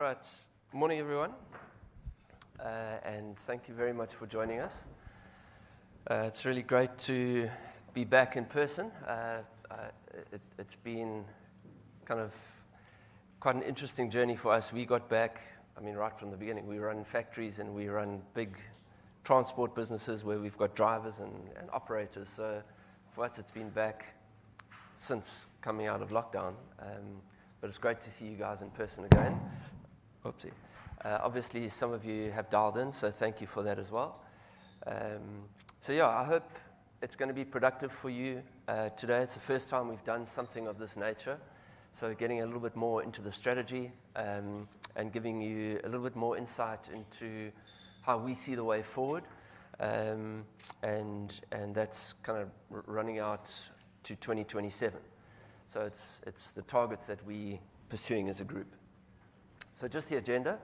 All right. Good morning, everyone, and thank you very much for joining us. It's really great to be back in person. It's been kind of quite an interesting journey for us. I mean, right from the beginning, we run factories and we run big transport businesses where we've got drivers and operators. For us, it's been back since coming out of lockdown. It's great to see you guys in person again. Oopsie. Obviously, some of you have dialed in, so thank you for that as well. Yeah, I hope it's gonna be productive for you today. It's the first time we've done something of this nature, getting a little bit more into the strategy and giving you a little bit more insight into how we see the way forward. That's kind of running out to 2027. It's the targets that we pursuing as a group. Just the agenda,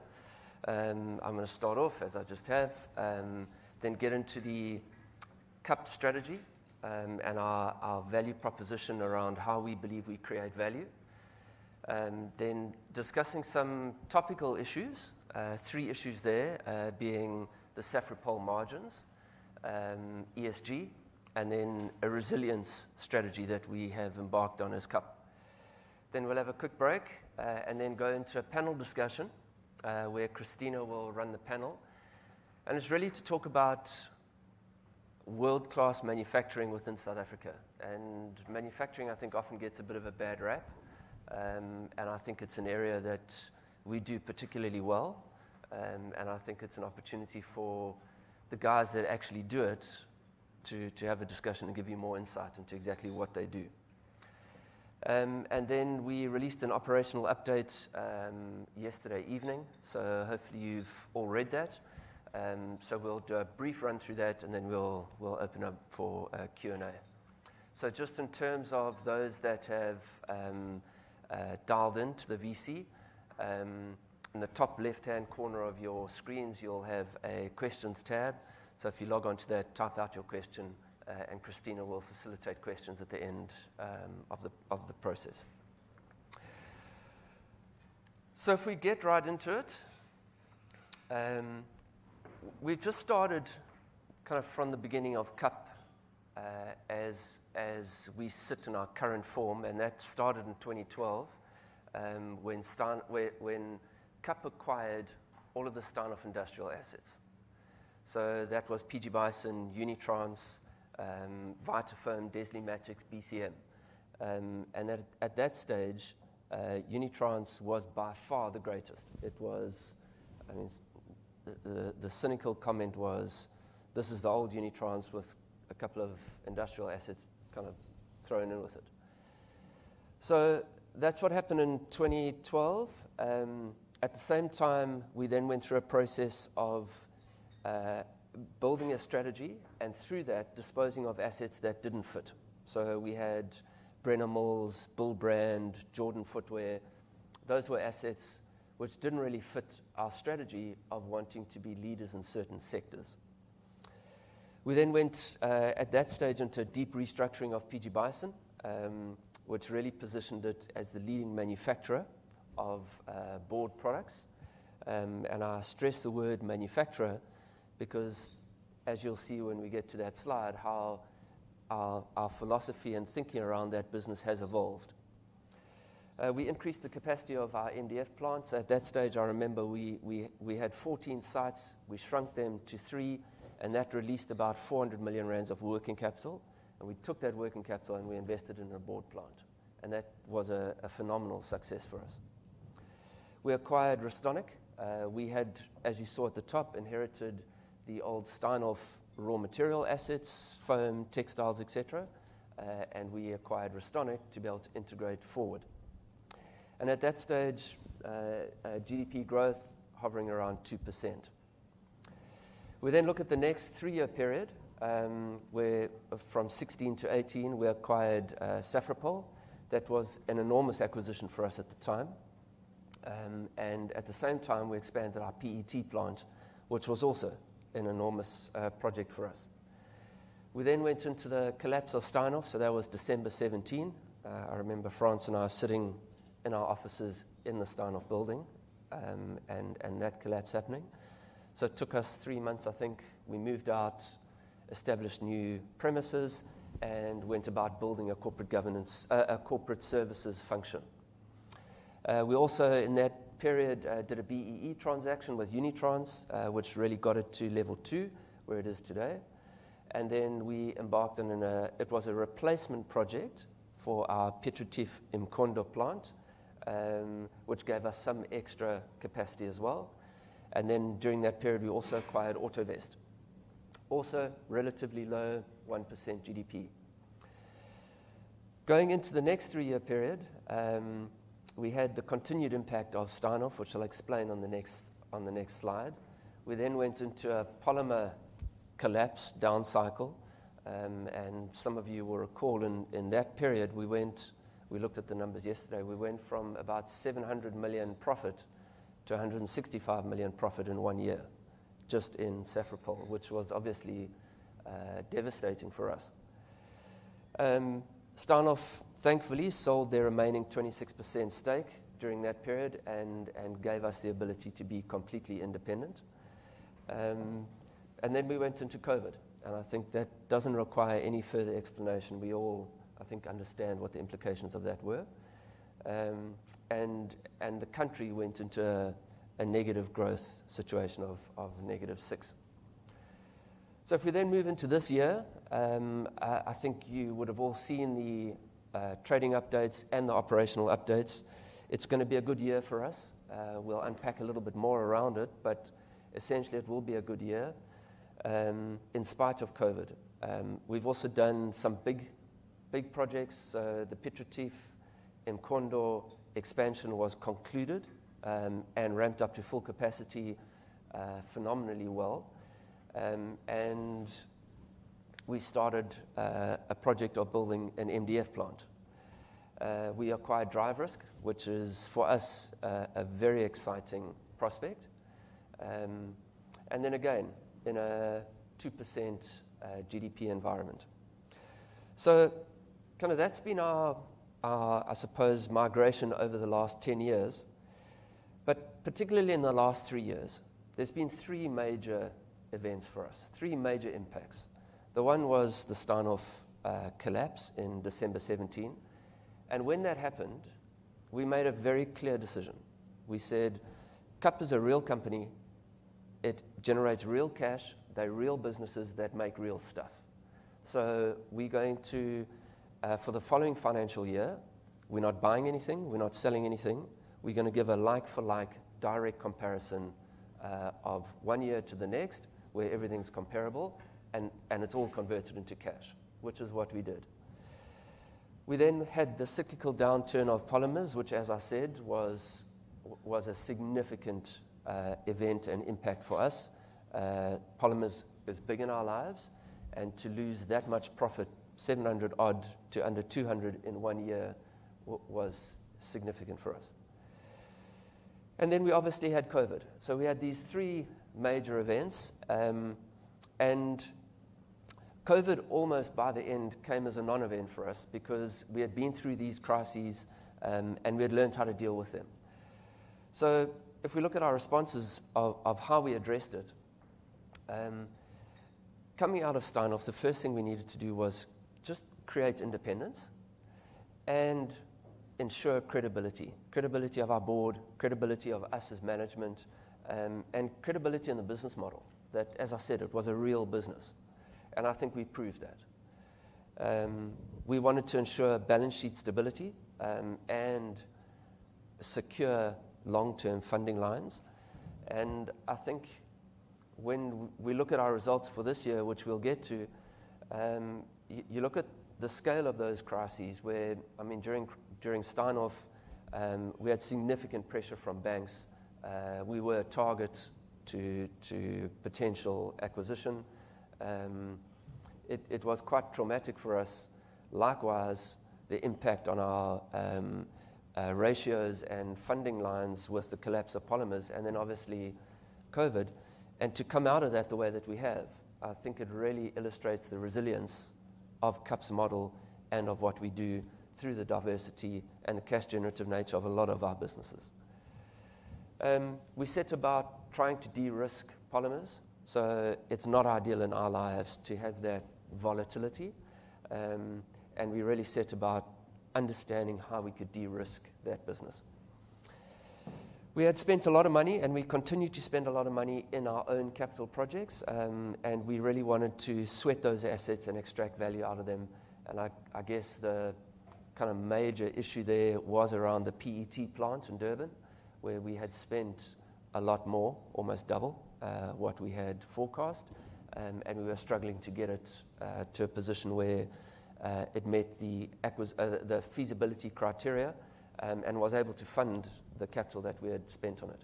I'm gonna start off as I just have, then get into the KAP strategy, and our value proposition around how we believe we create value. Then discussing some topical issues, three issues there, being the Safripol margins, ESG, and then a resilience strategy that we have embarked on as KAP. We'll have a quick break, and then go into a panel discussion, where Christina will run the panel. It's really to talk about world-class manufacturing within South Africa. Manufacturing, I think, often gets a bit of a bad rap, and I think it's an area that we do particularly well. I think it's an opportunity for the guys that actually do it to have a discussion and give you more insight into exactly what they do. Then we released an operational update yesterday evening, so hopefully you've all read that. We'll do a brief run through that, and then we'll open up for a Q and A. Just in terms of those that have dialed into the VC, in the top left-hand corner of your screens, you'll have a Questions tab. If you log on to that, type out your question, and Christina will facilitate questions at the end of the process. If we get right into it, we've just started kind of from the beginning of KAP, as we sit in our current form, and that started in 2012, when KAP acquired all of the Steinhoff industrial assets. That was PG Bison, Unitrans, Vitafoam, DesleeMattex, BCM. And at that stage, Unitrans was by far the greatest. I mean, the cynical comment was, "This is the old Unitrans with a couple of industrial assets kind of thrown in with it." That's what happened in 2012. At the same time, we then went through a process of building a strategy, and through that, disposing of assets that didn't fit. We had Brenner Mills, Bull Brand, Jordan Footwear. Those were assets which didn't really fit our strategy of wanting to be leaders in certain sectors. We then went at that stage into a deep restructuring of PG Bison, which really positioned it as the leading manufacturer of board products. I stress the word manufacturer because as you'll see when we get to that slide, how our philosophy and thinking around that business has evolved. We increased the capacity of our MDF plants. At that stage, I remember we had 14 sites. We shrunk them to three, and that released about 400 million rand of working capital. We took that working capital, and we invested in a board plant, and that was a phenomenal success for us. We acquired Restonic. We had, as you saw at the top, inherited the old Steinhoff raw material assets, foam, textiles, et cetera, and we acquired Restonic to be able to integrate forward. At that stage, GDP growth hovering around 2%. We then look at the next three-year period, where from 2016 to 2018, we acquired Safripol. That was an enormous acquisition for us at the time. At the same time, we expanded our PET plant, which was also an enormous project for us. We then went into the collapse of Steinhoff, so that was December 2017. I remember Frans and I sitting in our offices in the Steinhoff building, and that collapse happening. It took us three months, I think. We moved out, established new premises, and went about building a corporate services function. We also in that period did a BEE transaction with Unitrans, which really got it to level two, where it is today. We embarked on a replacement project for our Piet Retief, eMkhondo plant, which gave us some extra capacity as well. During that period, we also acquired Autovest. Also relatively low 1% GDP. Going into the next three-year period, we had the continued impact of Steinhoff, which I'll explain on the next slide. We went into a polymer collapse down cycle, and some of you will recall in that period, we looked at the numbers yesterday. We went from about 700 million profit to 165 million profit in one year just in Safripol, which was obviously devastating for us. Steinhoff thankfully sold their remaining 26% stake during that period and gave us the ability to be completely independent. We went into COVID, and I think that doesn't require any further explanation. We all, I think, understand what the implications of that were. The country went into a negative growth situation of -6%. If we then move into this year, I think you would have all seen the trading updates and the operational updates. It's gonna be a good year for us. We'll unpack a little bit more around it, but essentially it will be a good year in spite of COVID. We've also done some big projects. The Piet Retief eMkhondo expansion was concluded and ramped up to full capacity, phenomenally well. We started a project of building an MDF plant. We acquired DriveRisk, which is, for us, a very exciting prospect. Then again, in a 2% GDP environment. Kinda that's been our, I suppose, migration over the last 10 years. Particularly in the last three years, there's been three major events for us, three major impacts. The one was the Steinhoff collapse in December 2017. When that happened, we made a very clear decision. We said, "KAP is a real company. It generates real cash. They're real businesses that make real stuff. So we're going to, for the following financial year, we're not buying anything, we're not selling anything. We're gonna give a like for like direct comparison of one year to the next where everything's comparable and it's all converted into cash, which is what we did. We then had the cyclical downturn of polymers, which as I said, was a significant event and impact for us. Polymers is big in our lives, and to lose that much profit, 700-odd to under 200 in one year, was significant for us. We obviously had COVID. We had these three major events, and COVID almost by the end came as a non-event for us because we had been through these crises, and we had learned how to deal with them. If we look at our responses of how we addressed it, coming out of Steinhoff, the first thing we needed to do was just create independence and ensure credibility. Credibility of our board, credibility of us as management, and credibility in the business model. That, as I said, it was a real business, and I think we proved that. We wanted to ensure balance sheet stability, and secure long-term funding lines. I think when we look at our results for this year, which we'll get to, you look at the scale of those crises where, I mean, during Steinhoff, we had significant pressure from banks. We were targets to potential acquisition. It was quite traumatic for us. Likewise, the impact on our ratios and funding lines with the collapse of polymers and then obviously COVID. To come out of that the way that we have, I think it really illustrates the resilience of KAP's model and of what we do through the diversity and the cash generative nature of a lot of our businesses. We set about trying to de-risk polymers, so it's not ideal in our lives to have that volatility. We really set about understanding how we could de-risk that business. We had spent a lot of money, and we continued to spend a lot of money in our own capital projects. We really wanted to sweat those assets and extract value out of them. I guess the kind of major issue there was around the PET plant in Durban, where we had spent a lot more, almost double, what we had forecast. We were struggling to get it to a position where it met the feasibility criteria, and was able to fund the capital that we had spent on it.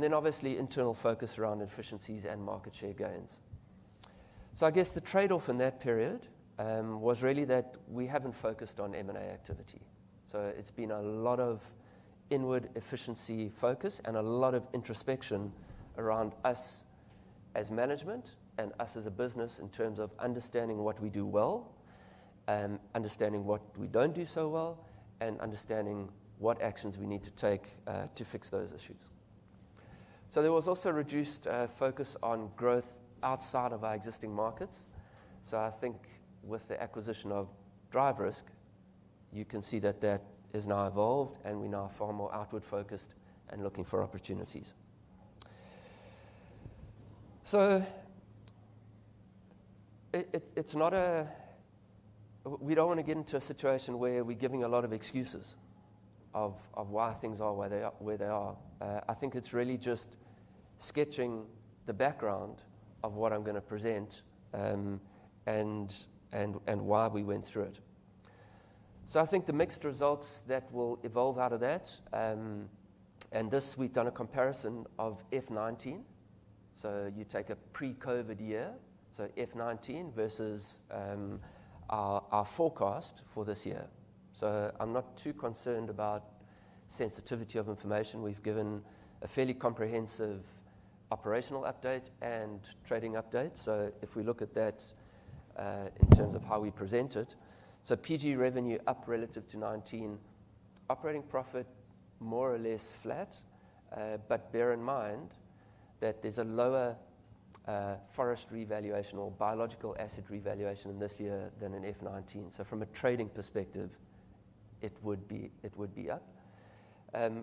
Then obviously internal focus around efficiencies and market share gains. I guess the trade-off in that period was really that we haven't focused on M&A activity. It's been a lot of inward efficiency focus and a lot of introspection around us as management and us as a business in terms of understanding what we do well, understanding what we don't do so well, and understanding what actions we need to take to fix those issues. There was also reduced focus on growth outside of our existing markets. I think with the acquisition of DriveRisk, you can see that that has now evolved, and we're now far more outward focused and looking for opportunities. It's not a situation where we're giving a lot of excuses of why things are where they are. I think it's really just sketching the background of what I'm gonna present, and why we went through it. I think the mixed results that will evolve out of that, and this we've done a comparison of F 19. You take a pre-COVID year, F 19 versus our forecast for this year. I'm not too concerned about sensitivity of information. We've given a fairly comprehensive operational update and trading update. If we look at that, in terms of how we present it. PG revenue up relative to 2019. Operating profit more or less flat. Bear in mind that there's a lower forest revaluation or biological asset revaluation in this year than in FY 2019. From a trading perspective, it would be up.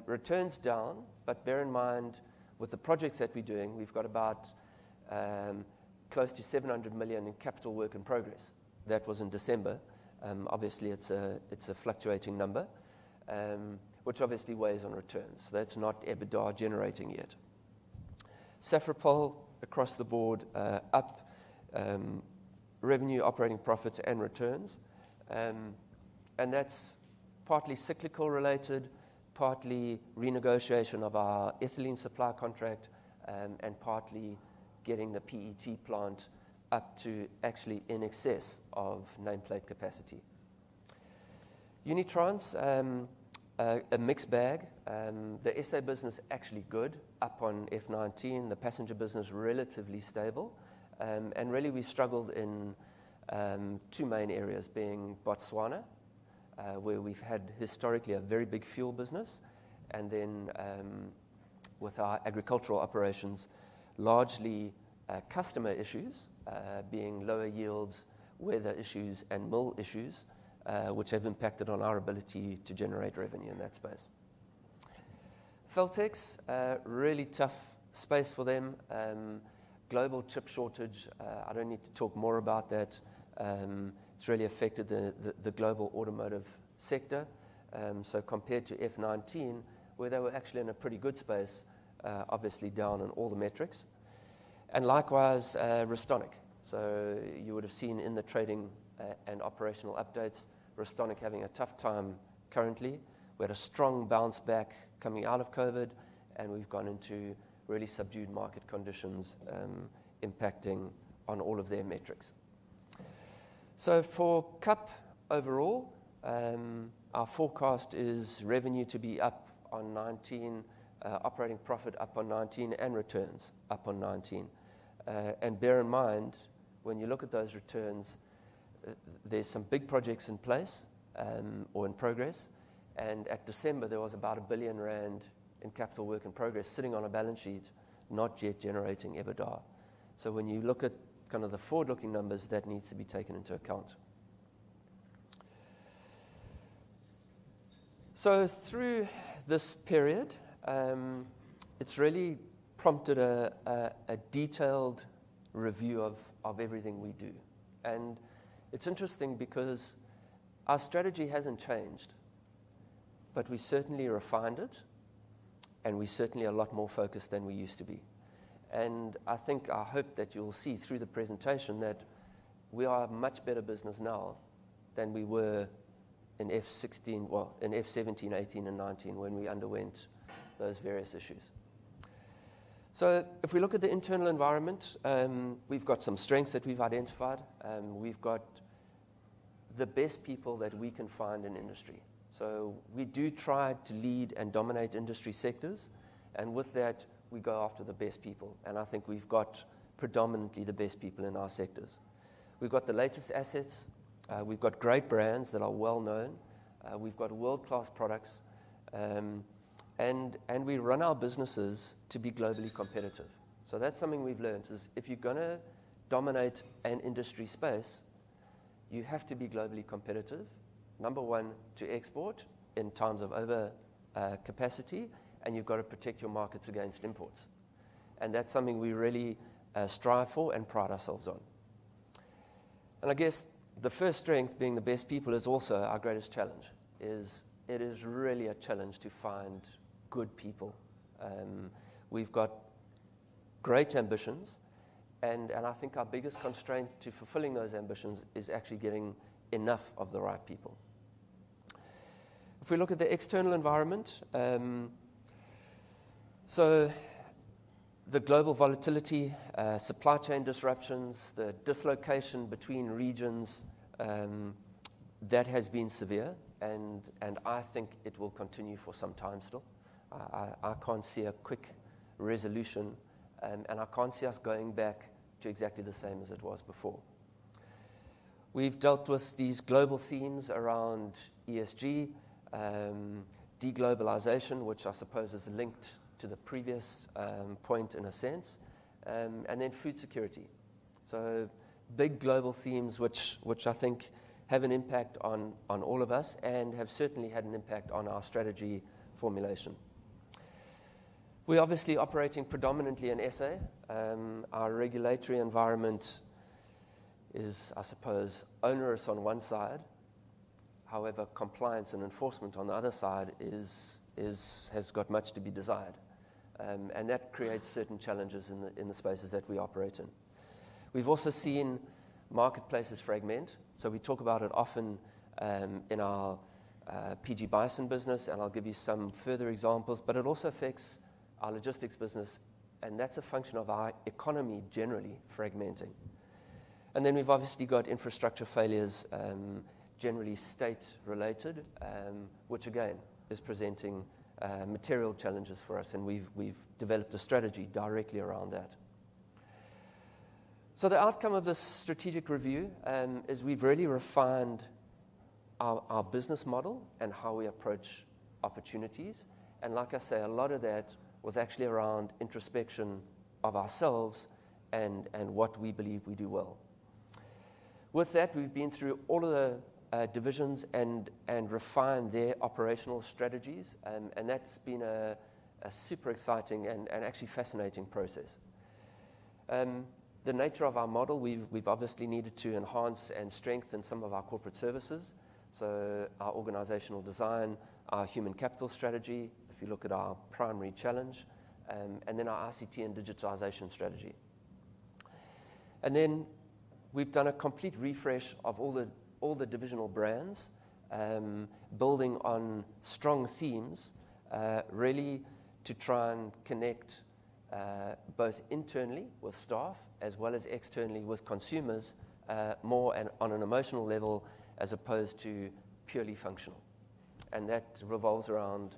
Returns down, but bear in mind with the projects that we're doing, we've got about close to 700 million in capital work in progress. That was in December. Obviously it's a fluctuating number, which obviously weighs on returns. That's not EBITDA generating yet. Safripol across the board up, revenue, operating profits and returns. That's partly cyclical related, partly renegotiation of our ethylene supply contract, and partly getting the PET plant up to actually in excess of nameplate capacity. Unitrans, a mixed bag. The SA business actually good, up on F 19, the passenger business relatively stable. Really we struggled in two main areas being Botswana, where we've had historically a very big fuel business, and then with our agricultural operations, largely customer issues being lower yields, weather issues and mill issues, which have impacted on our ability to generate revenue in that space. Feltex, really tough space for them. Global chip shortage, I don't need to talk more about that. It's really affected the global automotive sector. Compared to FY 2019, where they were actually in a pretty good space, obviously down on all the metrics. Likewise, Restonic. You would have seen in the trading and operational updates, Restonic having a tough time currently. We had a strong bounce back coming out of COVID, and we've gone into really subdued market conditions, impacting on all of their metrics. For KAP overall, our forecast is revenue to be up on 2019, operating profit up on 2019, and returns up on 2019. Bear in mind, when you look at those returns, there's some big projects in place, or in progress, and at December, there was about 1 billion rand in capital work in progress sitting on a balance sheet, not yet generating EBITDA. When you look at kind of the forward-looking numbers, that needs to be taken into account. Through this period, it's really prompted a detailed review of everything we do. It's interesting because our strategy hasn't changed, but we certainly refined it, and we're certainly a lot more focused than we used to be. I think, I hope that you'll see through the presentation that we are a much better business now than we were in F 16. Well, in F 17, 18 and 19 when we underwent those various issues. If we look at the internal environment, we've got some strengths that we've identified. We've got the best people that we can find in industry. We do try to lead and dominate industry sectors, and with that, we go after the best people. I think we've got predominantly the best people in our sectors. We've got the latest assets. We've got great brands that are well known. We've got world-class products. We run our businesses to be globally competitive. That's something we've learnt is if you're gonna dominate an industry space, you have to be globally competitive, number one, to export in times of over capacity, and you've got to protect your markets against imports. That's something we really strive for and pride ourselves on. I guess the first strength being the best people is also our greatest challenge. It is really a challenge to find good people. We've got great ambitions, and I think our biggest constraint to fulfilling those ambitions is actually getting enough of the right people. If we look at the external environment, so the global volatility, supply chain disruptions, the dislocation between regions, that has been severe, and I think it will continue for some time still. I can't see a quick resolution, and I can't see us going back to exactly the same as it was before. We've dealt with these global themes around ESG, de-globalization, which I suppose is linked to the previous point in a sense, and then food security. Big global themes which I think have an impact on all of us and have certainly had an impact on our strategy formulation. We're obviously operating predominantly in SA. Our regulatory environment is, I suppose, onerous on one side. However, compliance and enforcement on the other side has got much to be desired. That creates certain challenges in the spaces that we operate in. We've also seen marketplaces fragment. We talk about it often in our PG Bison business, and I'll give you some further examples, but it also affects our logistics business, and that's a function of our economy generally fragmenting. Then we've obviously got infrastructure failures, generally state related, which again is presenting material challenges for us, and we've developed a strategy directly around that. The outcome of this strategic review is we've really refined our business model and how we approach opportunities. Like I say, a lot of that was actually around introspection of ourselves and what we believe we do well. With that, we've been through all of the divisions and refined their operational strategies, and that's been a super exciting and actually fascinating process. The nature of our model, we've obviously needed to enhance and strengthen some of our corporate services, so our organizational design, our human capital strategy, if you look at our primary challenge, and then our ICT and digitalization strategy. Then we've done a complete refresh of all the divisional brands, building on strong themes, really to try and connect both internally with staff as well as externally with consumers, more on an emotional level as opposed to purely functional. That revolves around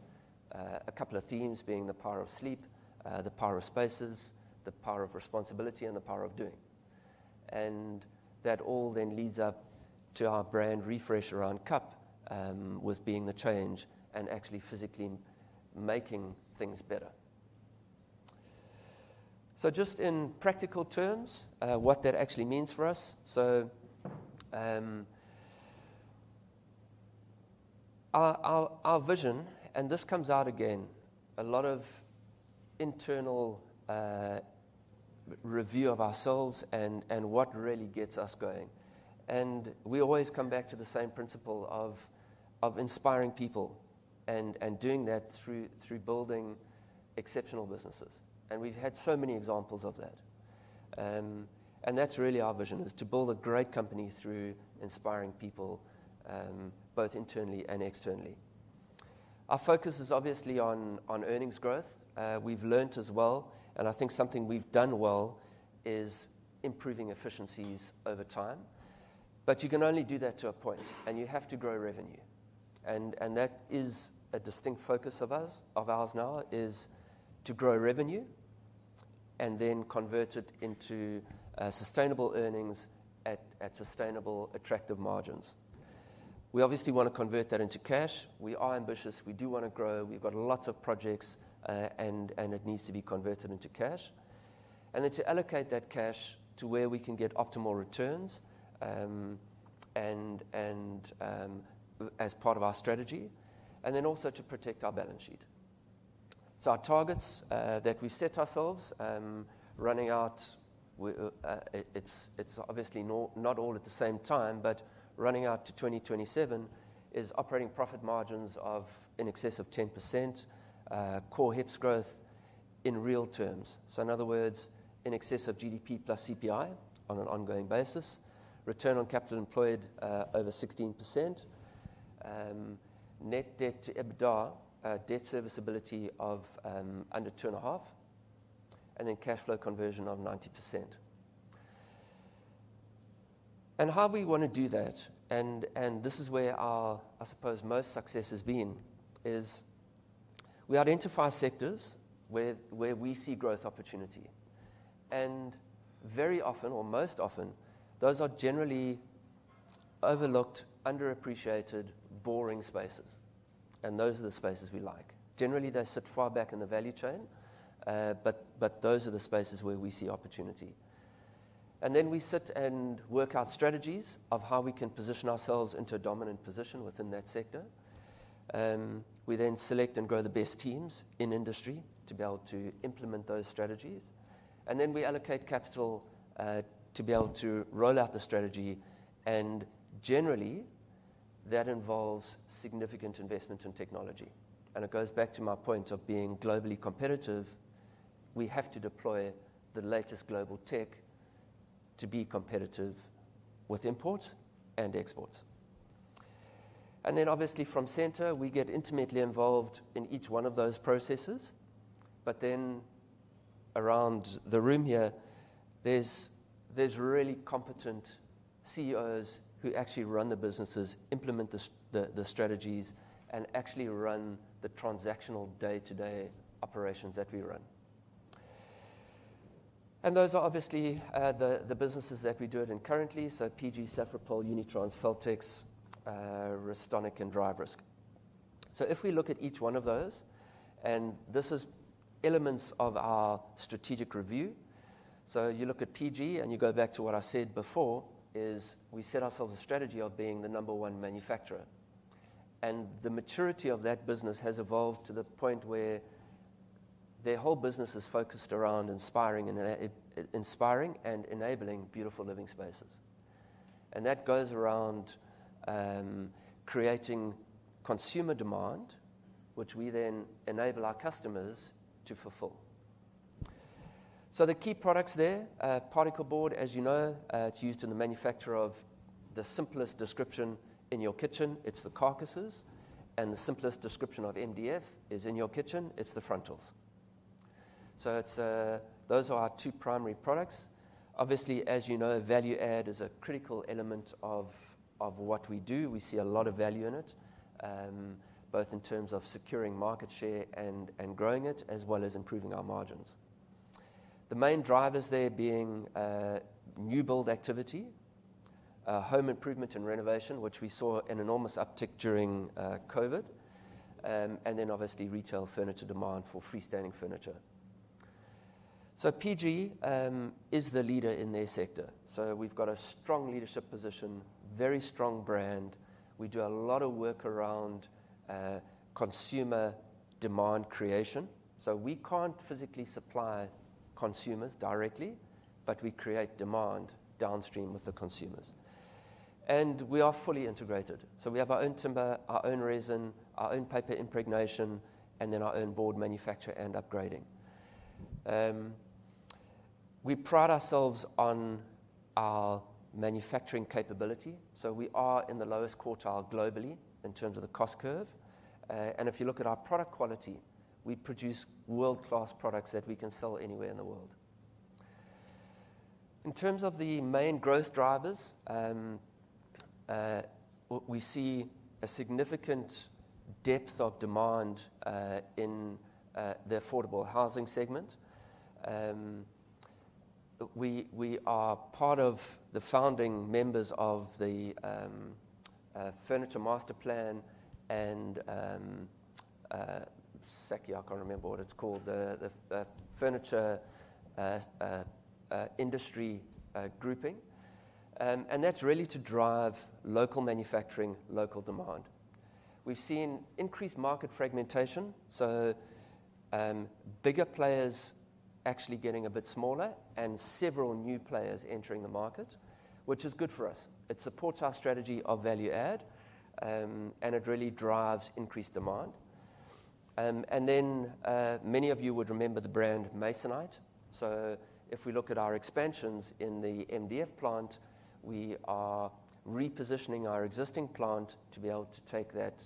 a couple of themes being the power of sleep, the power of spaces, the power of responsibility, and the power of doing. That all then leads up to our brand refresh around KAP, with being the change and actually physically making things better. Just in practical terms, what that actually means for us. Our vision, and this comes out again, a lot of internal review of ourselves and what really gets us going. We always come back to the same principle of inspiring people and doing that through building exceptional businesses, and we've had so many examples of that. That's really our vision, is to build a great company through inspiring people, both internally and externally. Our focus is obviously on earnings growth. We've learned as well, and I think something we've done well is improving efficiencies over time. You can only do that to a point, and you have to grow revenue. That is a distinct focus of us, of ours now, is to grow revenue and then convert it into sustainable earnings at sustainable, attractive margins. We obviously wanna convert that into cash. We are ambitious. We do wanna grow. We've got lots of projects, it needs to be converted into cash. To allocate that cash to where we can get optimal returns, as part of our strategy, and then also to protect our balance sheet. Our targets that we set ourselves, running out, it's obviously not all at the same time, but running out to 2027 is operating profit margins of in excess of 10%, core HEPS growth in real terms. In other words, in excess of GDP plus CPI on an ongoing basis, return on capital employed over 16%, net debt to EBITDA, debt serviceability of under 2.5, and then cash flow conversion of 90%. How we wanna do that, and this is where our, I suppose most success has been, is we identify sectors where we see growth opportunity. Very often or most often, those are generally overlooked, underappreciated, boring spaces, and those are the spaces we like. Generally, they sit far back in the value chain, but those are the spaces where we see opportunity. Then we sit and work out strategies of how we can position ourselves into a dominant position within that sector. We select and grow the best teams in industry to be able to implement those strategies. We allocate capital to be able to roll out the strategy, and generally, that involves significant investment in technology. It goes back to my point of being globally competitive. We have to deploy the latest global tech to be competitive with imports and exports. Obviously from center, we get intimately involved in each one of those processes. Around the room here, there's really competent CEOs who actually run the businesses, implement the strategies, and actually run the transactional day-to-day operations that we run. Those are obviously the businesses that we do it in currently. PG Bison, Safripol, Unitrans, Feltex, Restonic, and DriveRisk. If we look at each one of those, and this is elements of our strategic review. You look at PG, and you go back to what I said before, is we set ourselves a strategy of being the number one manufacturer. The maturity of that business has evolved to the point where their whole business is focused around inspiring and enabling beautiful living spaces. That goes around creating consumer demand, which we then enable our customers to fulfill. The key products there, particle board, as you know, it's used in the manufacture of the simplest description in your kitchen. It's the carcasses. The simplest description of MDF is in your kitchen, it's the frontals. It's those are our two primary products. Obviously, as you know, value add is a critical element of what we do. We see a lot of value in it, both in terms of securing market share and growing it, as well as improving our margins. The main drivers there being, new build activity, home improvement and renovation, which we saw an enormous uptick during, COVID, and then obviously retail furniture demand for freestanding furniture. PG is the leader in their sector. We've got a strong leadership position, very strong brand. We do a lot of work around consumer demand creation. We can't physically supply consumers directly, but we create demand downstream with the consumers. We are fully integrated. We have our own timber, our own resin, our own paper impregnation, and then our own board manufacture and upgrading. We pride ourselves on our manufacturing capability. We are in the lowest quartile globally in terms of the cost curve. If you look at our product quality, we produce world-class products that we can sell anywhere in the world. In terms of the main growth drivers, we see a significant depth of demand in the affordable housing segment. We are part of the founding members of the Furniture Master Plan and SAFI, I can't remember what it's called, the furniture industry grouping. That's really to drive local manufacturing, local demand. We've seen increased market fragmentation, bigger players actually getting a bit smaller and several new players entering the market, which is good for us. It supports our strategy of value add, and it really drives increased demand. Many of you would remember the brand Masonite. If we look at our expansions in the MDF plant, we are repositioning our existing plant to be able to take that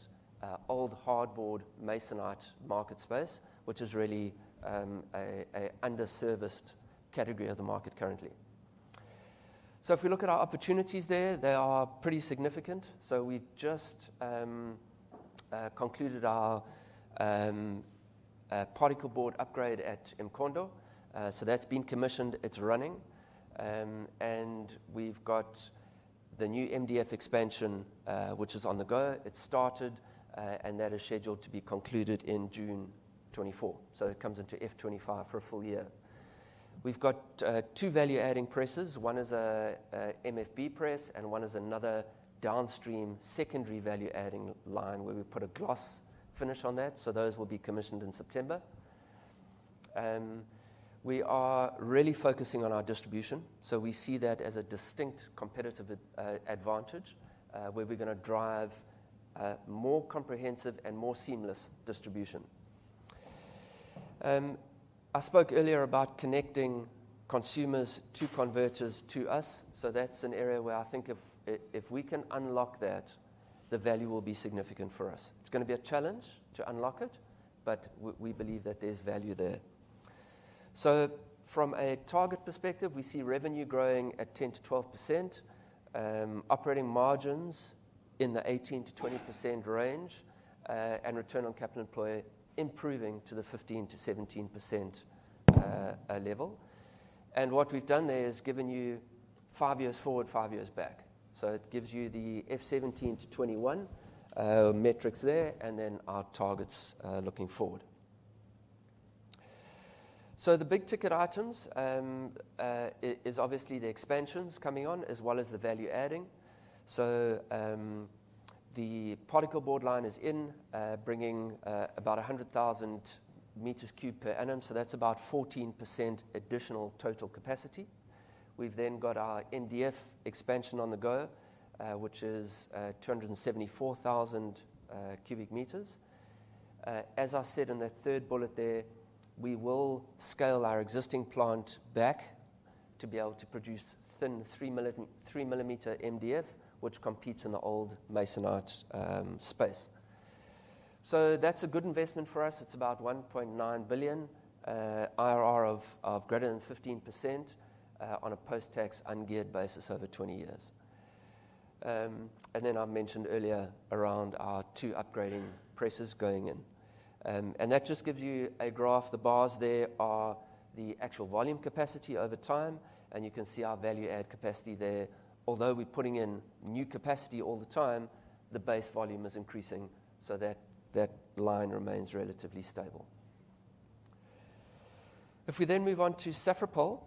old hardboard Masonite market space, which is really a underserved category of the market currently. If we look at our opportunities there, they are pretty significant. We just concluded our particle board upgrade at eMkhondo. That's been commissioned, it's running. We've got the new MDF expansion, which is on the go. It started, that is scheduled to be concluded in June 2024. It comes into F 2025 for a full year. We've got two value-adding presses. One is a MFC press, and one is another downstream secondary value-adding line where we put a gloss finish on that. Those will be commissioned in September. We are really focusing on our distribution. We see that as a distinct competitive advantage, where we're gonna drive a more comprehensive and more seamless distribution. I spoke earlier about connecting consumers to converters to us. That's an area where I think if we can unlock that, the value will be significant for us. It's gonna be a challenge to unlock it, but we believe that there's value there. From a target perspective, we see revenue growing at 10%-12%, operating margins in the 18%-20% range, and return on capital employed improving to the 15%-17% level. What we've done there is given you five years forward, five years back. It gives you the F17-21 metrics there, and then our targets looking forward. The big-ticket items is obviously the expansions coming on, as well as the value adding. The particle board line is in bringing about 100,000 cubic meters per annum, so that's about 14% additional total capacity. We've then got our MDF expansion on the go, which is 274,000 cubic meters. As I said in that third bullet there, we will scale our existing plant back to be able to produce thin 3-millimeter MDF, which competes in the old Masonite space. That's a good investment for us. It's about 1.9 billion IRR of greater than 15% on a post-tax ungeared basis over 20 years. I mentioned earlier around our 2 upgrading presses going in. That just gives you a graph. The bars there are the actual volume capacity over time, and you can see our value add capacity there. Although we're putting in new capacity all the time, the base volume is increasing, so that line remains relatively stable. If we then move on to Safripol.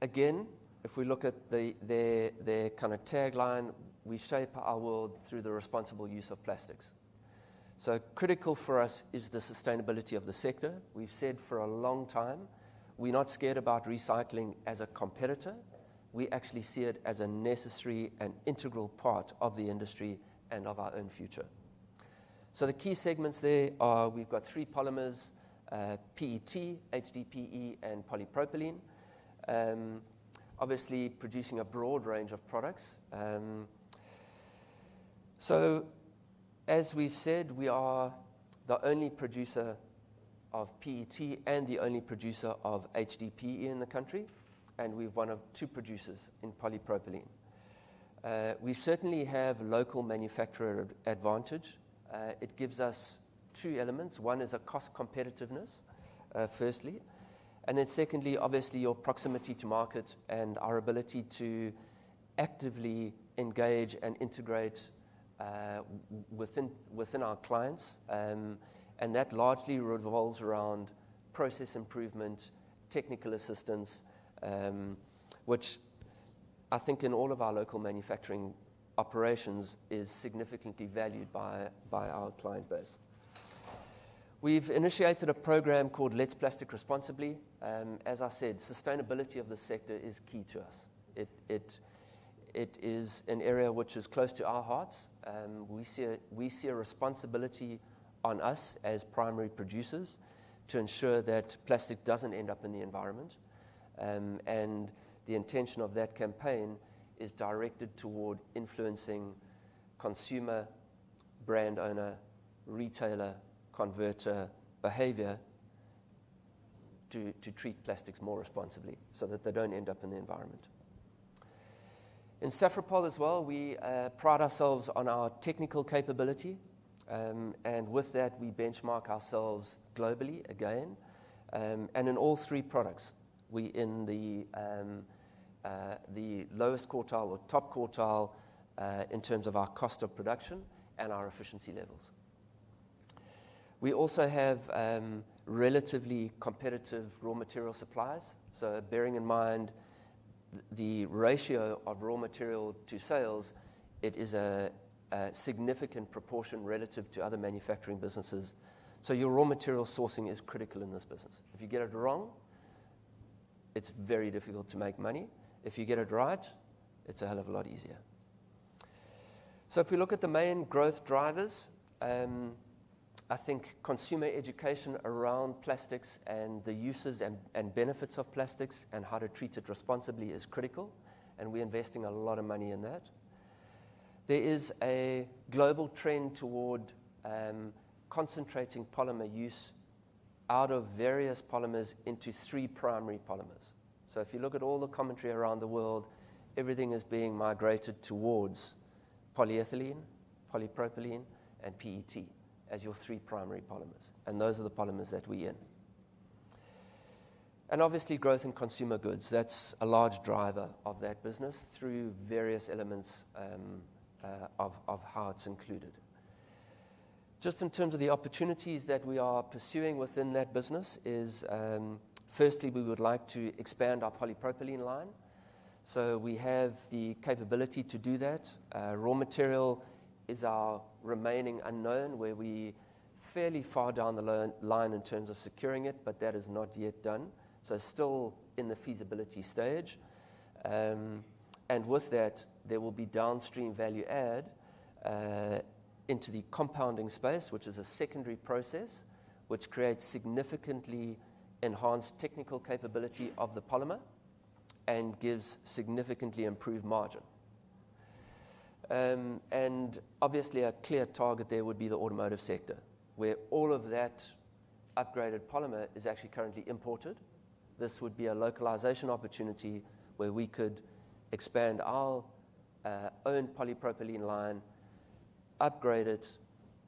Again, if we look at their kind of tagline, "We shape our world through the responsible use of plastics." Critical for us is the sustainability of the sector. We've said for a long time, we're not scared about recycling as a competitor. We actually see it as a necessary and integral part of the industry and of our own future. The key segments there are we've got three polymers: PET, HDPE, and polypropylene. Obviously producing a broad range of products. As we've said, we are the only producer of PET and the only producer of HDPE in the country, and we're one of two producers in polypropylene. We certainly have local manufacturer advantage. It gives us two elements. One is a cost competitiveness, firstly, and then secondly, obviously, your proximity to market and our ability to actively engage and integrate within our clients. That largely revolves around process improvement, technical assistance, which I think in all of our local manufacturing operations is significantly valued by our client base. We've initiated a program called Let's Plastic Responsibly. As I said, sustainability of this sector is key to us. It is an area which is close to our hearts. We see a responsibility on us as primary producers to ensure that plastic doesn't end up in the environment. The intention of that campaign is directed toward influencing consumer, brand owner, retailer, converter behavior to treat plastics more responsibly so that they don't end up in the environment. In Safripol as well, we pride ourselves on our technical capability, and with that, we benchmark ourselves globally again, and in all three products. We're in the lowest quartile or top quartile, in terms of our cost of production and our efficiency levels. We also have relatively competitive raw material supplies, so bearing in mind the ratio of raw material to sales, it is a significant proportion relative to other manufacturing businesses. Your raw material sourcing is critical in this business. If you get it wrong, it's very difficult to make money. If you get it right, it's a hell of a lot easier. If we look at the main growth drivers, I think consumer education around plastics and the uses and benefits of plastics and how to treat it responsibly is critical, and we're investing a lot of money in that. There is a global trend toward concentrating polymer use out of various polymers into three primary polymers. If you look at all the commentary around the world, everything is being migrated towards polyethylene, polypropylene, and PET as your three primary polymers, and those are the polymers that we're in. Obviously growth in consumer goods, that's a large driver of that business through various elements of how it's included. Just in terms of the opportunities that we are pursuing within that business is, firstly, we would like to expand our polypropylene line. We have the capability to do that. Raw material is our remaining unknown, where we fairly far down the line in terms of securing it, but that is not yet done. Still in the feasibility stage. With that, there will be downstream value add into the compounding space, which is a secondary process which creates significantly enhanced technical capability of the polymer and gives significantly improved margin. Obviously a clear target there would be the automotive sector, where all of that upgraded polymer is actually currently imported. This would be a localization opportunity where we could expand our own polypropylene line, upgrade it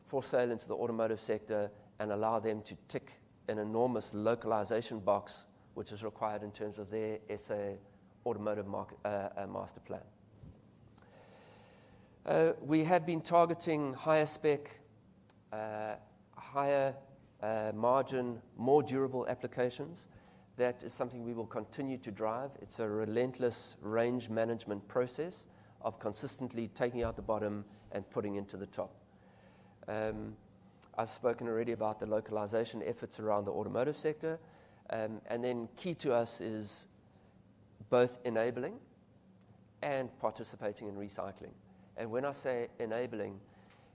for sale into the automotive sector, and allow them to tick an enormous localization box, which is required in terms of their South African Automotive Masterplan. We have been targeting higher spec, higher margin, more durable applications. That is something we will continue to drive. It's a relentless range management process of consistently taking out the bottom and putting into the top. I've spoken already about the localization efforts around the automotive sector. Key to us is both enabling and participating in recycling. When I say enabling,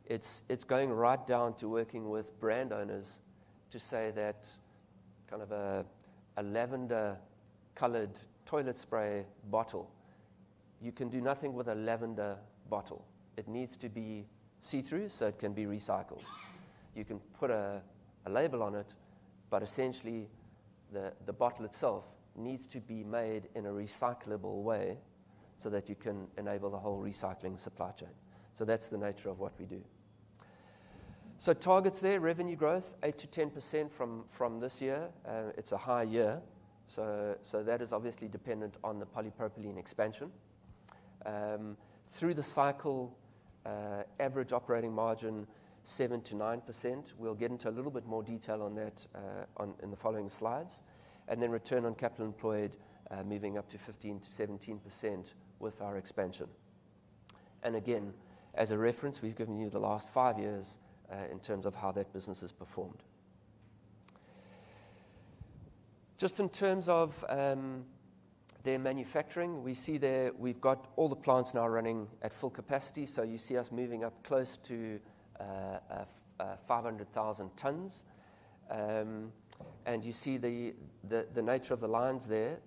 it's going right down to working with brand owners to say that kind of a lavender-colored toilet spray bottle. You can do nothing with a lavender bottle. It needs to be see-through, so it can be recycled. You can put a label on it, but essentially the bottle itself needs to be made in a recyclable way so that you can enable the whole recycling supply chain. That's the nature of what we do. Targets there, revenue growth, 8%-10% from this year. It's a high year, so that is obviously dependent on the polypropylene expansion. Through the cycle, average operating margin, 7%-9%. We'll get into a little bit more detail on that in the following slides. Return on capital employed moving up to 15%-17% with our expansion. As a reference, we've given you the last five years in terms of how that business has performed. Just in terms of their manufacturing, we see there we've got all the plants now running at full capacity. You see us moving up close to 500,000 tons. You see the nature of the lines there.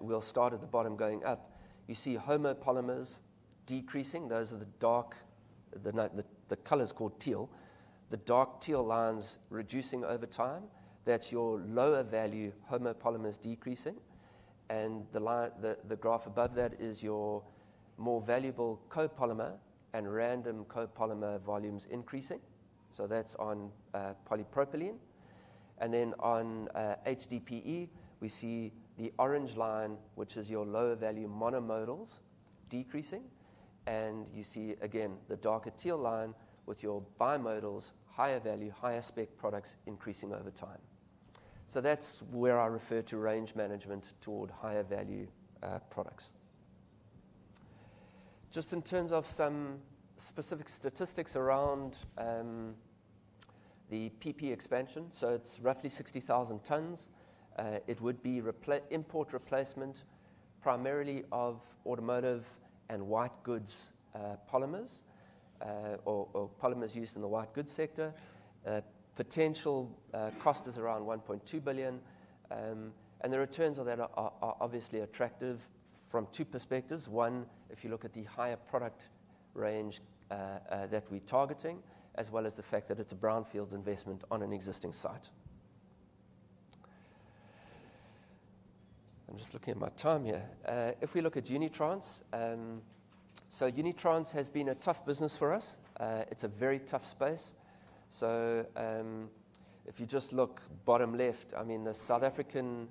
We'll start at the bottom going up. You see homopolymers decreasing. Those are the dark teal. The color is called teal. The dark teal line's reducing over time. That's your lower value homopolymers decreasing. The graph above that is your more valuable copolymer and random copolymer volumes increasing. That's on polypropylene. Then on HDPE, we see the orange line, which is your lower value monomodals decreasing. You see again the darker teal line with your bimodals higher value, higher spec products increasing over time. That's where I refer to range management toward higher value products. In terms of some specific statistics around the PP expansion. It's roughly 60,000 tons. It would be import replacement primarily of automotive and white goods polymers, or polymers used in the white goods sector. Potential cost is around 1.2 billion. The returns on that are obviously attractive from two perspectives. One, if you look at the higher product range that we're targeting, as well as the fact that it's a brownfield investment on an existing site. I'm just looking at my time here. If we look at Unitrans has been a tough business for us. It's a very tough space. If you just look bottom left, I mean, the South African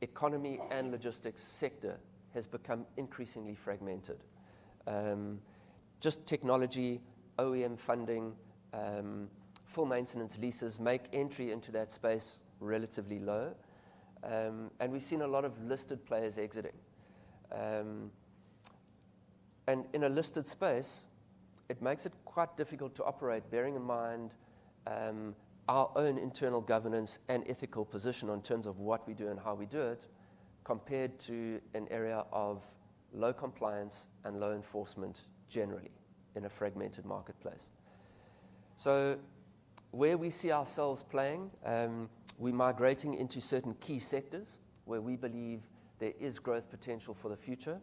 economy and logistics sector has become increasingly fragmented. Just technology, OEM funding, full maintenance leases make entry into that space relatively low. We've seen a lot of listed players exiting. In a listed space, it makes it quite difficult to operate, bearing in mind our own internal governance and ethical position in terms of what we do and how we do it, compared to an area of low compliance and low enforcement generally in a fragmented marketplace. Where we see ourselves playing, we're migrating into certain key sectors where we believe there is growth potential for the future.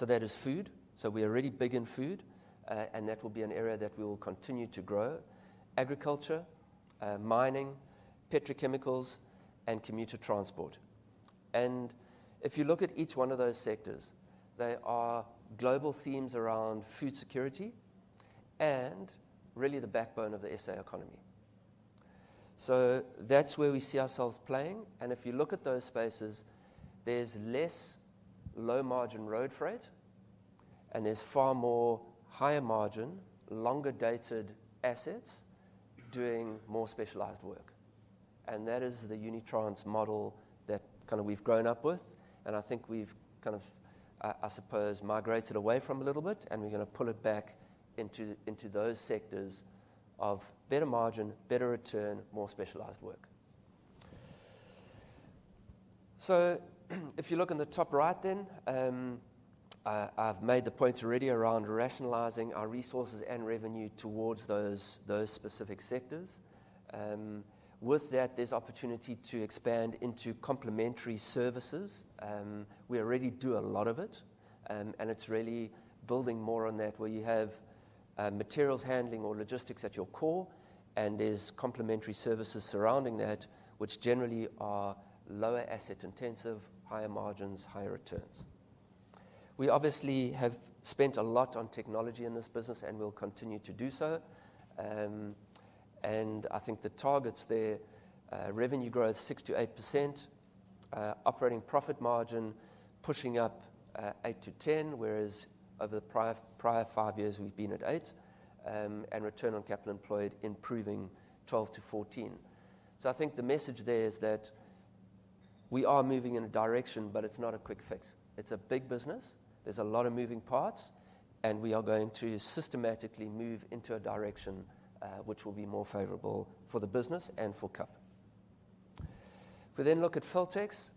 That is food. We are really big in food, and that will be an area that we will continue to grow. Agriculture, mining, petrochemicals and commuter transport. If you look at each one of those sectors, they are global themes around food security and really the backbone of the SA economy. That's where we see ourselves playing. If you look at those spaces, there's less low margin road freight, and there's far more higher margin, longer dated assets doing more specialized work. That is the Unitrans model that kinda we've grown up with. I think we've kind of, I suppose, migrated away from a little bit, and we're gonna pull it back into those sectors of better margin, better return, more specialized work. If you look in the top right then, I've made the point already around rationalizing our resources and revenue towards those specific sectors. With that, there's opportunity to expand into complementary services. We already do a lot of it, and it's really building more on that, where you have materials handling or logistics at your core, and there's complementary services surrounding that, which generally are lower asset-intensive, higher margins, higher returns. We obviously have spent a lot on technology in this business, and we'll continue to do so. I think the targets there, revenue growth 6%-8%, operating profit margin pushing up 8%-10%, whereas over the prior five years we've been at 8%. Return on capital employed improving 12%-14%. I think the message there is that we are moving in a direction, but it's not a quick fix. It's a big business. There's a lot of moving parts, and we are going to systematically move into a direction, which will be more favorable for the business and for KAP. If we then look at Feltex,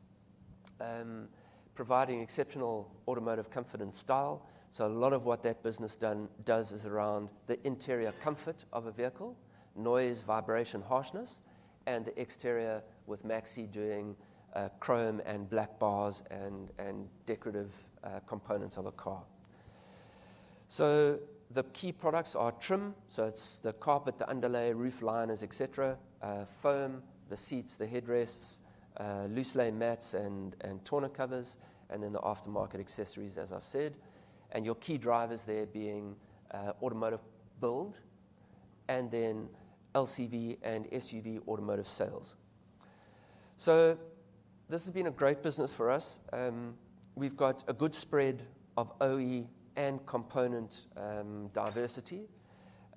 providing exceptional automotive comfort and style. A lot of what that business does is around the interior comfort of a vehicle, noise, vibration, harshness, and the exteri with Maxi doing chrome and black bars and decorative components of a car. The key products are trim. It's the carpet, the underlay, roof liners, et cetera. Foam, the seats, the headrests, loose lay mats and tonneau covers, and then the aftermarket accessories, as I've said. Your key drivers there being automotive build and then LCV and SUV automotive sales. This has been a great business for us. We've got a good spread of OE and component diversity.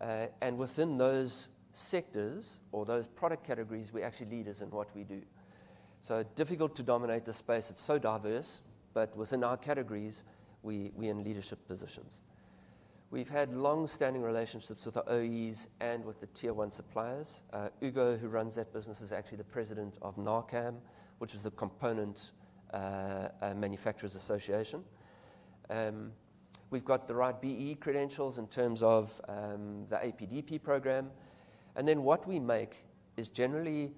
And within those sectors or those product categories, we're actually leaders in what we do. Difficult to dominate the space, it's so diverse, but within our categories, we're in leadership positions. We've had long-standing relationships with the OEs and with the tier one suppliers. Hugo, who runs that business, is actually the president of NAACAM, which is the component manufacturers association. We've got the right BEE credentials in terms of the APDP program, and then what we make is generally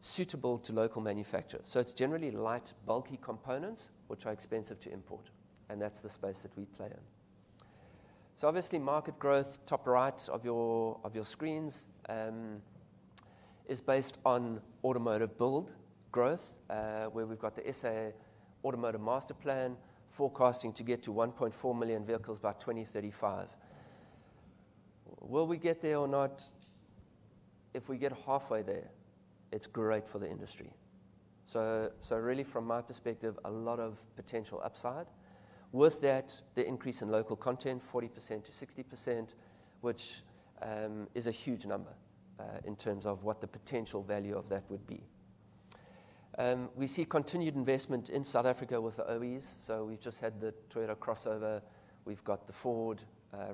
suitable to local manufacturers. It's generally light, bulky components which are expensive to import, and that's the space that we play in. Obviously market growth, top right of your screens, is based on automotive build growth, where we've got the South African Automotive Masterplan forecasting to get to 1.4 million vehicles by 2035. Will we get there or not? If we get halfway there, it's great for the industry. Really from my perspective, a lot of potential upside. With that, the increase in local content, 40%-60%, which is a huge number in terms of what the potential value of that would be. We see continued investment in South Africa with the OEs. We've just had the Toyota crossover, we've got the Ford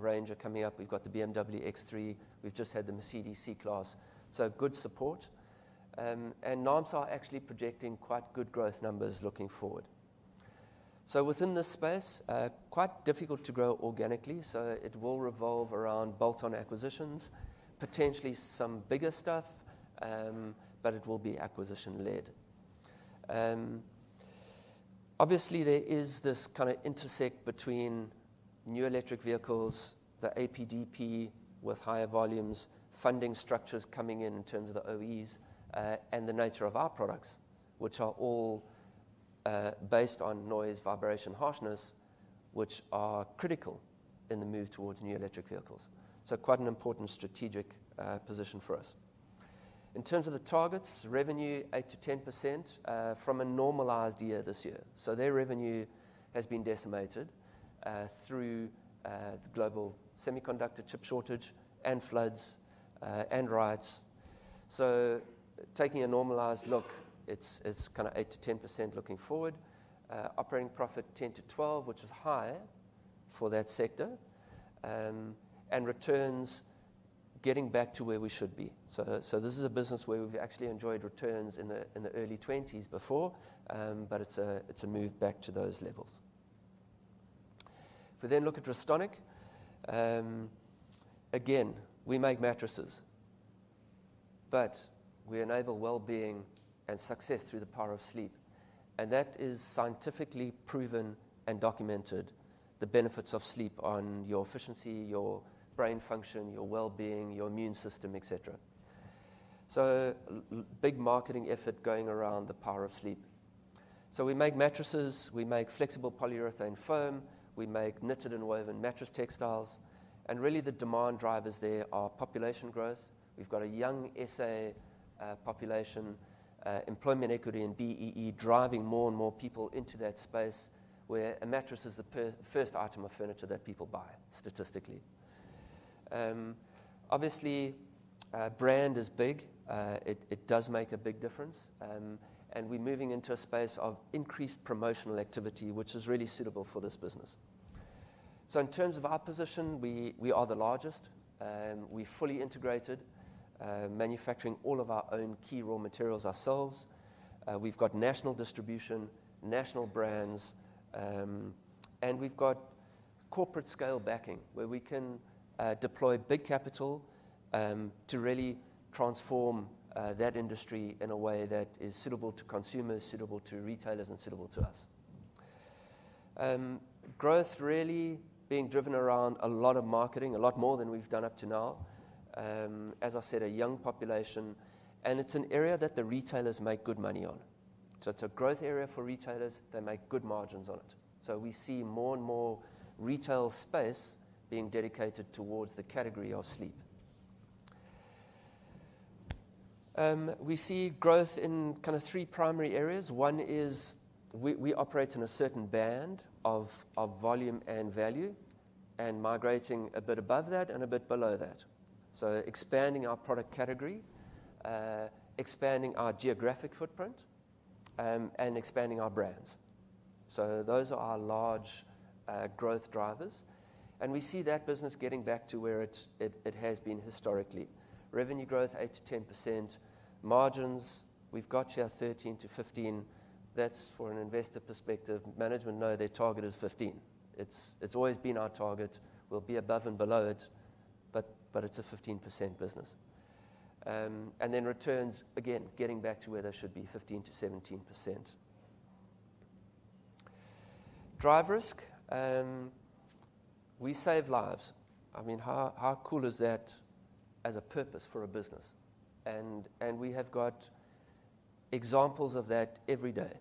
Ranger coming up. We've got the BMW X3. We've just had the Mercedes C-Class. Good support. naamsa are actually projecting quite good growth numbers looking forward. Within this space, quite difficult to grow organically, so it will revolve around bolt-on acquisitions, potentially some bigger stuff, but it will beacquisition-led. Obviously there is this kinda intersect between new electric vehicles, the APDP with higher volumes, funding structures coming in in terms of the OEMs, and the nature of our products, which are all based on noise, vibration, harshness, which are critical in the move towards new electric vehicles. Quite an important strategic position for us. In terms of the targets, revenue 8%-10% from a normalized year this year. Their revenue has been decimated through the global semiconductor chip shortage and floods and riots. Taking a normalized look, it's kinda 8%-10% looking forward. Operating profit 10%-12%, which is high for that sector. Returns getting back to where we should be. This is a business where we've actually enjoyed returns in the early twenties before, but it's a move back to those levels. If we look at Restonic. Again, we make mattresses, but we enable wellbeing and success through the power of sleep, and that is scientifically proven and documented, the benefits of sleep on your efficiency, your brain function, your wellbeing, your immune system, et cetera. Big marketing effort going around the power of sleep. We make mattresses, we make flexible polyurethane foam, we make knitted and woven mattress textiles, and really the demand drivers there are population growth. We've got a young SA population, employment equity and BEE driving more and more people into that space where a mattress is the first item of furniture that people buy, statistically. Obviously, brand is big. It does make a big difference. We're moving into a space of increased promotional activity, which is really suitable for this business. In terms of our position, we are the largest. We're fully integrated, manufacturing all of our own key raw materials ourselves. We've got national distribution, national brands, and we've got corporate scale backing, where we can deploy big capital to really transform that industry in a way that is suitable to consumers, suitable to retailers, and suitable to us. Growth really being driven around a lot of marketing, a lot more than we've done up to now. As I said, a young population, and it's an area that the retailers make good money on. It's a growth area for retailers. They make good margins on it. We see more and more retail space being dedicated towards the category of sleep. We see growth in kind of three primary areas. One is we operate in a certain band of volume and value, and migrating a bit above that and a bit below that. Expanding our product category, expanding our geographic footprint, and expanding our brands. Those are our large growth drivers, and we see that business getting back to where it has been historically. Revenue growth, 8%-10%. Margins, we've got here 13%-15%. That's for an investor perspective. Management know their target is 15%. It's always been our target. We'll be above and below it, but it's a 15% business. And then returns, again, getting back to where they should be, 15%-17%. DriveRisk. We save lives. I mean, how cool is that as a purpose for a business? We have got examples of that every day.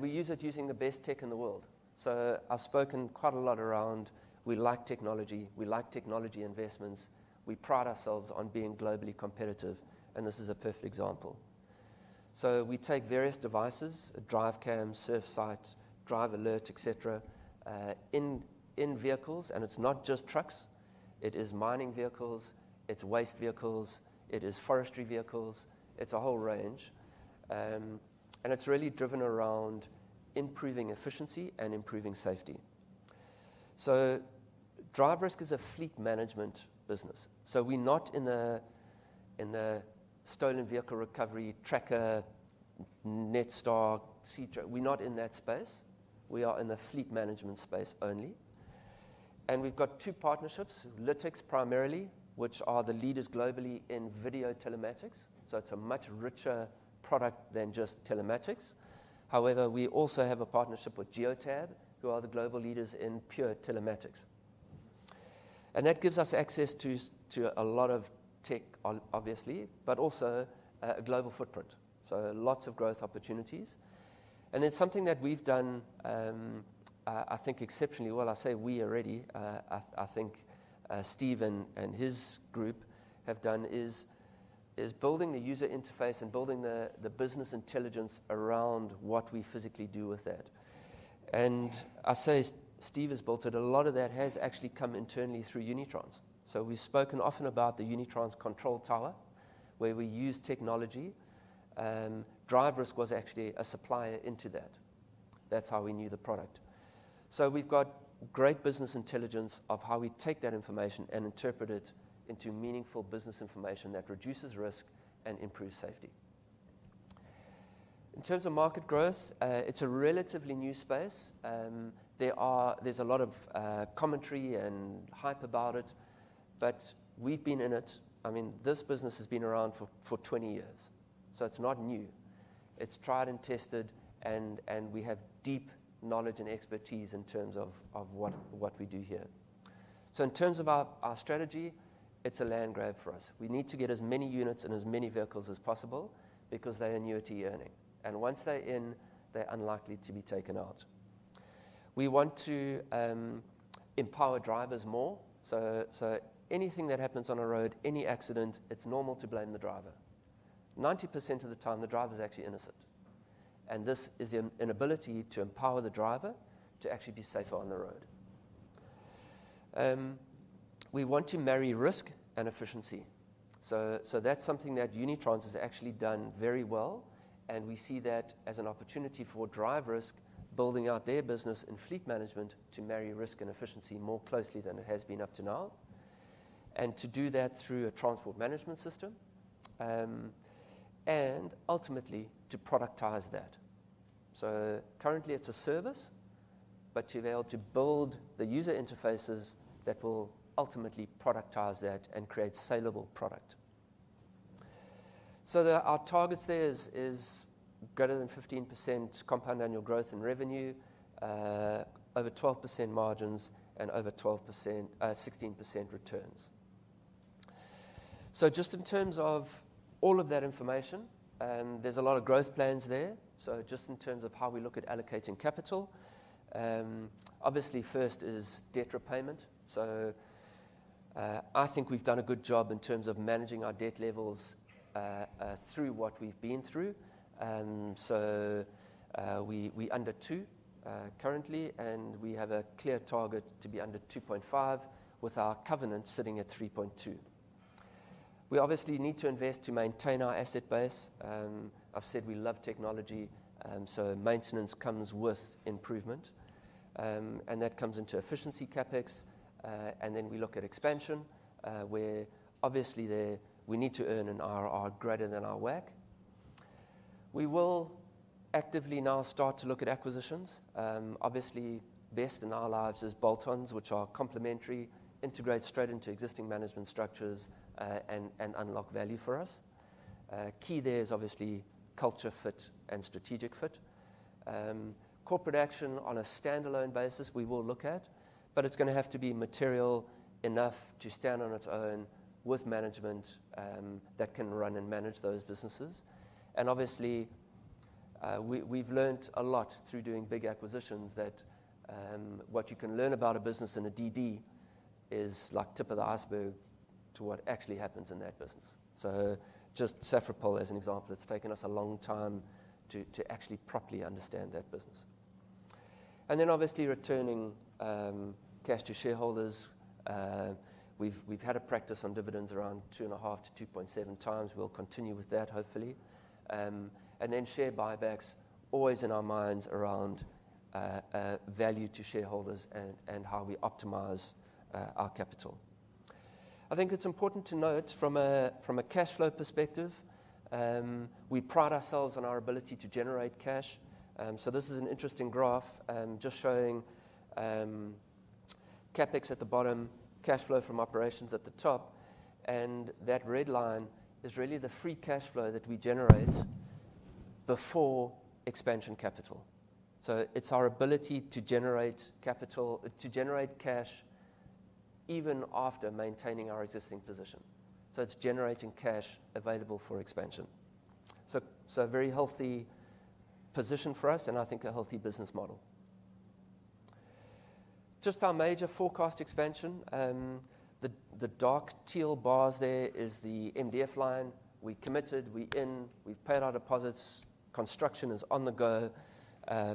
We use it using the best tech in the world. I've spoken quite a lot around we like technology, we like technology investments. We pride ourselves on being globally competitive, and this is a perfect example. We take various devices, DriveCam, Surfsight, Drivers Alert, et cetera, in vehicles, and it's not just trucks. It is mining vehicles. It's waste vehicles. It is forestry vehicles. It's a whole range. It's really driven around improving efficiency and improving safety. DriveRisk is a fleet management business. We're not in the stolen vehicle recovery Tracker Netstar sector. We're not in that space. We are in the fleet management space only. We've got two partnerships, Lytx primarily, which are the leaders globally in video telematics. It's a much richer product than just telematics. However, we also have a partnership with Geotab, who are the global leaders in pure telematics. That gives us access to a lot of tech obviously, but also a global footprint. Lots of growth opportunities. It's something that we've done, I think exceptionally well. I think Steve and his group have done is building the user interface and building the business intelligence around what we physically do with that. I say Steve has built it. A lot of that has actually come internally through Unitrans. We've spoken often about the Unitrans control tower, where we use technology, DriveRisk was actually a supplier into that. That's how we knew the product. We've got great business intelligence of how we take that information and interpret it into meaningful business information that reduces risk and improves safety. In terms of market growth, it's a relatively new space. There's a lot of commentary and hype about it, but we've been in it. I mean, this business has been around for 20 years, so it's not new. It's tried and tested, and we have deep knowledge and expertise in terms of what we do here. In terms of our strategy, it's a land grab for us. We need to get as many units and as many vehicles as possible because they're annuity earning. Once they're in, they're unlikely to be taken out. We want to empower drivers more. Anything that happens on a road, any accident, it's normal to blame the driver. 90% of the time, the driver is actually innocent, and this is an ability to empower the driver to actually be safer on the road. We want to marry risk and efficiency. That's something that Unitrans has actually done very well, and we see that as an opportunity for DriveRisk building out their business in fleet management to marry risk and efficiency more closely than it has been up to now, and to do that through a transport management system, and ultimately to productize that. Currently it's a service, but to be able to build the user interfaces that will ultimately productize that and create saleable product. Our targets there is greater than 15% compound annual growth in revenue, over 12% margins and 16% returns. Just in terms of all of that information, there's a lot of growth plans there. Just in terms of how we look at allocating capital, obviously first is debt repayment. I think we've done a good job in terms of managing our debt levels through what we've been through. We under two currently, and we have a clear target to be under 2.5, with our covenant sitting at 3.2. We obviously need to invest to maintain our asset base. I've said we love technology, maintenance comes with improvement. That comes into efficiency CapEx, and then we look at expansion, where obviously there we need to earn an IRR greater than our WACC. We will actively now start to look at acquisitions. Obviously best in our line is bolt-ons, which are complementary, integrate straight into existing management structures, and unlock value for us. Key there is obviously culture fit and strategic fit. Acquisitions on a standalone basis we will look at, but it's gonna have to be material enough to stand on its own with management that can run and manage those businesses. Obviously, we've learned a lot through doing big acquisitions that what you can learn about a business in a DD is like tip of the iceberg to what actually happens in that business. Just Safripol as an example, it's taken us a long time to actually properly understand that business. Then obviously returning cash to shareholders. We've had a practice on dividends around 2.5 to 2.7 times. We'll continue with that, hopefully. Share buybacks always in our minds around value to shareholders and how we optimize our capital. I think it's important to note from a cash flow perspective, we pride ourselves on our ability to generate cash. This is an interesting graph just showing CapEx at the bottom, cash flow from operations at the top, and that red line is really the free cash flow that we generate before expansion capital. It's our ability to generate cash even after maintaining our existing position. It's generating cash available for expansion. A very healthy position for us and I think a healthy business model. Just our major forecast expansion. The dark teal bars there is the MDF line. We committed, we've paid our deposits, construction is on the go,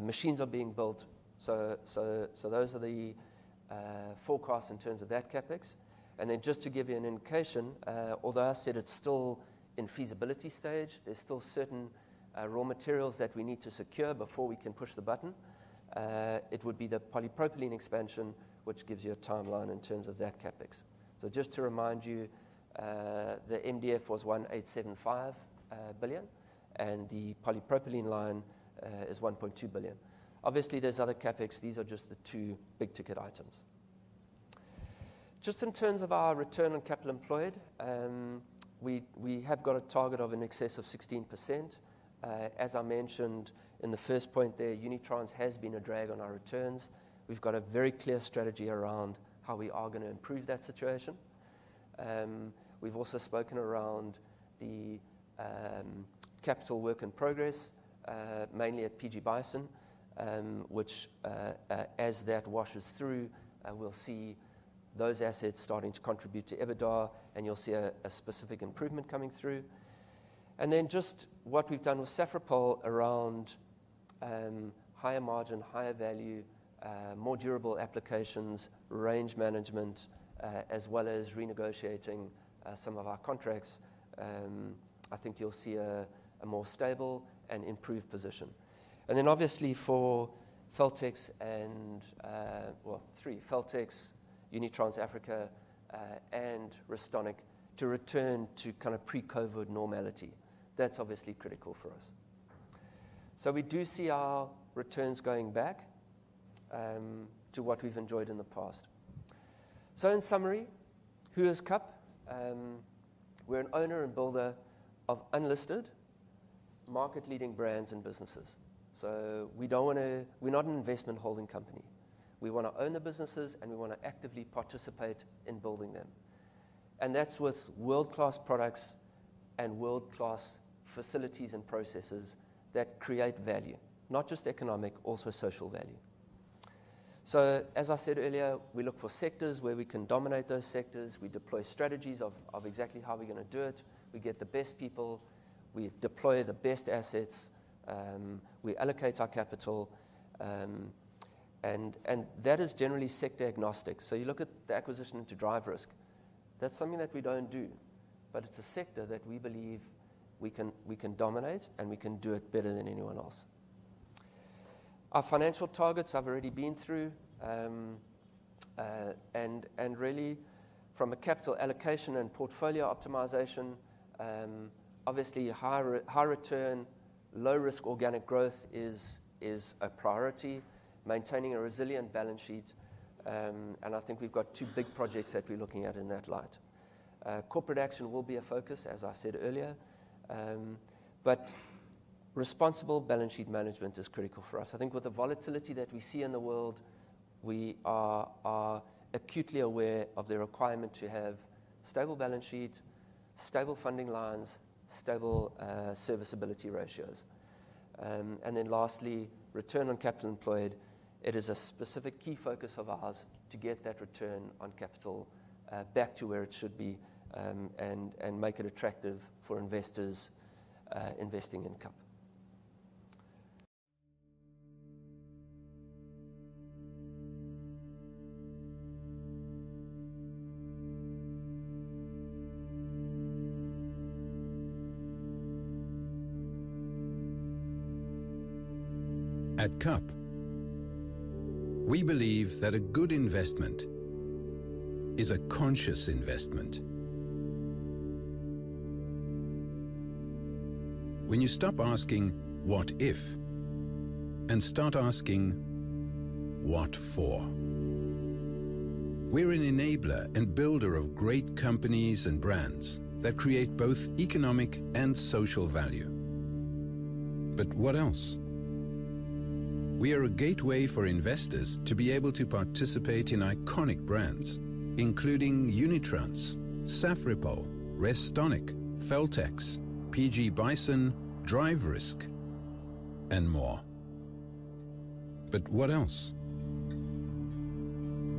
machines are being built. Those are the forecasts in terms of that CapEx. Then just to give you an indication, although I said it's still in feasibility stage, there's still certain raw materials that we need to secure before we can push the button. It would be the polypropylene expansion, which gives you a timeline in terms of that CapEx. Just to remind you, the MDF was 1.875 billion, and the polypropylene line is 1.2 billion. Obviously, there's other CapEx. These are just the two big-ticket items. Just in terms of our return on capital employed, we have got a target of in excess of 16%. As I mentioned in the first point there, Unitrans has been a drag on our returns. We've got a very clear strategy around how we are gonna improve that situation. We've also spoken around the capital work in progress, mainly at PG Bison, which, as that washes through, we'll see those assets starting to contribute to EBITDA, and you'll see a specific improvement coming through. Just what we've done with Safripol around higher margin, higher value, more durable applications, range management, as well as renegotiating some of our contracts, I think you'll see a more stable and improved position. Obviously for Feltex, Unitrans Africa, and Restonic to return to kind of pre-COVID normality. That's obviously critical for us. We do see our returns going back to what we've enjoyed in the past. In summary, who is KAP? We're an owner and builder of unlisted market-leading brands and businesses. We're not an investment holding company. We wanna own the businesses, and we wanna actively participate in building them, and that's with world-class products and world-class facilities and processes that create value, not just economic, also social value. As I said earlier, we look for sectors where we can dominate those sectors. We deploy strategies of exactly how we're gonna do it. We get the best people. We deploy the best assets. We allocate our capital, and that is generally sector agnostic. You look at the acquisition of DriveRisk, that's something that we don't do, but it's a sector that we believe we can dominate, and we can do it better than anyone else. Our financial targets I've already been through. Really from a capital allocation and portfolio optimization, obviously high return, low risk organic growth is a priority, maintaining a resilient balance sheet. I think we've got two big projects that we're looking at in that light. Corporate action will be a focus, as I said earlier. Responsible balance sheet management is critical for us. I think with the volatility that we see in the world, we are acutely aware of the requirement to have stable balance sheet, stable funding lines, stable serviceability ratios. Then lastly, return on capital employed. It is a specific key focus of ours to get that return on capital back to where it should be, and make it attractive for investors investing in KAP. At KAP, we believe that a good investment is a conscious investment. When you stop asking, what if? And start asking, what for? We're an enabler and builder of great companies and brands that create both economic and social value. What else? We are a gateway for investors to be able to participate in iconic brands including Unitrans, Safripol, Restonic, Feltex, PG Bison, DriveRisk, and more. What else?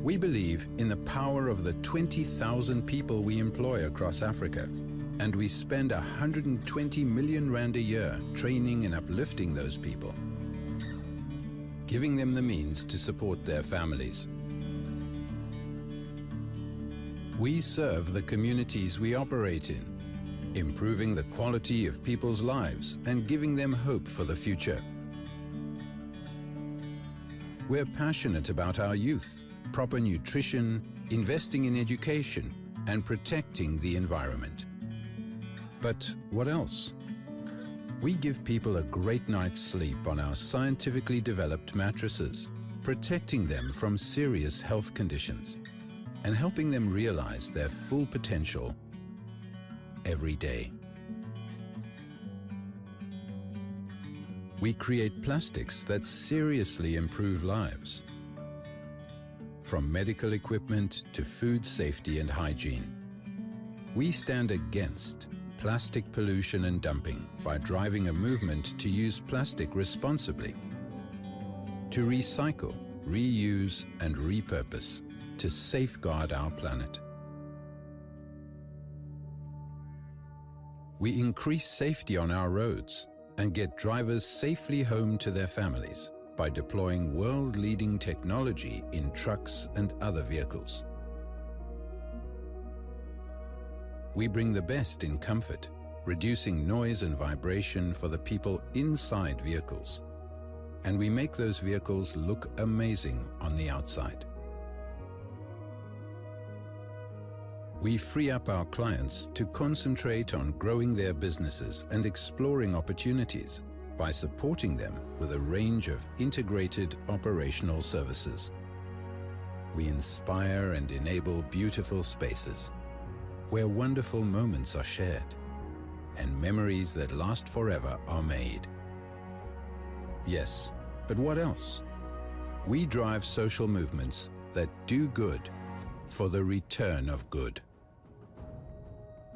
We believe in the power of the 20,000 people we employ across Africa, and we spend 120 million rand a year training and uplifting those people, giving them the means to support their families. We serve the communities we operate in, improving the quality of people's lives and giving them hope for the future. We're passionate about our youth, proper nutrition, investing in education, and protecting the environment. What else? We give people a great night's sleep on our scientifically developed mattresses, protecting them from serious health conditions, and helping them realize their full potential every day. We create plastics that seriously improve lives, from medical equipment to food safety and hygiene. We stand against plastic pollution and dumping by driving a movement to use plastic responsibly, to recycle, reuse, and repurpose to safeguard our planet. We increase safety on our roads and get drivers safely home to their families by deploying world-leading technology in trucks and other vehicles. We bring the best in comfort, reducing noise and vibration for the people inside vehicles. We make those vehicles look amazing on the outside. We free up our clients to concentrate on growing their businesses and exploring opportunities by supporting them with a range of integrated operational services. We inspire and enable beautiful spaces where wonderful moments are shared and memories that last forever are made. Yes, but what else? We drive social movements that do good for the return of good.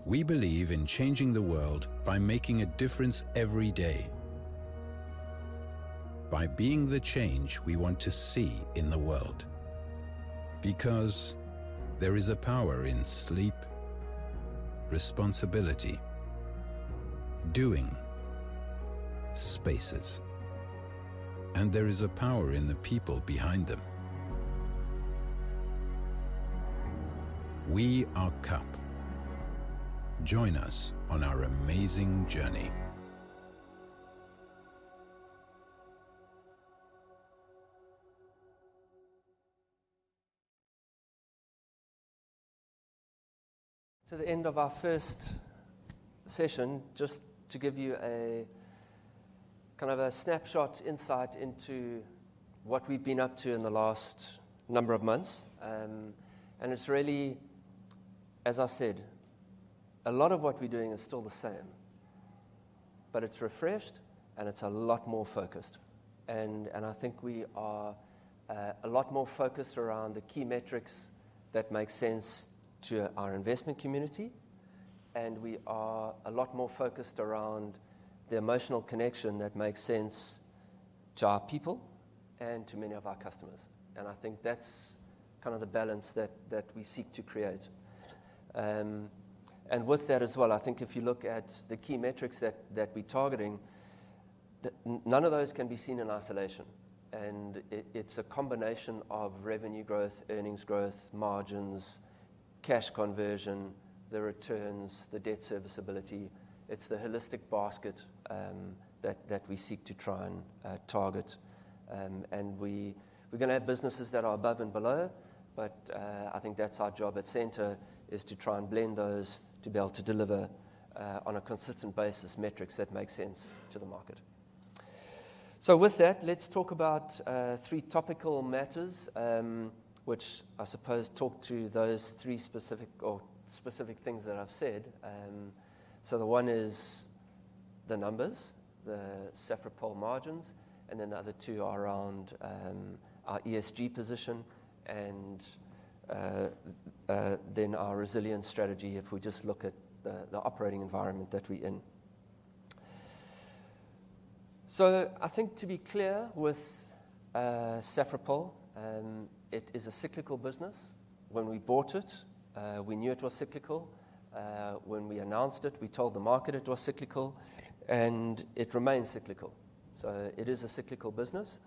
We believe in changing the world by making a difference every day, by being the change we want to see in the world. Because there is a power in sleep, responsibility, doing, spaces, and there is a power in the people behind them. We are KAP. Join us on our amazing journey. Towards the end of our first session, just to give you a kind of a snapshot insight into what we've been up to in the last number of months. It's really, as I said, a lot of what we're doing is still the same, but it's refreshed and it's a lot more focused. I think we are a lot more focused around the key metrics that make sense to our investment community. We are a lot more focused around the emotional connection that makes sense to our people and to many of our customers. I think that's kind of the balance that we seek to create. With that as well, I think if you look at the key metrics that we're targeting, none of those can be seen in isolation. It's a combination of revenue growth, earnings growth, margins, cash conversion, the returns, the debt serviceability. It's the holistic basket that we seek to try and target. We're gonna have businesses that are above and below, but I think that's our job at center is to try and blend those to be able to deliver on a consistent basis metrics that make sense to the market. With that, let's talk about three topical matters, which I suppose talk to those three specific things that I've said. The one is the numbers, the Safripol margins, and then the other two are around our ESG position and then our resilience strategy if we just look at the operating environment that we're in. I think to be clear with Safripol, it is a cyclical business. When we bought it, we knew it was cyclical. When we announced it, we told the market it was cyclical, and it remains cyclical. It is a cyclical business.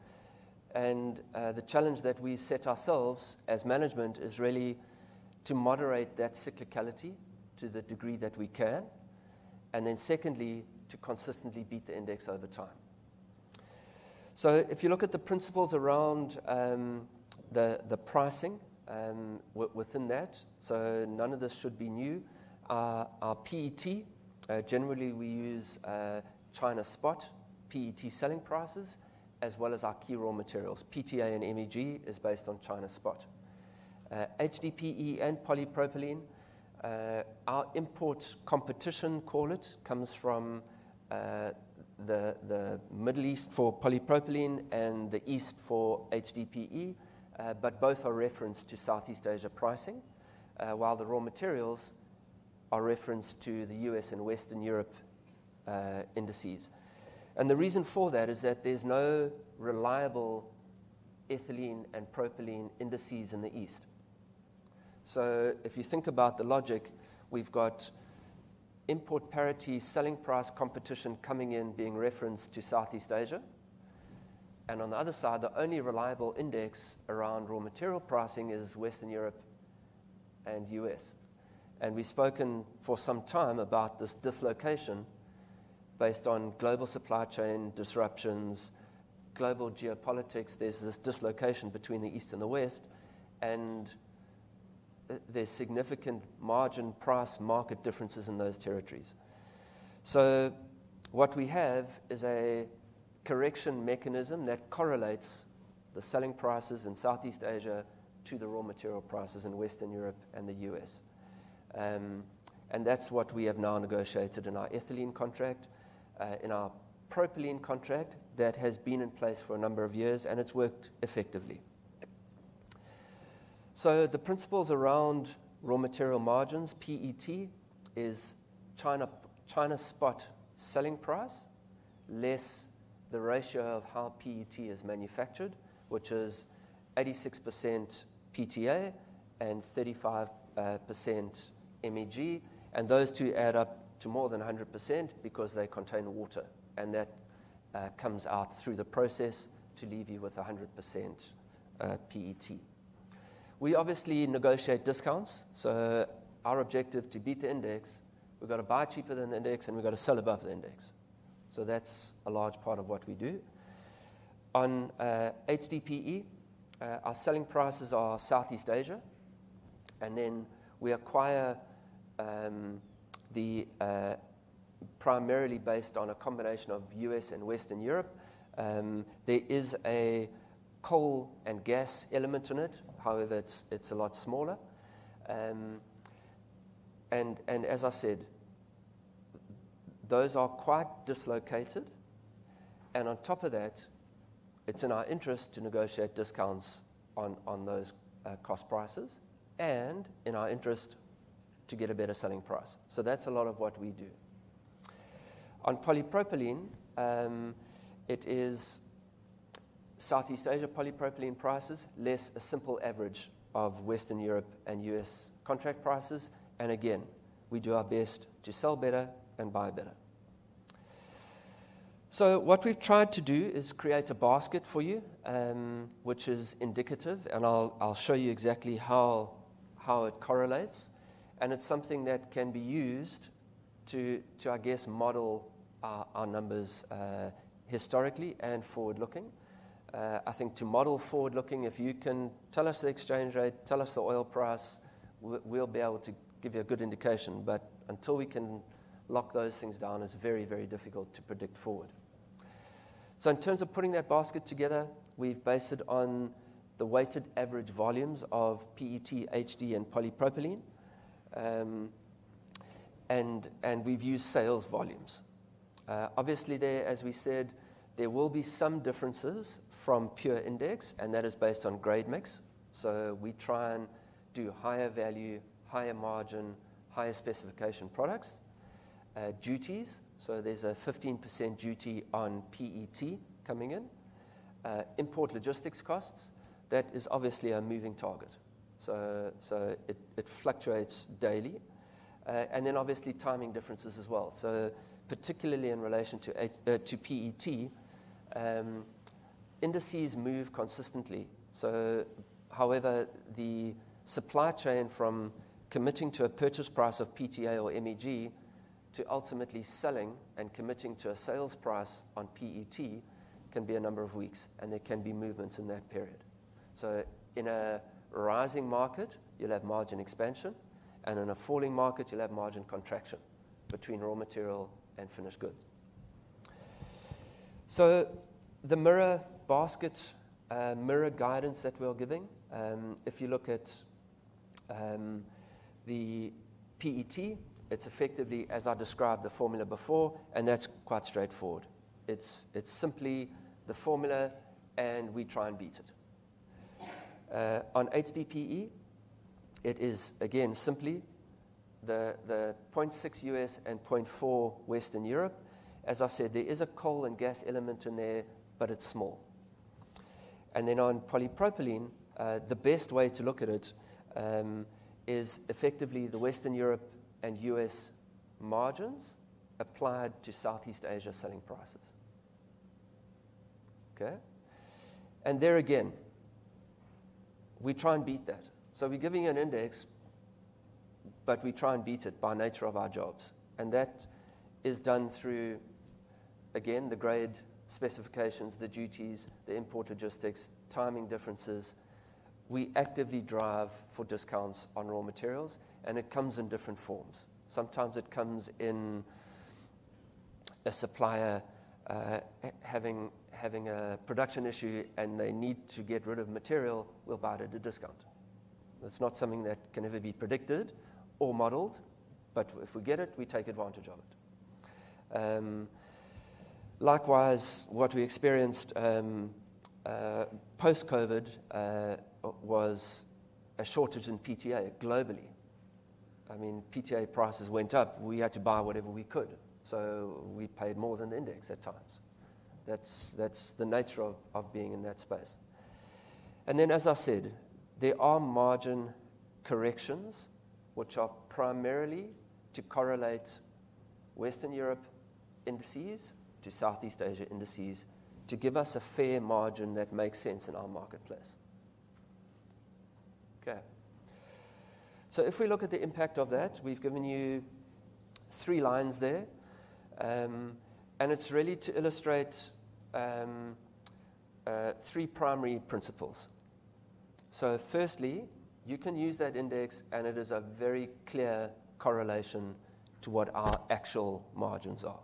The challenge that we've set ourselves as management is really to moderate that cyclicality to the degree that we can, and then secondly, to consistently beat the index over time. If you look at the principles around the pricing within that, none of this should be new. Our PET generally we use China spot PET selling prices as well as our key raw materials. PTA and MEG is based on China spot. HDPE and polypropylene, our import competition, call it, comes from the Middle East for polypropylene and the East for HDPE. But both are referenced to Southeast Asia pricing, while the raw materials are referenced to the U.S. and Western Europe indices. The reason for that is that there's no reliable ethylene and propylene indices in the East. If you think about the logic, we've got import parity selling price competition coming in being referenced to Southeast Asia. On the other side, the only reliable index around raw material pricing is Western Europe and U.S. We've spoken for some time about this dislocation based on global supply chain disruptions, global geopolitics. There's this dislocation between the East and the West, and there's significant margin price market differences in those territories. What we have is a correction mechanism that correlates the selling prices in Southeast Asia to the raw material prices in Western Europe and the US. That's what we have now negotiated in our ethylene contract, in our propylene contract that has been in place for a number of years, and it's worked effectively. The principles around raw material margins, PET, is China spot selling price less the ratio of how PET is manufactured, which is 86% PTA and 35% MEG. Those two add up to more than 100% because they contain water, and that comes out through the process to leave you with 100% PET. We obviously negotiate discounts. Our objective to beat the index, we've got to buy cheaper than the index, and we've got to sell above the index. That's a large part of what we do. On HDPE, our selling prices are Southeast Asia, and then we acquire primarily based on a combination of US and Western Europe. There is a coal and gas element in it. However, it's a lot smaller. And as I said, those are quite dislocated, and on top of that, it's in our interest to negotiate discounts on those cost prices and in our interest to get a better selling price. That's a lot of what we do. On polypropylene, it is Southeast Asia polypropylene prices less a simple average of Western Europe and U.S. contract prices, and again, we do our best to sell better and buy better. What we've tried to do is create a basket for you, which is indicative, and I'll show you exactly how it correlates. It's something that can be used to, I guess, model our numbers historically and forward-looking. I think to model forward-looking, if you can tell us the exchange rate, tell us the oil price, we'll be able to give you a good indication. But until we can lock those things down, it's very difficult to predict forward. In terms of putting that basket together, we've based it on the weighted average volumes of PET, HD, and polypropylene. And we've used sales volumes. Obviously there, as we said, there will be some differences from pure index, and that is based on grade mix. We try and do higher value, higher margin, higher specification products. Duties. There's a 15% duty on PET coming in. Import logistics costs, that is obviously a moving target. It fluctuates daily. Timing differences as well. Particularly in relation to PET, indices move consistently. However, the supply chain from committing to a purchase price of PTA or MEG to ultimately selling and committing to a sales price on PET can be a number of weeks, and there can be movements in that period. In a rising market, you'll have margin expansion, and in a falling market, you'll have margin contraction between raw material and finished goods. The margin basket, margin guidance that we're giving, if you look at the PET, it's effectively as I described the formula before, and that's quite straightforward. It's simply the formula, and we try and beat it. On HDPE, it is again simply the 0.6 U.S. and 0.4 Western Europe. As I said, there is a coal and gas element in there, but it's small. On polypropylene, the best way to look at it is effectively the Western Europe and U.S. margins applied to Southeast Asia selling prices. Okay. There again, we try and beat that. We're giving you an index, but we try and beat it by nature of our jobs. That is done through, again, the grade specifications, the duties, the import logistics, timing differences. We actively drive for discounts on raw materials, and it comes in different forms. Sometimes it comes in a supplier having a production issue, and they need to get rid of material, we'll buy it at a discount. That's not something that can ever be predicted or modeled, but if we get it, we take advantage of it. Likewise, what we experienced post-COVID was a shortage in PTA globally. I mean, PTA prices went up. We had to buy whatever we could, so we paid more than index at times. That's the nature of being in that space. As I said, there are margin corrections which are primarily to correlate Western Europe indices to Southeast Asia indices to give us a fair margin that makes sense in our marketplace. Okay. If we look at the impact of that, we've given you three lines there. It's really to illustrate three primary principles. Firstly, you can use that index, and it is a very clear correlation to what our actual margins are.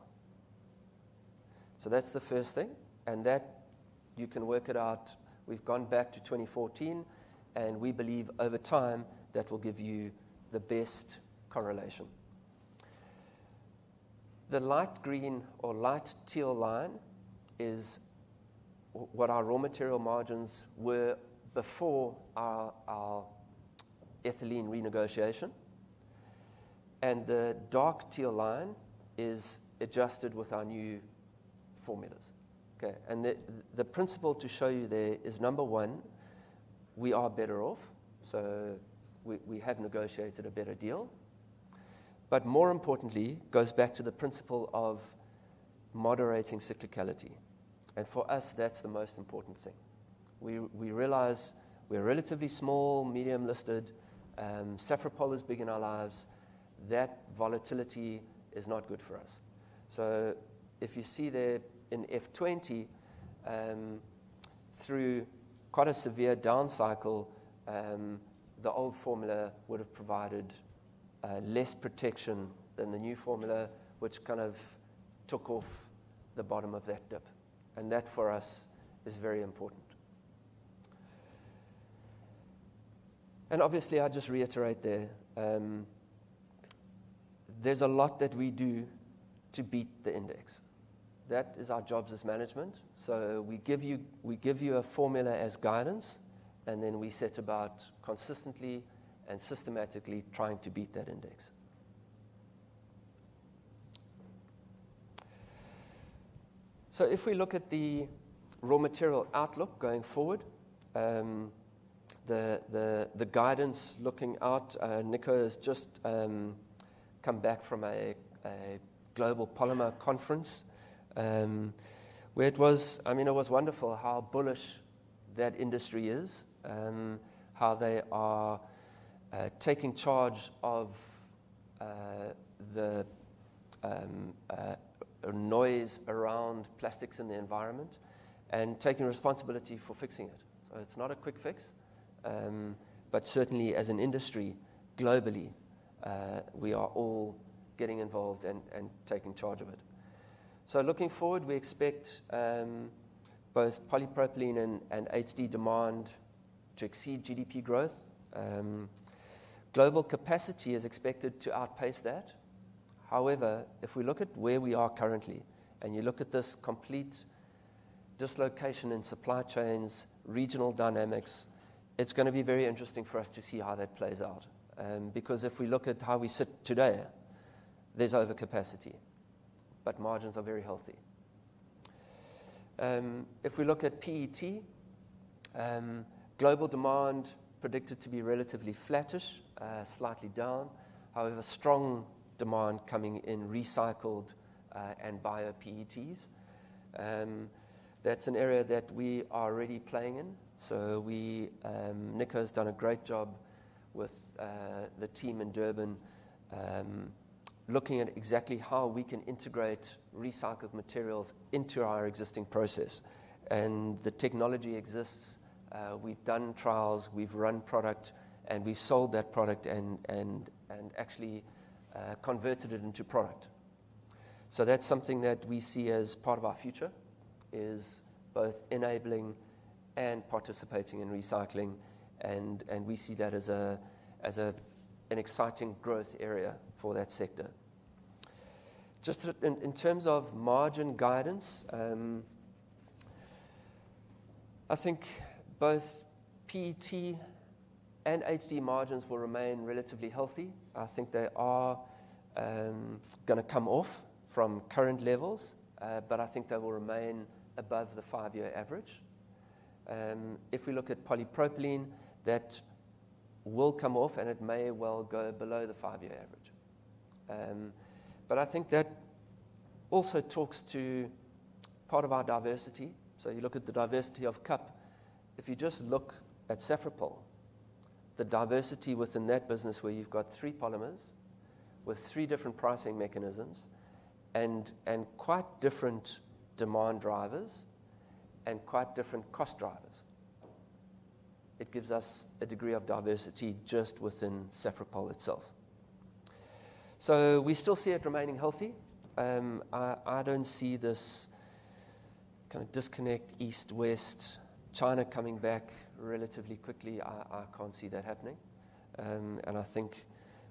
That's the first thing, and that you can work it out. We've gone back to 2014, and we believe over time that will give you the best correlation. The light green or light teal line is what our raw material margins were before our ethylene renegotiation, and the dark teal line is adjusted with our new formulas, okay? The principle to show you there is, number one, we are better off, so we have negotiated a better deal. More importantly, goes back to the principle of moderating cyclicality. For us, that's the most important thing. We realize we're relatively small, medium listed. Safripol is big in our lives. That volatility is not good for us. If you see there in F 20, through quite a severe down cycle, the old formula would have provided less protection than the new formula, which kind of took off the bottom of that dip. That for us is very important. Obviously, I'll just reiterate there's a lot that we do to beat the index. That is our job as management. We give you a formula as guidance, and then we set about consistently and systematically trying to beat that index. If we look at the raw material outlook going forward, the guidance looking out, Nico has just come back from a global polymer conference, where it was. I mean, it was wonderful how bullish that industry is, how they are taking charge of the noise around plastics in the environment and taking responsibility for fixing it. It's not a quick fix, but certainly as an industry, globally, we are all getting involved and taking charge of it. Looking forward, we expect both polypropylene and HDPE demand to exceed GDP growth. Global capacity is expected to outpace that. However, if we look at where we are currently, and you look at this complete dislocation in supply chains, regional dynamics, it's gonna be very interesting for us to see how that plays out. Because if we look at how we sit today, there's overcapacity, but margins are very healthy. If we look at PET, global demand predicted to be relatively flattish, slightly down. However, strong demand coming in recycled and bio PETs. That's an area that we are already playing in. We, Nico's done a great job with the team in Durban, looking at exactly how we can integrate recycled materials into our existing process. The technology exists, we've done trials, we've run product, and we've sold that product and actually converted it into product. That's something that we see as part of our future, is both enabling and participating in recycling, and we see that as an exciting growth area for that sector. Just in terms of margin guidance, I think both PET and HDPE margins will remain relatively healthy. I think they are gonna come off from current levels, but I think they will remain above the five-year average. If we look at polypropylene, that will come off, and it may well go below the five-year average. I think that also talks to part of our diversity. You look at the diversity of KAP. If you just look at Safripol, the diversity within that business where you've got three polymers with three different pricing mechanisms and quite different demand drivers and quite different cost drivers, it gives us a degree of diversity just within Safripol itself. We still see it remaining healthy. I don't see this kind of disconnect East-West, China coming back relatively quickly. I can't see that happening. I think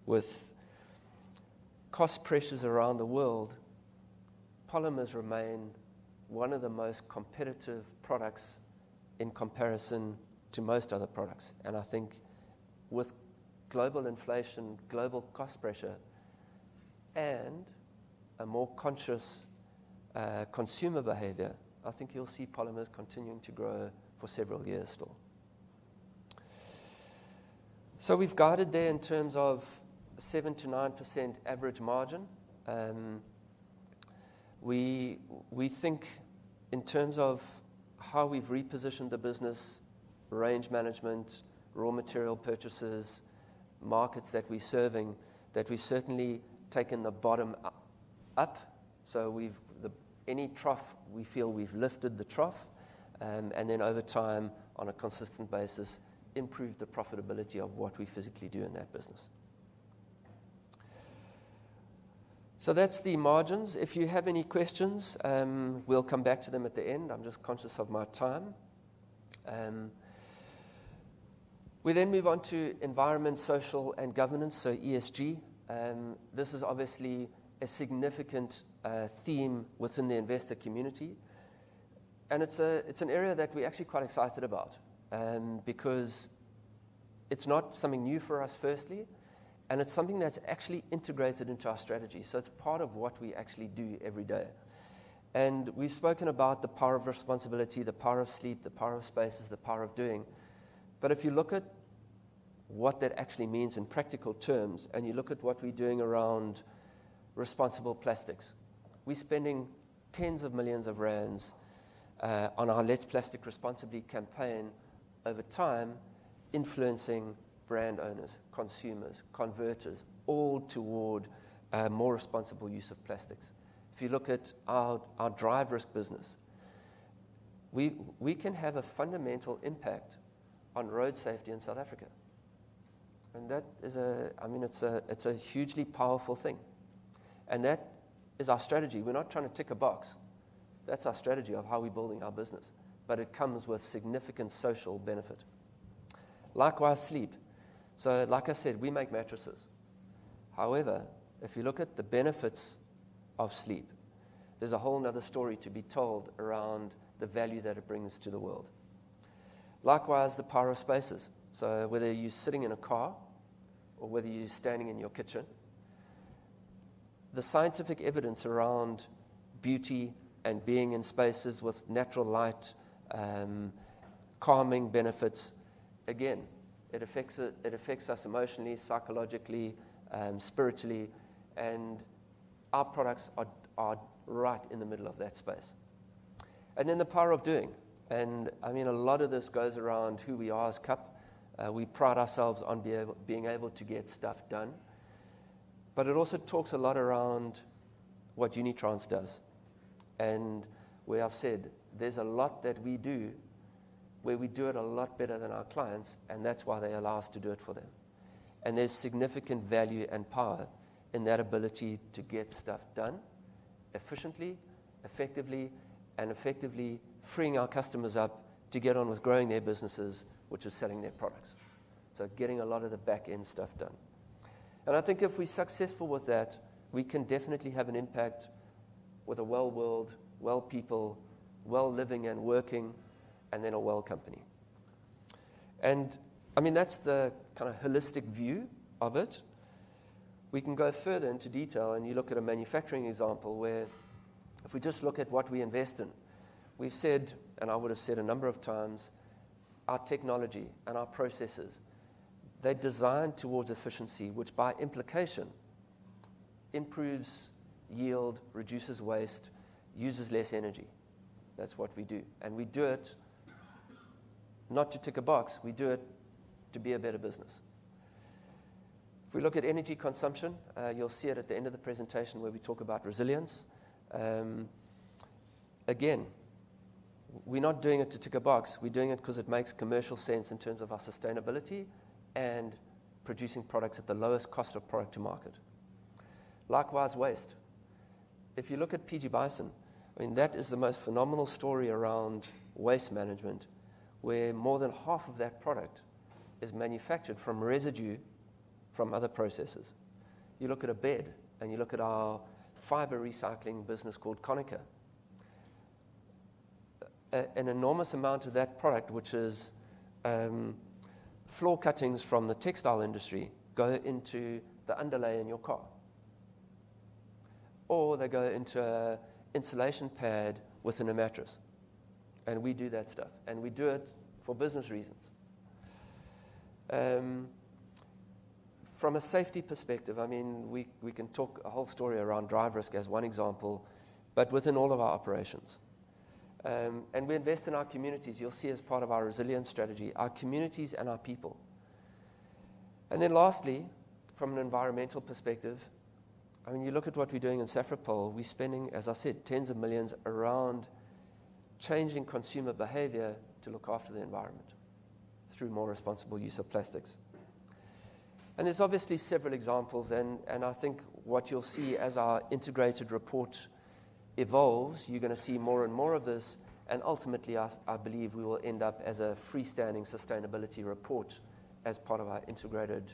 with cost pressures around the world, polymers remain one of the most competitive products in comparison to most other products. I think with global inflation, global cost pressure, and a more conscious consumer behavior, I think you'll see polymers continuing to grow for several years still. We've guided there in terms of 7%-9% average margin. We think in terms of how we've repositioned the business, margin management, raw material purchases, markets that we're serving, that we've certainly taken the bottom-up. That any trough, we feel we've lifted the trough, and then over time, on a consistent basis, improved the profitability of what we physically do in that business. That's the margins. If you have any questions, we'll come back to them at the end. I'm just conscious of my time. We move on to Environmental, Social, and Governance, so ESG. This is obviously a significant theme within the investor community. It's an area that we're actually quite excited about because it's not something new for us firstly, and it's something that's actually integrated into our strategy. It's part of what we actually do every day. We've spoken about the power of responsibility, the power of sleep, the power of spaces, the power of doing. If you look at what that actually means in practical terms, and you look at what we're doing around responsible plastics, we're spending tens of millions of ZAR on our Let's Plastic Responsibly campaign over time, influencing brand owners, consumers, converters, all toward a more responsible use of plastics. If you look at our driver risk business, we can have a fundamental impact on road safety in South Africa, and that is. I mean, it's a hugely powerful thing, and that is our strategy. We're not trying to tick a box. That's our strategy of how we're building our business, but it comes with significant social benefit. Likewise, sleep. Like I said, we make mattresses. However, if you look at the benefits of sleep, there's a whole another story to be told around the value that it brings to the world. Likewise, the power of spaces. Whether you're sitting in a car or whether you're standing in your kitchen, the scientific evidence around beauty and being in spaces with natural light, calming benefits, again, it affects us emotionally, psychologically, spiritually, and our products are right in the middle of that space. Then the power of doing. I mean, a lot of this goes around who we are as KAP. We pride ourselves on being able to get stuff done. But it also talks a lot around what Unitrans does, and we have said there's a lot that we do where we do it a lot better than our clients, and that's why they allow us to do it for them. There's significant value and power in that ability to get stuff done efficiently, effectively, and effectively freeing our customers up to get on with growing their businesses, which is selling their products. Getting a lot of the back-end stuff done. I think if we're successful with that, we can definitely have an impact with a well world, well people, well living and working, and then a well company. I mean, that's the kinda holistic view of it. We can go further into detail, and you look at a manufacturing example where if we just look at what we invest in, we've said, and I would've said a number of times, our technology and our processes, they're designed towards efficiency, which by implication improves yield, reduces waste, uses less energy. That's what we do, and we do it not to tick a box. We do it to be a better business. If we look at energy consumption, you'll see it at the end of the presentation where we talk about resilience. Again, we're not doing it to tick a box. We're doing it 'cause it makes commercial sense in terms of our sustainability and producing products at the lowest cost of product to market. Likewise, waste. If you look at PG Bison, I mean, that is the most phenomenal story around waste management, where more than half of that product is manufactured from residue from other processes. You look at a bed, and you look at our fiber recycling business called Connacher. An enormous amount of that product, which is flock cuttings from the textile industry, go into the underlay in your car, or they go into a insulation pad within a mattress, and we do that stuff, and we do it for business reasons. From a safety perspective, I mean, we can talk a whole story around DriveRisk as one example, but within all of our operations. We invest in our communities. You'll see as part of our resilience strategy, our communities and our people. Then lastly, from an environmental perspective, I mean, you look at what we're doing in Safripol, we're spending, as I said, ZAR tens of millions around changing consumer behavior to look after the environment through more responsible use of plastics. There's obviously several examples. I think what you'll see as our integrated report evolves, you're gonna see more and more of this, and ultimately I believe we will end up as a freestanding sustainability report as part of our integrated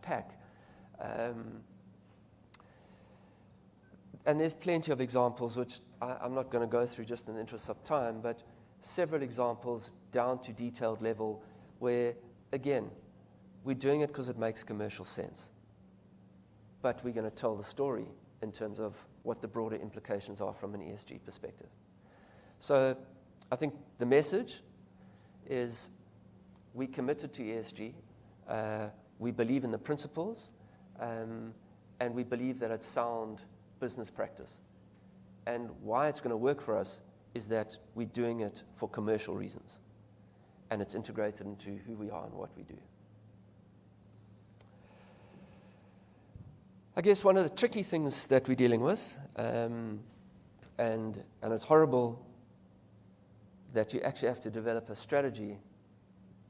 pack. There's plenty of examples which I'm not gonna go through just in the interest of time, but several examples down to detailed level where, again, we're doing it 'cause it makes commercial sense, but we're gonna tell the story in terms of what the broader implications are from an ESG perspective. I think the message is we're committed to ESG. We believe in the principles, and we believe that it's sound business practice. Why it's gonna work for us is that we're doing it for commercial reasons, and it's integrated into who we are and what we do. I guess one of the tricky things that we're dealing with, and it's horrible that you actually have to develop a strategy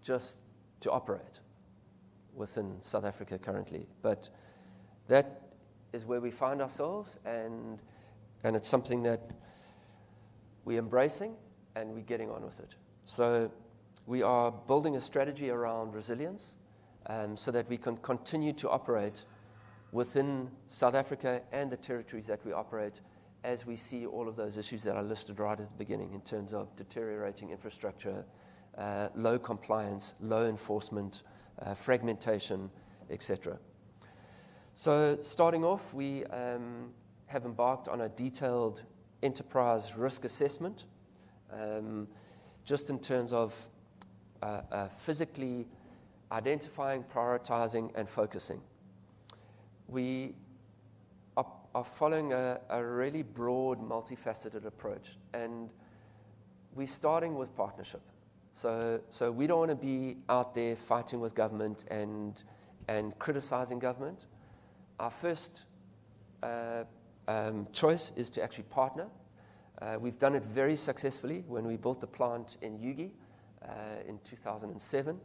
just to operate within South Africa currently, but that is where we find ourselves, and it's something that we're embracing, and we're getting on with it. We are building a strategy around resilience, so that we can continue to operate within South Africa and the territories that we operate as we see all of those issues that I listed right at the beginning in terms of deteriorating infrastructure, low compliance, low enforcement, fragmentation, et cetera. Starting off, we have embarked on a detailed enterprise risk assessment, just in terms of physically identifying, prioritizing, and focusing. We are following a really broad, multifaceted approach, and we're starting with partnership. We don't wanna be out there fighting with government and criticizing government. Our first choice is to actually partner. We've done it very successfully when we built the plant in Ugie in 2007.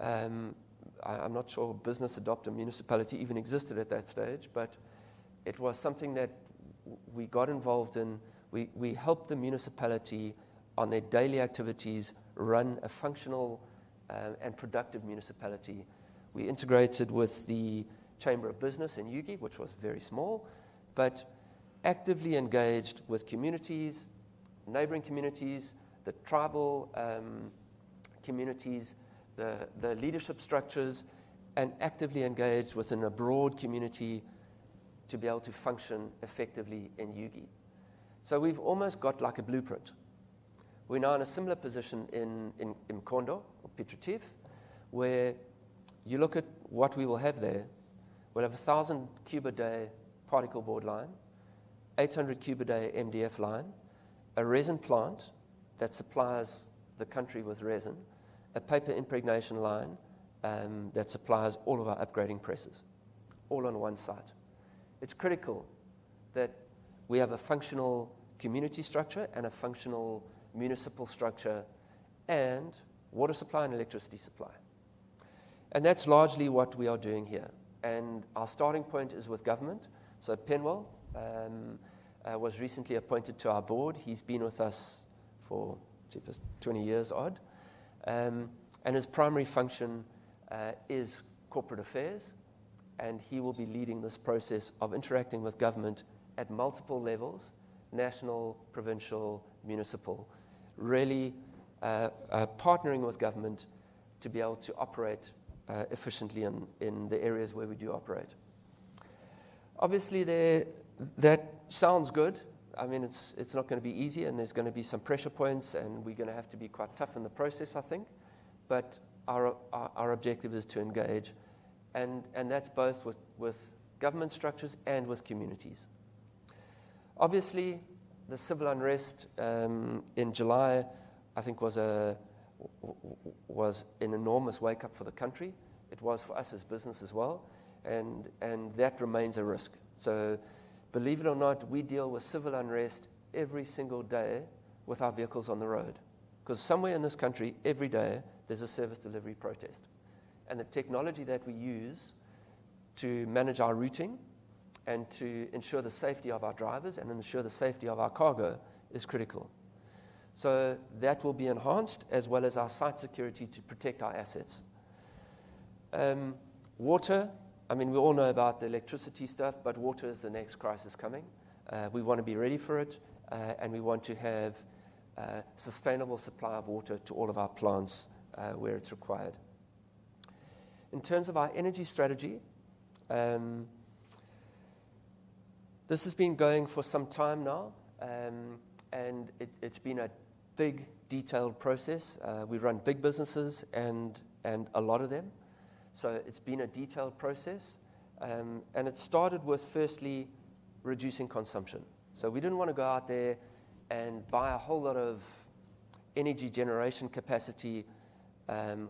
I'm not sure Business Adopt-a-Municipality even existed at that stage, but it was something that we got involved in. We helped the municipality on their daily activities run a functional and productive municipality. We integrated with the Chamber of Business in Ugie, which was very small, but actively engaged with communities, neighboring communities, the tribal communities, the leadership structures, and actively engaged within a broad community to be able to function effectively in Ugie. We've almost got like a blueprint. We're now in a similar position in eMkhondo or Piet Retief, where you look at what we will have there. We'll have 1,000 cube a day particle board line, 800 cube a day MDF line, a resin plant that supplies the country with resin, a paper impregnation line, that supplies all of our upgrading presses, all on one site. It's critical that we have a functional community structure, and a functional municipal structure, and water supply and electricity supply. That's largely what we are doing here, and our starting point is with government. Penwell was recently appointed to our board. He's been with us for just 20 years odd, and his primary function is corporate affairs, and he will be leading this process of interacting with government at multiple levels, national, provincial, municipal, really, partnering with government to be able to operate efficiently in the areas where we do operate. Obviously, that sounds good. I mean, it's not gonna be easy, and there's gonna be some pressure points, and we're gonna have to be quite tough in the process, I think. Our objective is to engage, and that's both with government structures and with communities. Obviously, the civil unrest in July, I think, was an enormous wake-up for the country. It was for us as business as well, and that remains a risk. Believe it or not, we deal with civil unrest every single day with our vehicles on the road, 'cause somewhere in this country, every day, there's a service delivery protest. The technology that we use to manage our routing and to ensure the safety of our drivers and ensure the safety of our cargo is critical. That will be enhanced, as well as our site security to protect our assets. Water, I mean, we all know about the electricity stuff, but water is the next crisis coming. We wanna be ready for it, and we want to have sustainable supply of water to all of our plants, where it's required. In terms of our energy strategy, this has been going for some time now, and it's been a big detailed process. We run big businesses and a lot of them, so it's been a detailed process. It started with firstly reducing consumption. We didn't wanna go out there and buy a whole lot of energy generation capacity,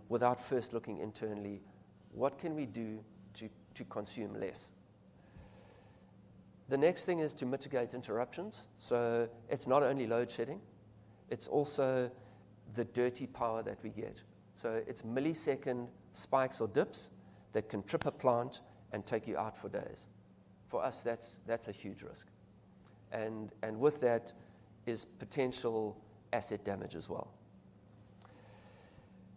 without first looking internally, what can we do to consume less? The next thing is to mitigate interruptions. It's not only load shedding, it's also the dirty power that we get. It's millisecond spikes or dips that can trip a plant and take you out for days. For us, that's a huge risk, and with that is potential asset damage as well.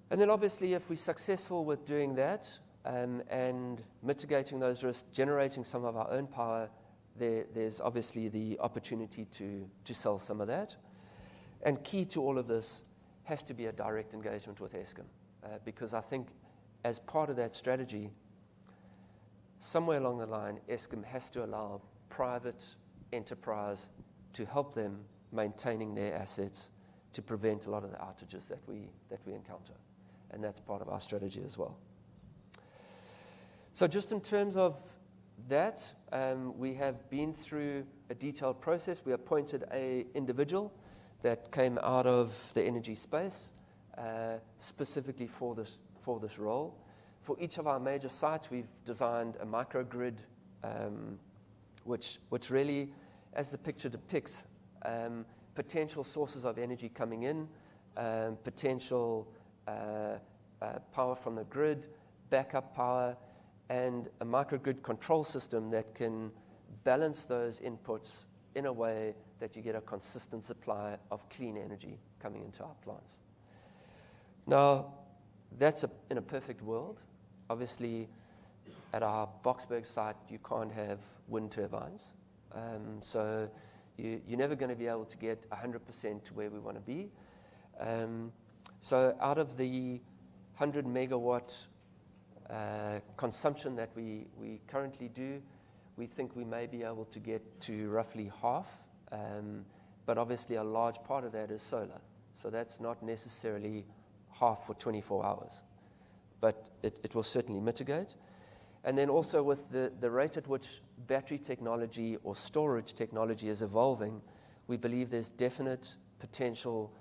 Then obviously, if we're successful with doing that, and mitigating those risks, generating some of our own power, there's obviously the opportunity to sell some of that. Key to all of this has to be a direct engagement with Eskom, because I think as part of that strategy, somewhere along the line, Eskom has to allow private enterprise to help them maintaining their assets to prevent a lot of the outages that we encounter, and that's part of our strategy as well. Just in terms of that, we have been through a detailed process. We appointed a individual that came out of the energy space, specifically for this role. For each of our major sites, we've designed a microgrid, which really, as the picture depicts, potential sources of energy coming in, potential power from the grid, backup power, and a microgrid control system that can balance those inputs in a way that you get a consistent supply of clean energy coming into our plants. Now, that's in a perfect world. Obviously, at our Boksburg site, you can't have wind turbines, so you're never gonna be able to get 100% to where we wanna be. Out of the 100-megawatt consumption that we currently do, we think we may be able to get to roughly half. Obviously a large part of that is solar, so that's not necessarily half for 24 hours. It will certainly mitigate. Also with the rate at which battery technology or storage technology is evolving, we believe there's definite potential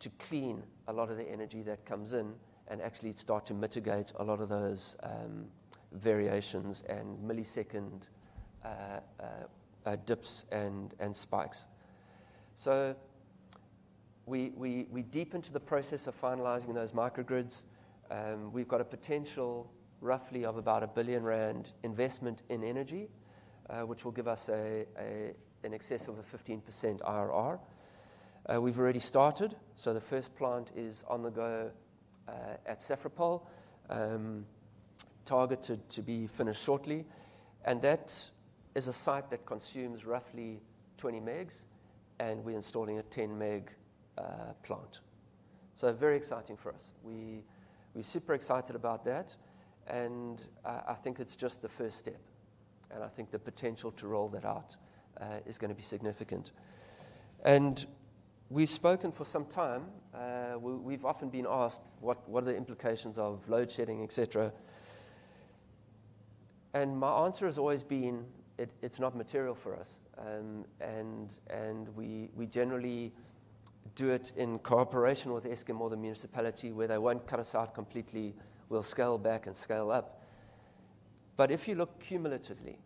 to clean a lot of the energy that comes in and actually start to mitigate a lot of those variations and millisecond dips and spikes. We are deep into the process of finalizing those microgrids. We've got a potential roughly of about a 1 billion rand investment in energy, which will give us an expected 15% IRR. We've already started, the first plant is on the go at Safripol, targeted to be finished shortly. That is a site that consumes roughly 20 megs, and we're installing a 10-meg plant. Very exciting for us. We're super excited about that, and I think it's just the first step, and I think the potential to roll that out is gonna be significant. We've spoken for some time, we've often been asked what the implications of load shedding, et cetera, are. My answer has always been, it's not material for us. We generally do it in cooperation with Eskom or the municipality, where they won't cut us out completely, we'll scale back and scale up. If you look cumulatively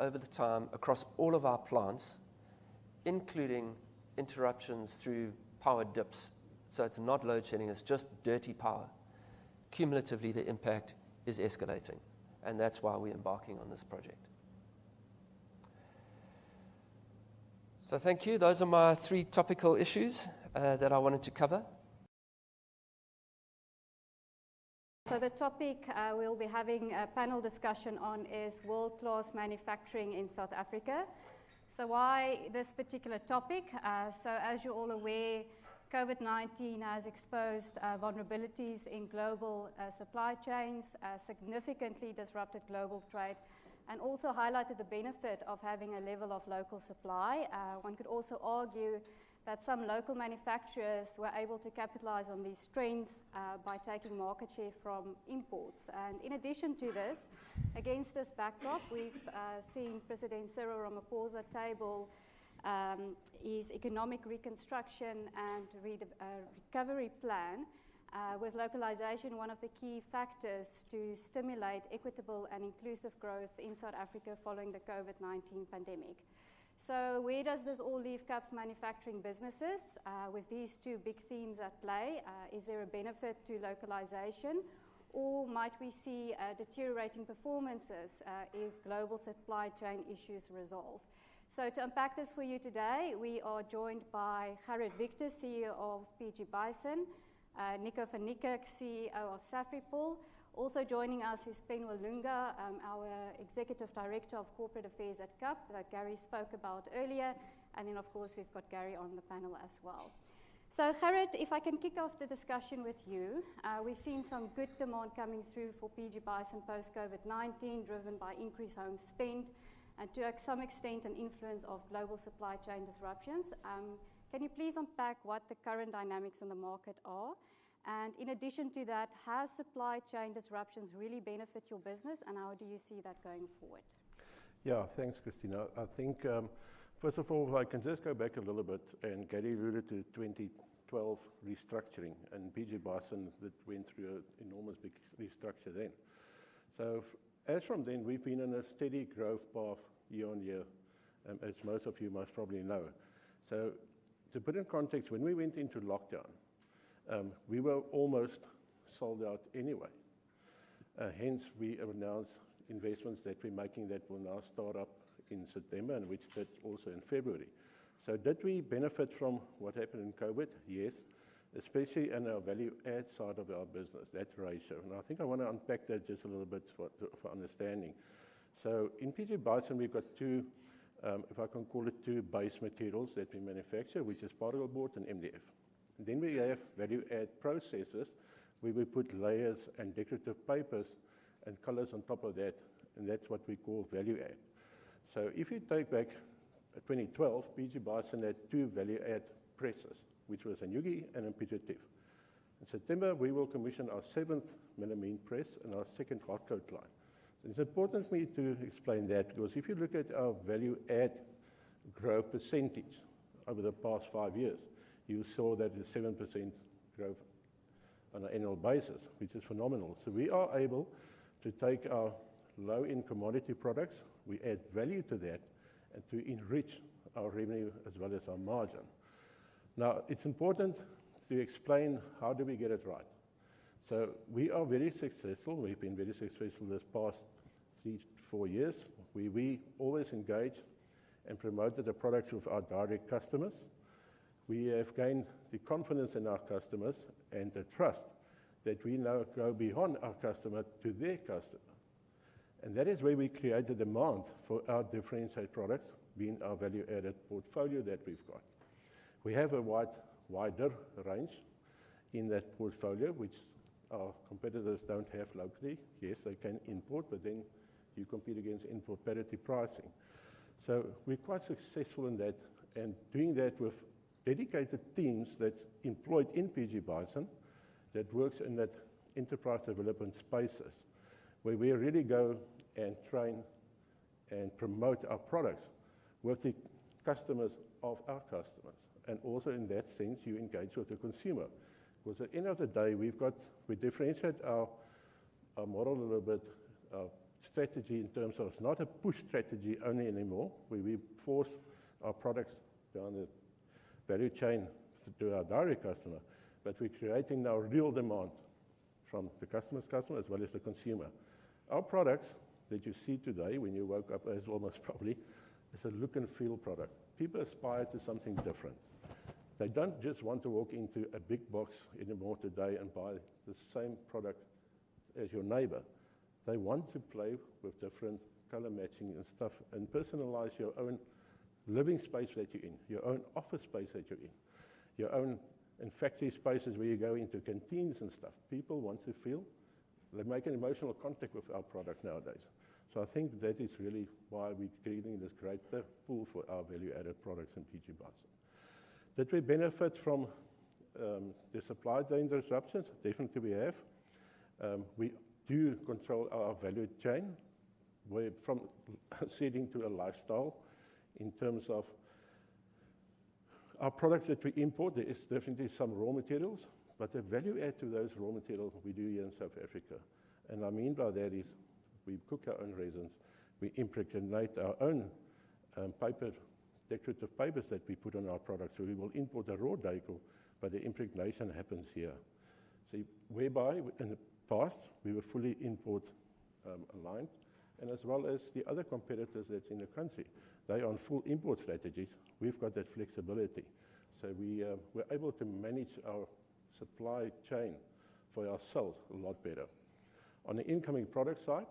over the time across all of our plants, including interruptions through power dips, so it's not load shedding, it's just dirty power, cumulatively the impact is escalating, and that's why we're embarking on this project. Thank you. Those are my three topical issues that I wanted to cover. The topic we'll be having a panel discussion on is world-class manufacturing in South Africa. Why this particular topic? As you're all aware, COVID-19 has exposed vulnerabilities in global supply chains, significantly disrupted global trade, and also highlighted the benefit of having a level of local supply. One could also argue that some local manufacturers were able to capitalize on these strengths by taking market share from imports. In addition to this, against this backdrop, we've seen President Cyril Ramaphosa table his economic reconstruction and recovery plan with localization one of the key factors to stimulate equitable and inclusive growth in South Africa following the COVID-19 pandemic. Where does this all leave KAP's manufacturing businesses with these two big themes at play? Is there a benefit to localization, or might we see deteriorating performances if global supply chain issues resolve? To unpack this for you today, we are joined by Gerhard Victor, CEO of PG Bison, Nico van Niekerk, CEO of Safripol. Also joining us is Penwell Lunga, our Executive Director of Corporate Affairs at KAP, that Gary spoke about earlier. Of course, we've got Gary on the panel as well. Gerhard, if I can kick off the discussion with you. We've seen some good demand coming through for PG Bison post COVID-19, driven by increased home spend, to some extent, influenced by global supply chain disruptions. Can you please unpack what the current dynamics in the market are? In addition to that, have supply chain disruptions really benefited your business, and how do you see that going forward? Yeah. Thanks, Christina. I think first of all, if I can just go back a little bit, and Gary alluded to 2012 restructuring, and PG Bison that went through an enormous big restructure then. As from then, we've been on a steady growth path year on year, as most of you must probably know. To put in context, when we went into lockdown, we were almost sold out anyway. Hence we announced investments that we're making that will now start up in September, and which start also in February. Did we benefit from what happened in COVID? Yes, especially in our value add side of our business, that ratio. I think I wanna unpack that just a little bit for understanding. In PG Bison, we've got two, if I can call it two base materials that we manufacture, which is particle board and MDF. We have value add processes, where we put layers and decorative papers and colors on top of that, and that's what we call value add. If you take back, 2012, PG Bison had two value add presses, which was an Ugie and Piet Retief. In September, we will commission our seventh melamine press and our second hot coat line. It's important for me to explain that, because if you look at our value add growth percentage over the past five years, you saw that it's 7% growth on an annual basis, which is phenomenal. We are able to take our low-end commodity products, we add value to that, and to enrich our revenue as well as our margin. Now, it's important to explain how do we get it right. We are very successful. We've been very successful this past three, four years. We always engage and promote the products with our direct customers. We have gained the confidence in our customers and the trust that we now go beyond our customer to their customer. That is where we create the demand for our differentiated products, being our value-added portfolio that we've got. We have a wide, wider range in that portfolio which our competitors don't have locally. Yes, they can import, but then you compete against import parity pricing. We're quite successful in that and doing that with dedicated teams that's employed in PG Bison that works in that enterprise development spaces, where we really go and train and promote our products with the customers of our customers. Also in that sense, you engage with the consumer. Because at the end of the day, we differentiate our model a little bit, our strategy in terms of it's not a push strategy only anymore, where we force our products down the value chain to our direct customer. We're creating now real demand from the customer's customer as well as the consumer. Our products that you see today when you woke up as well, most probably, is a look and feel product. People aspire to something different. They don't just want to walk into a big box anymore today and buy the same product as your neighbor. They want to play with different color matching and stuff and personalize your own living space that you're in, your own office space that you're in, your own. In factory spaces where you go into canteens and stuff. People want to feel they make an emotional contact with our product nowadays. I think that is really why we're creating this great pool for our value-added products in PG Bison. Did we benefit from the supply chain disruptions? Definitely, we have. We do control our value chain where from seeding to a lifestyle in terms of our products that we import, there is definitely some raw materials, but the value add to those raw materials we do here in South Africa. I mean by that is we cook our own resins, we impregnate our own paper, decorative papers that we put on our products. We will import a raw deco, but the impregnation happens here. See, whereby in the past, we were fully import aligned and as well as the other competitors that's in the country. They are on full import strategies. We've got that flexibility. We're able to manage our supply chain for ourselves a lot better. On the incoming product side,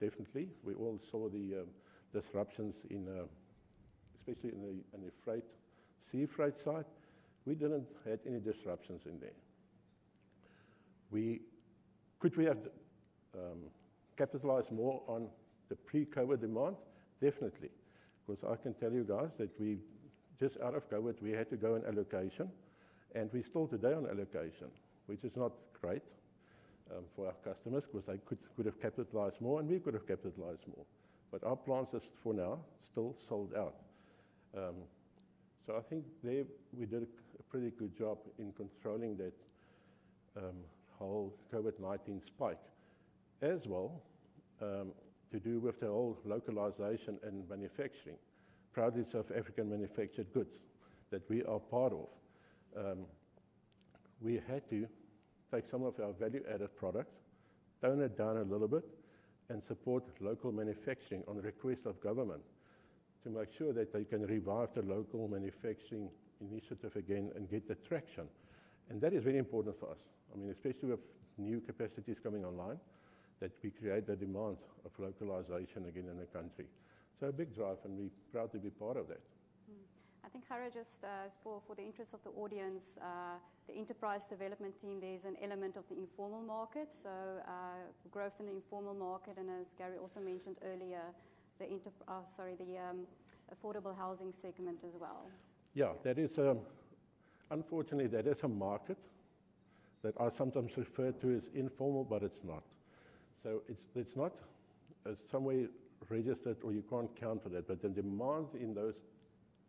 definitely, we all saw the disruptions, especially in the sea freight side. We didn't have any disruptions in there. Could we have capitalized more on the pre-COVID demand? Definitely. 'Cause I can tell you guys that we just out of COVID, we had to go on allocation, and we're still today on allocation, which is not great for our customers 'cause they could have capitalized more and we could have capitalized more. Our plants are, for now, still sold out. I think there we did a pretty good job in controlling that whole COVID-19 spike. As well, to do with the whole localization and manufacturing. Proudly South African manufactured goods that we are part of. We had to take some of our value-added products, tone it down a little bit, and support local manufacturing on request of government to make sure that they can revive the local manufacturing initiative again and get the traction. That is very important for us. I mean, especially with new capacities coming online, that we create the demand of localization again in the country. A big drive and we proud to be part of that. I think, Gerhard, just for the interest of the audience, the enterprise development team, there's an element of the informal market. Growth in the informal market and as Gary also mentioned earlier, the affordable housing segment as well. Yeah. Unfortunately, that is a market that are sometimes referred to as informal, but it's not. It's not somewhere registered or you can't account for that, but the demand in those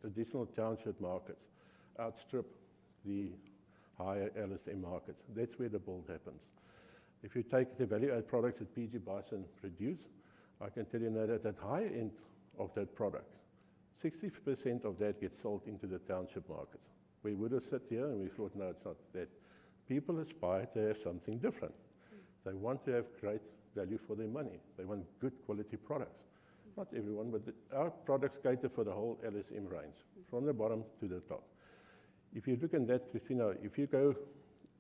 traditional township markets outstrip the higher LSM markets. That's where the build happens. If you take the value-added products that PG Bison produce, I can tell you now that at high end of that product, 60% of that gets sold into the township markets. We would have sat here and we thought, "No, it's not that." People aspire to have something different. Mm. They want to have great value for their money. They want good quality products. Mm. Not everyone, but our products cater for the whole LSM range. Mm. From the bottom to the top. If you look in that, Christina, if you go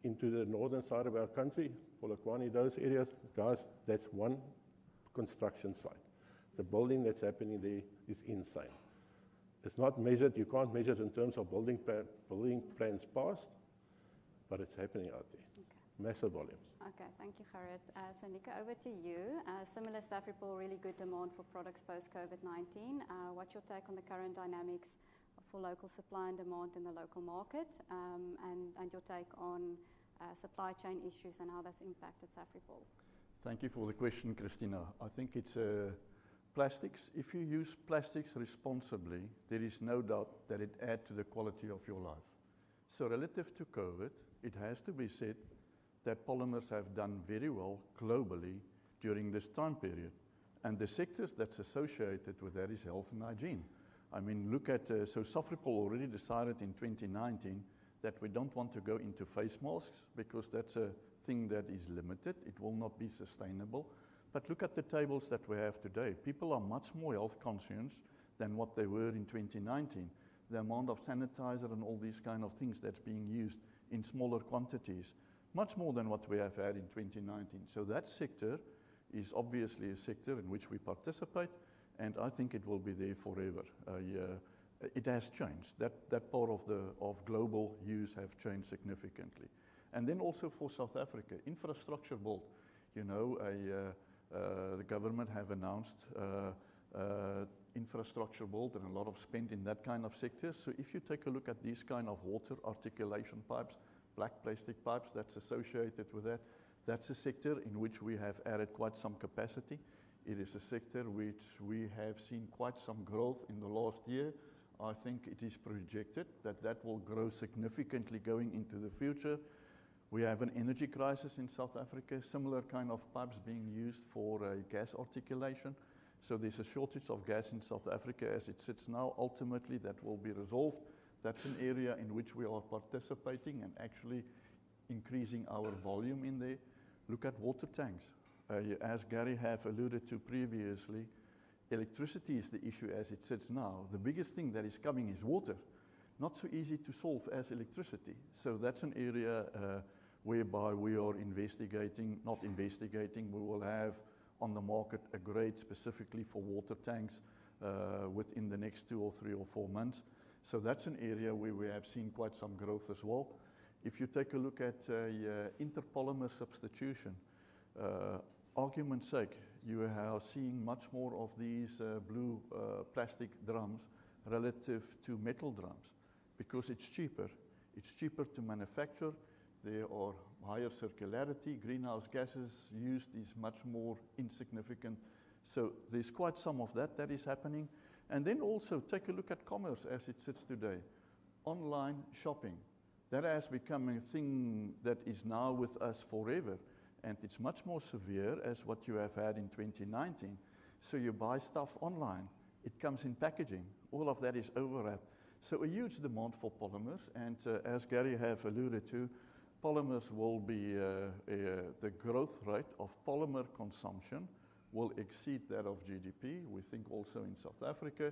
into the northern side of our country, Polokwane, those areas, guys, that's one construction site. The building that's happening there is insane. It's not measured. You can't measure it in terms of building plans passed, but it's happening out there. Okay. Massive volumes. Okay. Thank you, Gerhard. Nico, over to you. Similar, Safripol, really good demand for products post COVID-19. What's your take on the current dynamics for local supply and demand in the local market, and your take on supply chain issues and how that's impacted Safripol? Thank you for the question, Christina. I think it's plastics. If you use plastics responsibly, there is no doubt that it add to the quality of your life. Relative to COVID, it has to be said that polymers have done very well globally during this time period. The sectors that's associated with that is health and hygiene. I mean, look at so Safripol already decided in 2019 that we don't want to go into face masks because that's a thing that is limited. It will not be sustainable. Look at the tables that we have today. People are much more health conscious than what they were in 2019. The amount of sanitizer and all these kind of things that's being used in smaller quantities, much more than what we have had in 2019. That sector is obviously a sector in which we participate, and I think it will be there forever. Yeah, it has changed. That part of global use have changed significantly. Also for South Africa, infrastructure build. You know, the government have announced infrastructure build and a lot of spend in that kind of sector. If you take a look at these kind of water reticulation pipes, black plastic pipes that's associated with that's a sector in which we have added quite some capacity. It is a sector which we have seen quite some growth in the last year. I think it is projected that that will grow significantly going into the future. We have an energy crisis in South Africa, similar kind of pipes being used for gas reticulation. There's a shortage of gas in South Africa as it sits now. Ultimately, that will be resolved. That's an area in which we are participating and actually increasing our volume in there. Look at water tanks. As Gary have alluded to previously, electricity is the issue as it sits now. The biggest thing that is coming is water. Not so easy to solve as electricity. That's an area, whereby we will have on the market a grade specifically for water tanks, within the next two or three or four months. That's an area where we have seen quite some growth as well. If you take a look at, interpolymer substitution, argument's sake, you are seeing much more of these, blue, plastic drums relative to metal drums because it's cheaper. It's cheaper to manufacture. There are higher circularity. Greenhouse gases used is much more insignificant. There's quite some of that that is happening. Take a look at e-commerce as it sits today. Online shopping, that has become a thing that is now with us forever, and it's much more severe than what you have had in 2019. You buy stuff online, it comes in packaging. All of that is overwrap. A huge demand for polymers. As Gary has alluded to, polymers will be the growth rate of polymer consumption will exceed that of GDP, we think also in South Africa.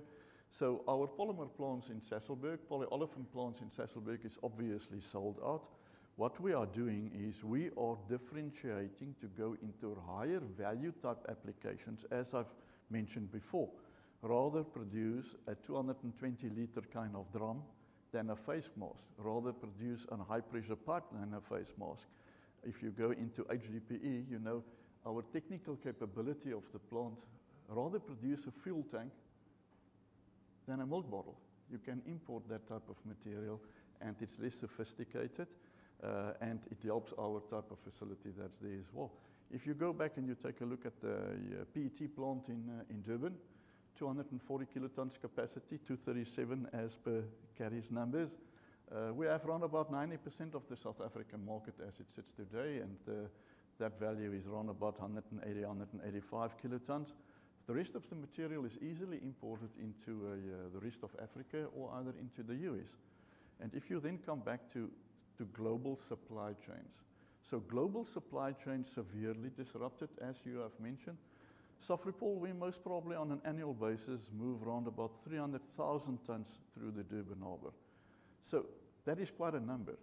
Our polymer plants in Sasolburg, polyolefin plants in Sasolburg is obviously sold out. What we are doing is we are differentiating to go into higher value type applications, as I've mentioned before. Rather produce a 220-liter kind of drum than a face mask. Rather produce a high-pressure pipe than a face mask. If you go into HDPE, you know our technical capability of the plant rather produce a fuel tank than a milk bottle. You can import that type of material, and it's less sophisticated, and it helps our type of facility that's there as well. If you go back and you take a look at the PET plant in Durban, 240 kilotons capacity, 237 as per Gary's numbers, we have around about 90% of the South African market as it sits today, and that value is around about 180, 185 kilotons. The rest of the material is easily imported into the rest of Africa or either into the U.S. If you then come back to global supply chains. Global supply chains severely disrupted, as you have mentioned. Safripol, we most probably on an annual basis move around about 300,000 tons through the Durban harbor. That is quite a number.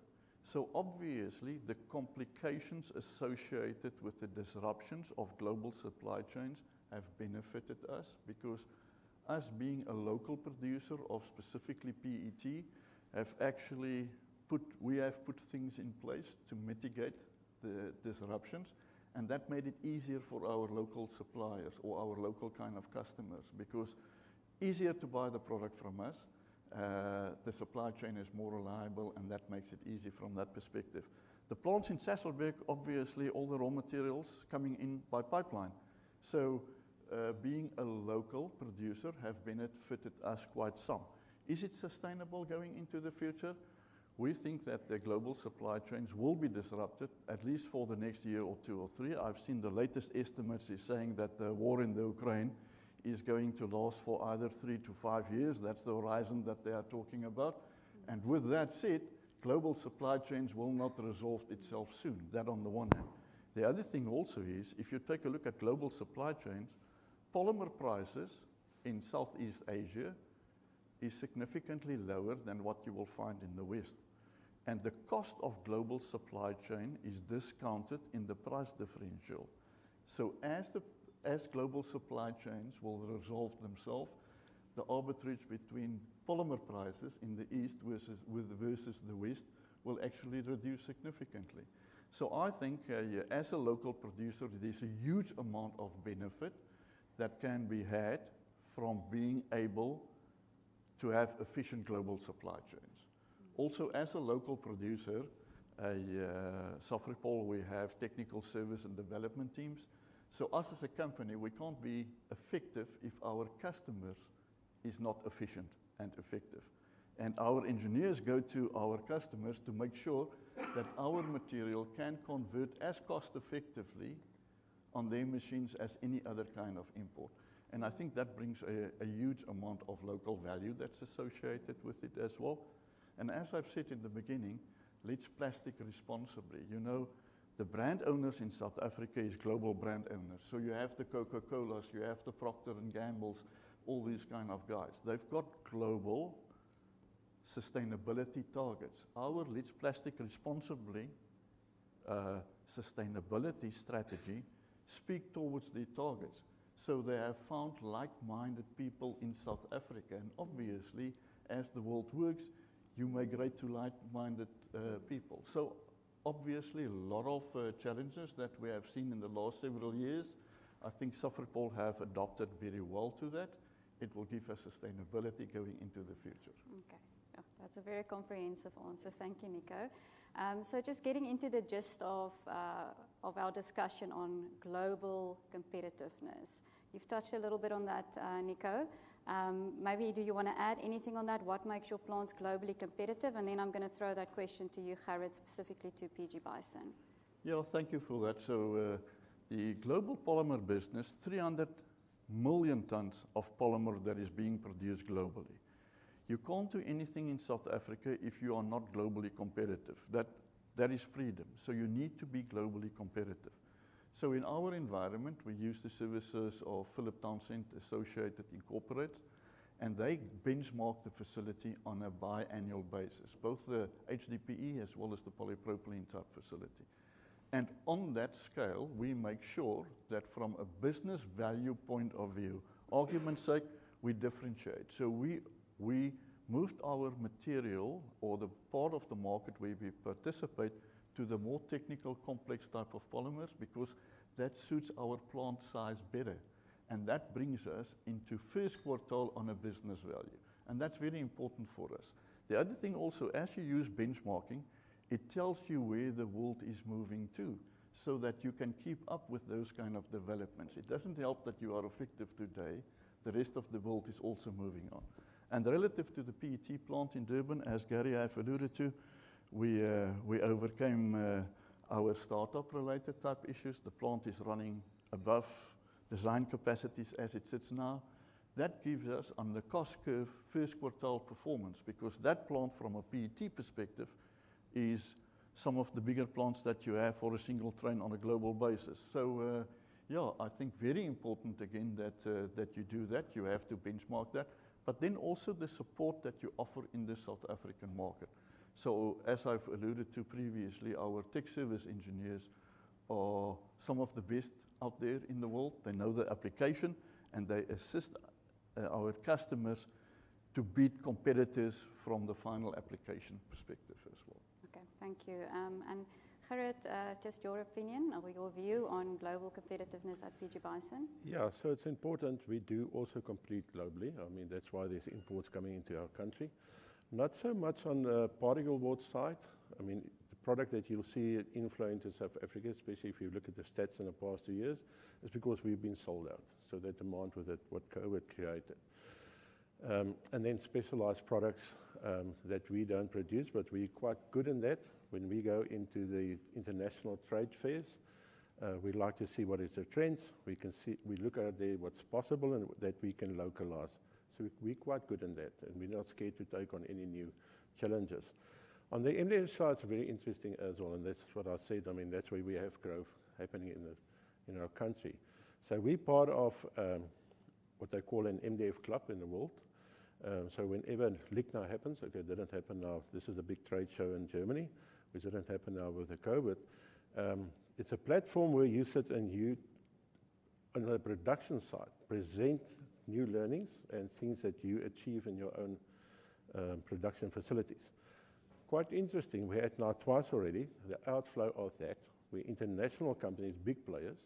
Obviously, the complications associated with the disruptions of global supply chains have benefited us because us being a local producer of specifically PET have put things in place to mitigate the disruptions, and that made it easier for our local suppliers or our local kind of customers because easier to buy the product from us, the supply chain is more reliable, and that makes it easy from that perspective. The plants in Sasolburg, obviously all the raw materials coming in by pipeline. Being a local producer have benefited us quite some. Is it sustainable going into the future? We think that the global supply chains will be disrupted at least for the next year or two or three. I've seen the latest estimates is saying that the war in the Ukraine is going to last for either three to five years. That's the horizon that they are talking about. With that said, global supply chains will not resolve itself soon. That on the one hand. The other thing also is if you take a look at global supply chains, polymer prices in Southeast Asia is significantly lower than what you will find in the West. The cost of global supply chain is discounted in the price differential. As global supply chains will resolve themselves, the arbitrage between polymer prices in the East versus the West will actually reduce significantly. I think, as a local producer, there's a huge amount of benefit that can be had from being able to have efficient global supply chains. Also, as a local producer, Safripol, we have technical service and development teams. Us as a company, we can't be effective if our customers is not efficient and effective. Our engineers go to our customers to make sure that our material can convert as cost effectively on their machines as any other kind of import. I think that brings a huge amount of local value that's associated with it as well. As I've said in the beginning, Let's Plastic Responsibly. You know, the brand owners in South Africa is global brand owners. You have the Coca-Colas, you have the Procter & Gambles, all these kind of guys. They've got global sustainability targets. Our Let's Plastic Responsibly sustainability strategy speak towards their targets. They have found like-minded people in South Africa, and obviously, as the world works, you migrate to like-minded people. Obviously a lot of challenges that we have seen in the last several years. I think South Africa have adapted very well to that. It will give us sustainability going into the future. Okay. Yeah, that's a very comprehensive answer. Thank you, Nico. So just getting into the gist of our discussion on global competitiveness. You've touched a little bit on that, Nico. Maybe do you wanna add anything on that? What makes your plants globally competitive? Then I'm gonna throw that question to you, Gerhard, specifically to PG Bison. Yeah, thank you for that. The global polymer business, 300 million tons of polymer that is being produced globally. You can't do anything in South Africa if you are not globally competitive. That is freedom. You need to be globally competitive. In our environment, we use the services of Phillip Townsend Associates, and they benchmark the facility on a biannual basis, both the HDPE as well as the polypropylene type facility. On that scale, we make sure that from a business value point of view, for argument's sake, we differentiate. We moved our material or the part of the market where we participate to the more technical, complex type of polymers because that suits our plant size better, and that brings us into first quartile on a business value, and that's very important for us. The other thing also, as you use benchmarking, it tells you where the world is moving to so that you can keep up with those kind of developments. It doesn't help that you are effective today. The rest of the world is also moving on. Relative to the PET plant in Durban, as Gary have alluded to, we overcame our startup related type issues. The plant is running above design capacities as it sits now. That gives us, on the cost curve, first quartile performance, because that plant, from a PET perspective, is some of the bigger plants that you have for a single train on a global basis. So, yeah, I think very important again that you do that. You have to benchmark that. Also the support that you offer in the South African market. As I've alluded to previously, our tech service engineers are some of the best out there in the world. They know the application, and they assist our customers to beat competitors from the final application perspective as well. Okay. Thank you. Gerhard, just your opinion or your view on global competitiveness at PG Bison. Yeah. It's important we do also compete globally. I mean, that's why there's imports coming into our country. Not so much on the particle board side. I mean, the product that you'll see inflow into South Africa, especially if you look at the stats in the past two years, is because we've been sold out. The demand with it, what COVID created. And then specialized products that we don't produce, but we're quite good in that when we go into the international trade fairs, we like to see what is the trends. We look at what's possible and that we can localize. We're quite good in that, and we're not scared to take on any new challenges. On the MDF side, it's very interesting as well, and that's what I said. I mean, that's where we have growth happening in the, in our country. We're part of what they call an MDF club in the world. Whenever LIGNA happens, okay, it didn't happen now. This is a big trade show in Germany which didn't happen now with the COVID. It's a platform where you sit and you, on a production side, present new learnings and things that you achieve in your own production facilities. Quite interesting, we had now twice already the outflow of that, where international companies, big players,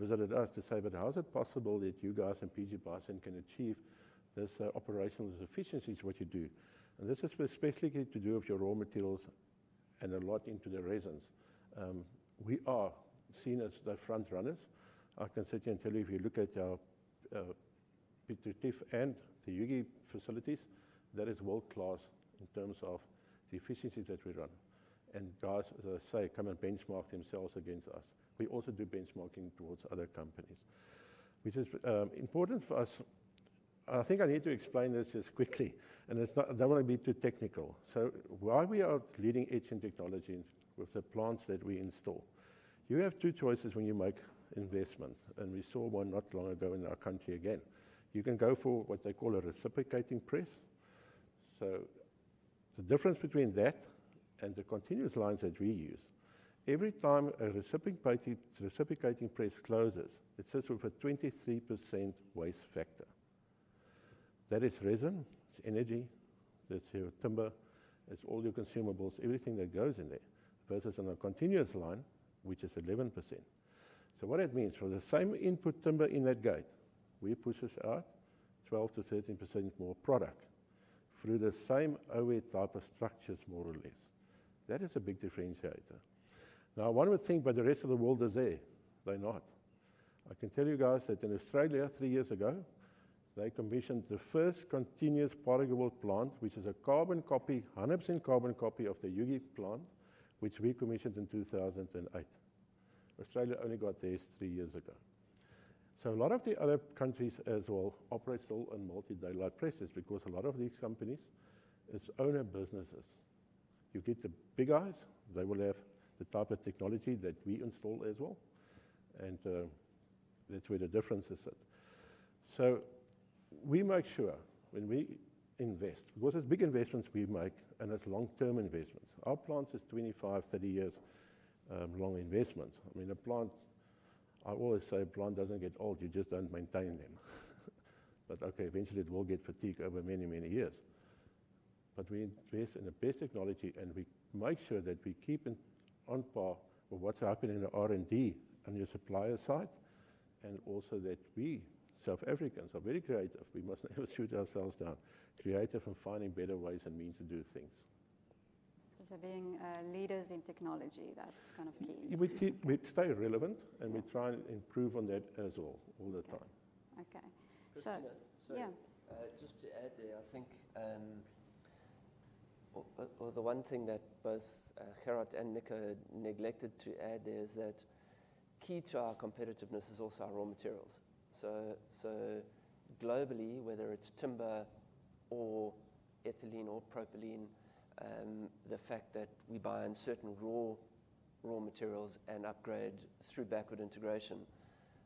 visited us to say, "But how is it possible that you guys in PG Bison can achieve this operational efficiencies what you do?" This is specifically to do with your raw materials and a lot into the resins. We are seen as the front runners. I can sit here and tell you, if you look at our Piet Retief and the Ugie facilities, that is world-class in terms of the efficiencies that we run. Guys, as I say, come and benchmark themselves against us. We also do benchmarking towards other companies, which is important for us. I think I need to explain this just quickly, and it's not. I don't want to be too technical. Why we are leading edge in technology with the plants that we install? You have two choices when you make investments, and we saw one not long ago in our country again. You can go for what they call a reciprocating press. The difference between that and the continuous lines that we use, every time a reciprocating press closes, it sits with a 23% waste factor. That is resin, it's energy, that's your timber, it's all your consumables, everything that goes in there, versus on a continuous line, which is 11%. What it means, for the same input timber in that gate, we pushes out 12%-13% more product. Through the same OE type of structures, more or less. That is a big differentiator. Now, one would think, but the rest of the world is there. They're not. I can tell you guys that in Australia three years ago, they commissioned the first continuous particleboard plant, which is a carbon copy, a 100% carbon copy of the Ugie plant, which we commissioned in 2008. Australia only got this three years ago. A lot of the other countries as well operate still on multi-daylight presses because a lot of these companies is owner businesses. You get the big guys, they will have the type of technology that we install as well, and that's where the difference is at. We make sure when we invest, because it's big investments we make, and it's long-term investments. Our plants is 25, 30 years, long investments. I mean, a plant. I always say a plant doesn't get old, you just don't maintain them. Okay, eventually it will get fatigued over many, many years. We invest in the best technology, and we make sure that we keep it on par with what's happening in R&D on your supplier side, and also that we, South Africans, are very creative. We must never shoot ourselves down. Creative in finding better ways and means to do things. Being leaders in technology, that's kind of key. We stay relevant, and we try and improve on that as well all the time. Okay. Christina. Yeah. Just to add there, I think, well, the one thing that both Gerhard and Nico neglected to add there is that key to our competitiveness is also our raw materials. Globally, whether it's timber or ethylene or propylene, the fact that we buy in certain raw materials and upgrade through backward integration,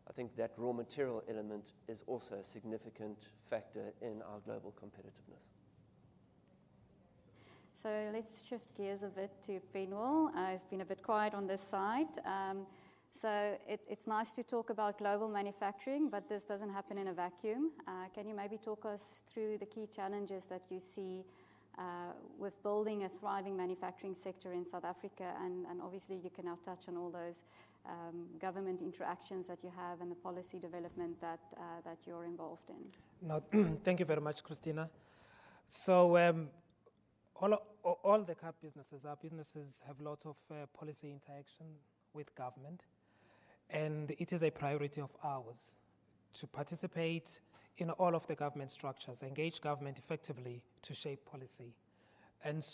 I think that raw material element is also a significant factor in our global competitiveness. Let's shift gears a bit to Penwell. He's been a bit quiet on this side. It's nice to talk about global manufacturing, but this doesn't happen in a vacuum. Can you maybe talk us through the key challenges that you see with building a thriving manufacturing sector in South Africa? Obviously, you can now touch on all those government interactions that you have and the policy development that you're involved in. No. Thank you very much, Christina. All the KAP businesses, our businesses have lots of policy interaction with government, and it is a priority of ours to participate in all of the government structures, engage government effectively to shape policy.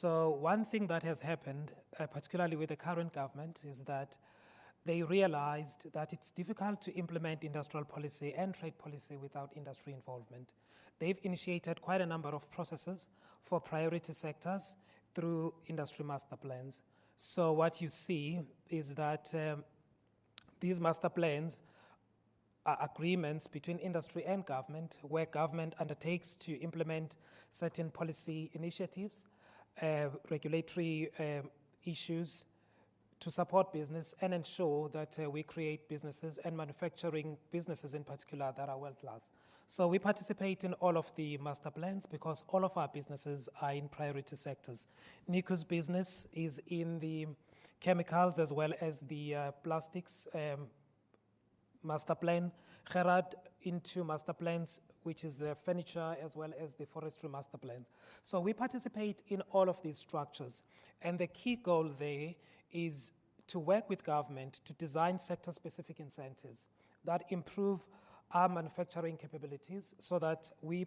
One thing that has happened, particularly with the current government, is that they realized that it's difficult to implement industrial policy and trade policy without industry involvement. They've initiated quite a number of processes for priority sectors through industry master plans. What you see is that these master plans are agreements between industry and government, where government undertakes to implement certain policy initiatives, regulatory issues to support business and ensure that we create businesses and manufacturing businesses in particular that are world-class. We participate in all of the master plans because all of our businesses are in priority sectors. Nico's business is in the chemicals as well as the plastics master plan. Gerhard in two master plans, which is the furniture as well as the forestry master plan. We participate in all of these structures, and the key goal there is to work with government to design sector-specific incentives that improve our manufacturing capabilities so that we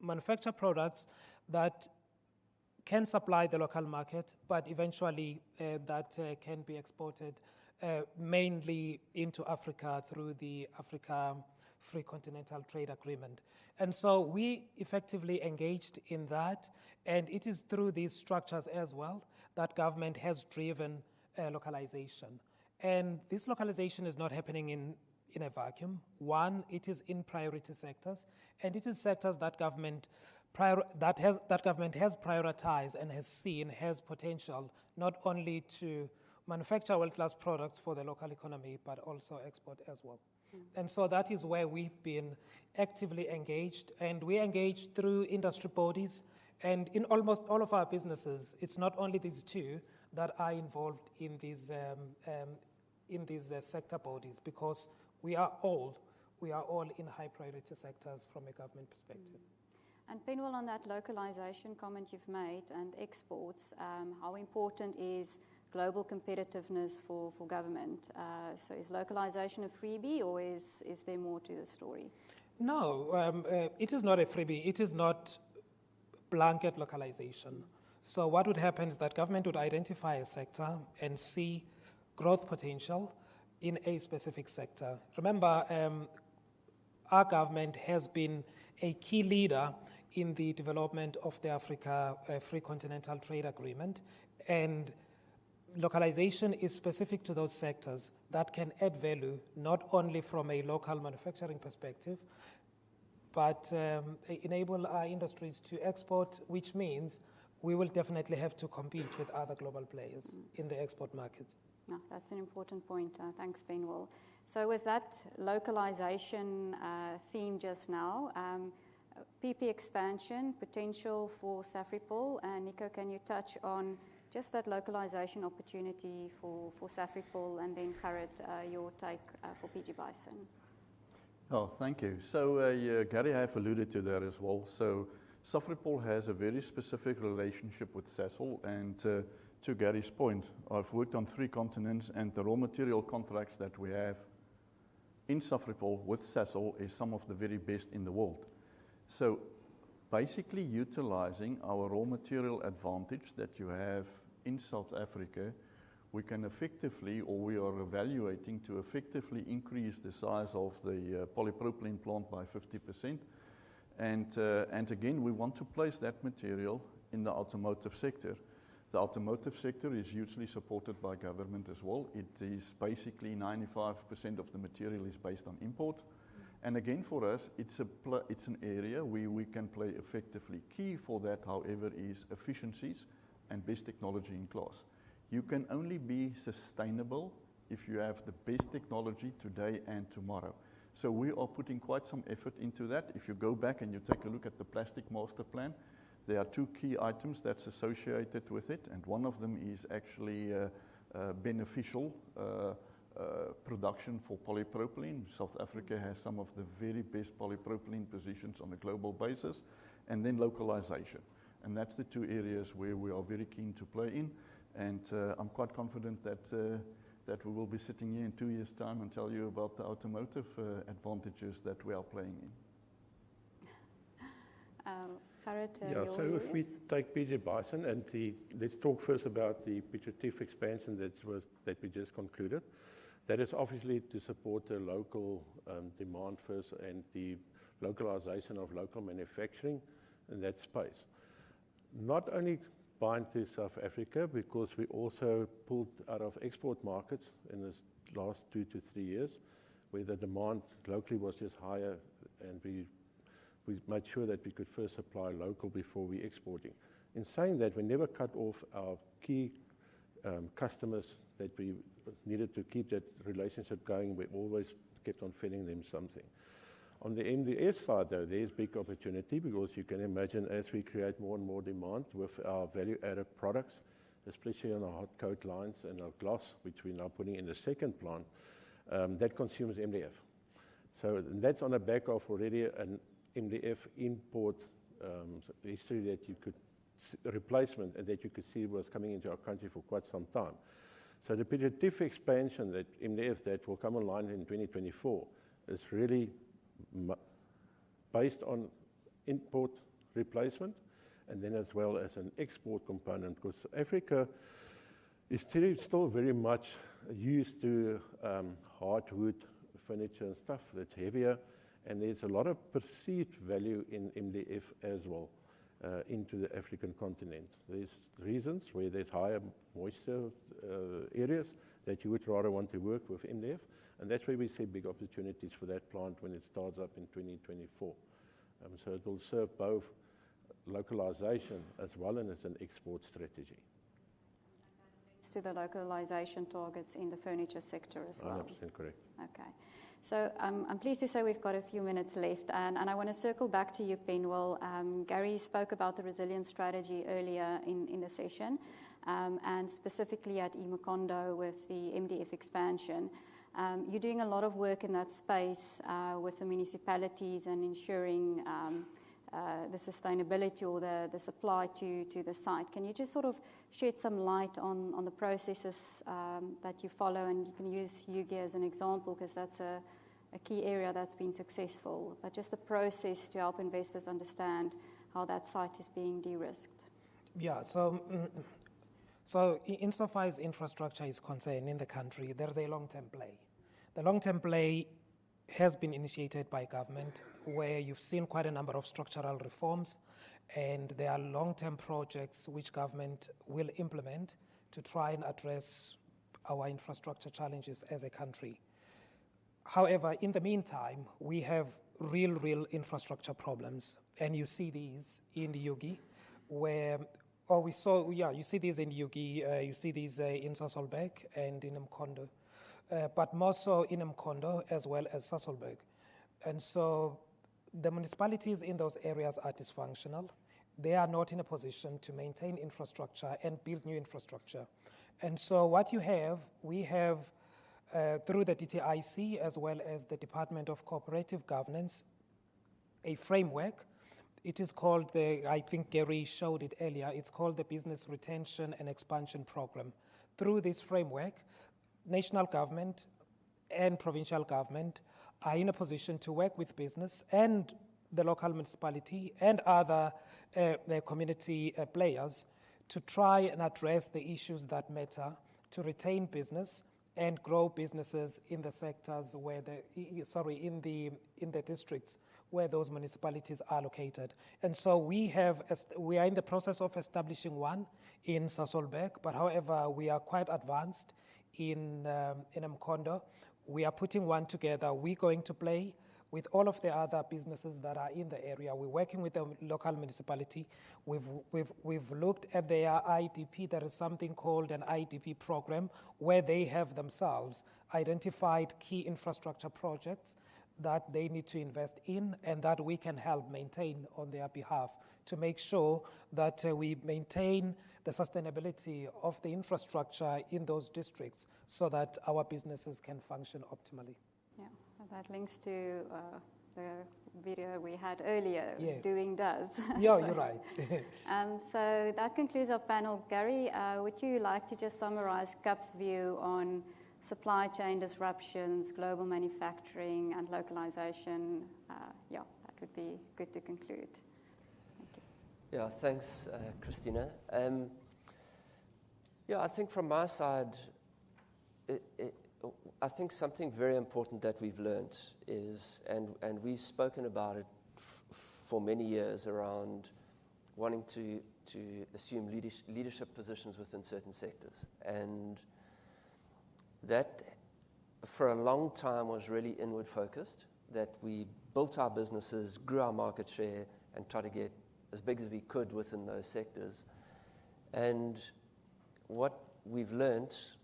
manufacture products that can supply the local market, but eventually that can be exported mainly into Africa through the African Continental Free Trade Area. We effectively engaged in that, and it is through these structures as well that government has driven localization. This localization is not happening in a vacuum. One, it is in priority sectors, and it is sectors that government has prioritized and has seen potential, not only to manufacture world-class products for the local economy, but also export as well. Mm-hmm. That is where we've been actively engaged, and we engage through industry bodies and in almost all of our businesses. It's not only these two that are involved in these sector bodies because we are all in high-priority sectors from a government perspective. Penwell, on that localization comment you've made and exports, how important is global competitiveness for government? Is localization a freebie, or is there more to the story? No, it is not a freebie. It is not blanket localization. What would happen is that government would identify a sector and see growth potential in a specific sector. Remember, our government has been a key leader in the development of the African Continental Free Trade Agreement, and localization is specific to those sectors that can add value, not only from a local manufacturing perspective, but enable our industries to export, which means we will definitely have to compete with other global players- Mm-hmm. In the export markets. No, that's an important point. Thanks, Penwell. With that localization theme just now, PP expansion potential for Safripol. Nico, can you touch on just that localization opportunity for Safripol, and then Gerhard, your take for PG Bison? Oh, thank you. Yeah, Gary has alluded to that as well. Safripol has a very specific relationship with Sasol, and to Gary's point, I've worked on three continents, and the raw material contracts that we have in Safripol with Sasol are some of the very best in the world. Basically, utilizing our raw material advantage that you have in South Africa, we are evaluating to effectively increase the size of the polypropylene plant by 50%. Again, we want to place that material in the automotive sector. The automotive sector is usually supported by government as well. It is basically 95% of the material is based on imports. Again, for us, it's an area where we can play effectively. Key for that, however, is efficiency and best-in-class technology. You can only be sustainable if you have the best technology today and tomorrow. We are putting quite some effort into that. If you go back and you take a look at the plastic master plan, there are two key items that's associated with it, and one of them is actually beneficiation production for polypropylene. South Africa has some of the very best polypropylene positions on a global basis, and then localization. That's the two areas where we are very keen to play in, and I'm quite confident that we will be sitting here in two years' time and tell you about the automotive advantages that we are playing in. Gerhard, your views. Yeah. If we take PG Bison. Let's talk first about the Piet Retief expansion that we just concluded. That is obviously to support the local demand first and the localization of local manufacturing in that space. Not only limited to South Africa because we also pulled out of export markets in this last two to three years, where the demand locally was just higher, and we made sure that we could first supply local before we exporting. In saying that, we never cut off our key customers that we needed to keep that relationship going. We always kept on feeding them something. On the MDF side, though, there's big opportunity because you can imagine as we create more and more demand with our value-added products, especially on our hot coat lines and our glass, which we're now putting in the second plant, that consumes MDF. That's on the back of already an MDF import replacement history that you could see was coming into our country for quite some time. The Piet Retief expansion, that MDF that will come online in 2024, is really based on import replacement and then as well as an export component 'cause Africa is still very much used to hardwood furniture and stuff that's heavier, and there's a lot of perceived value in MDF as well into the African continent. There's reasons where there's higher moisture, areas that you would rather want to work with MDF, and that's where we see big opportunities for that plant when it starts up in 2024. It will serve both localization as well and as an export strategy. That links to the localization targets in the furniture sector as well. 100% correct. Okay. I'm pleased to say we've got a few minutes left, and I wanna circle back to you, Penwell. Gary spoke about the resilience strategy earlier in the session. Specifically at eMkhondo with the MDF expansion. You're doing a lot of work in that space with the municipalities and ensuring the sustainability or the supply to the site. Can you just sort of shed some light on the processes that you follow? You can use Ugie as an example 'cause that's a key area that's been successful. Just the process to help investors understand how that site is being de-risked. Insofar as infrastructure is concerned in the country, there is a long-term play. The long-term play has been initiated by government, where you've seen quite a number of structural reforms, and there are long-term projects which government will implement to try and address our infrastructure challenges as a country. However, in the meantime, we have real infrastructure problems, and you see these in Ugie, in Sasolburg and in eMkhondo. But more so in eMkhondo as well as Sasolburg. The municipalities in those areas are dysfunctional. They are not in a position to maintain infrastructure and build new infrastructure. We have, through the DTIC as well as the Department of Cooperative Governance, a framework. It is called the, I think Gary showed it earlier, it's called the Business Retention and Expansion Program. Through this framework, national government and provincial government are in a position to work with business and the local municipality and other community players to try and address the issues that matter to retain business and grow businesses in the sectors where the, in the districts where those municipalities are located. We are in the process of establishing one in Sasolburg, but however, we are quite advanced in eMkhondo. We are putting one together. We're going to play with all of the other businesses that are in the area. We're working with the local municipality. We've looked at their IDP. There is something called an IDP program, where they have themselves identified key infrastructure projects that they need to invest in and that we can help maintain on their behalf to make sure that we maintain the sustainability of the infrastructure in those districts so that our businesses can function optimally. Yeah. That links to the video we had earlier. Yeah. Doing does. Yeah. You're right. That concludes our panel. Gary, would you like to just summarize KAP's view on supply chain disruptions, global manufacturing, and localization? Yeah, that would be good to conclude. Thank you. Yeah. Thanks, Christina. I think from my side, something very important that we've learnt is, we've spoken about it for many years around wanting to assume leadership positions within certain sectors. That, for a long time, was really inward-focused, that we built our businesses, grew our market share, and tried to get as big as we could within those sectors. What we've learnt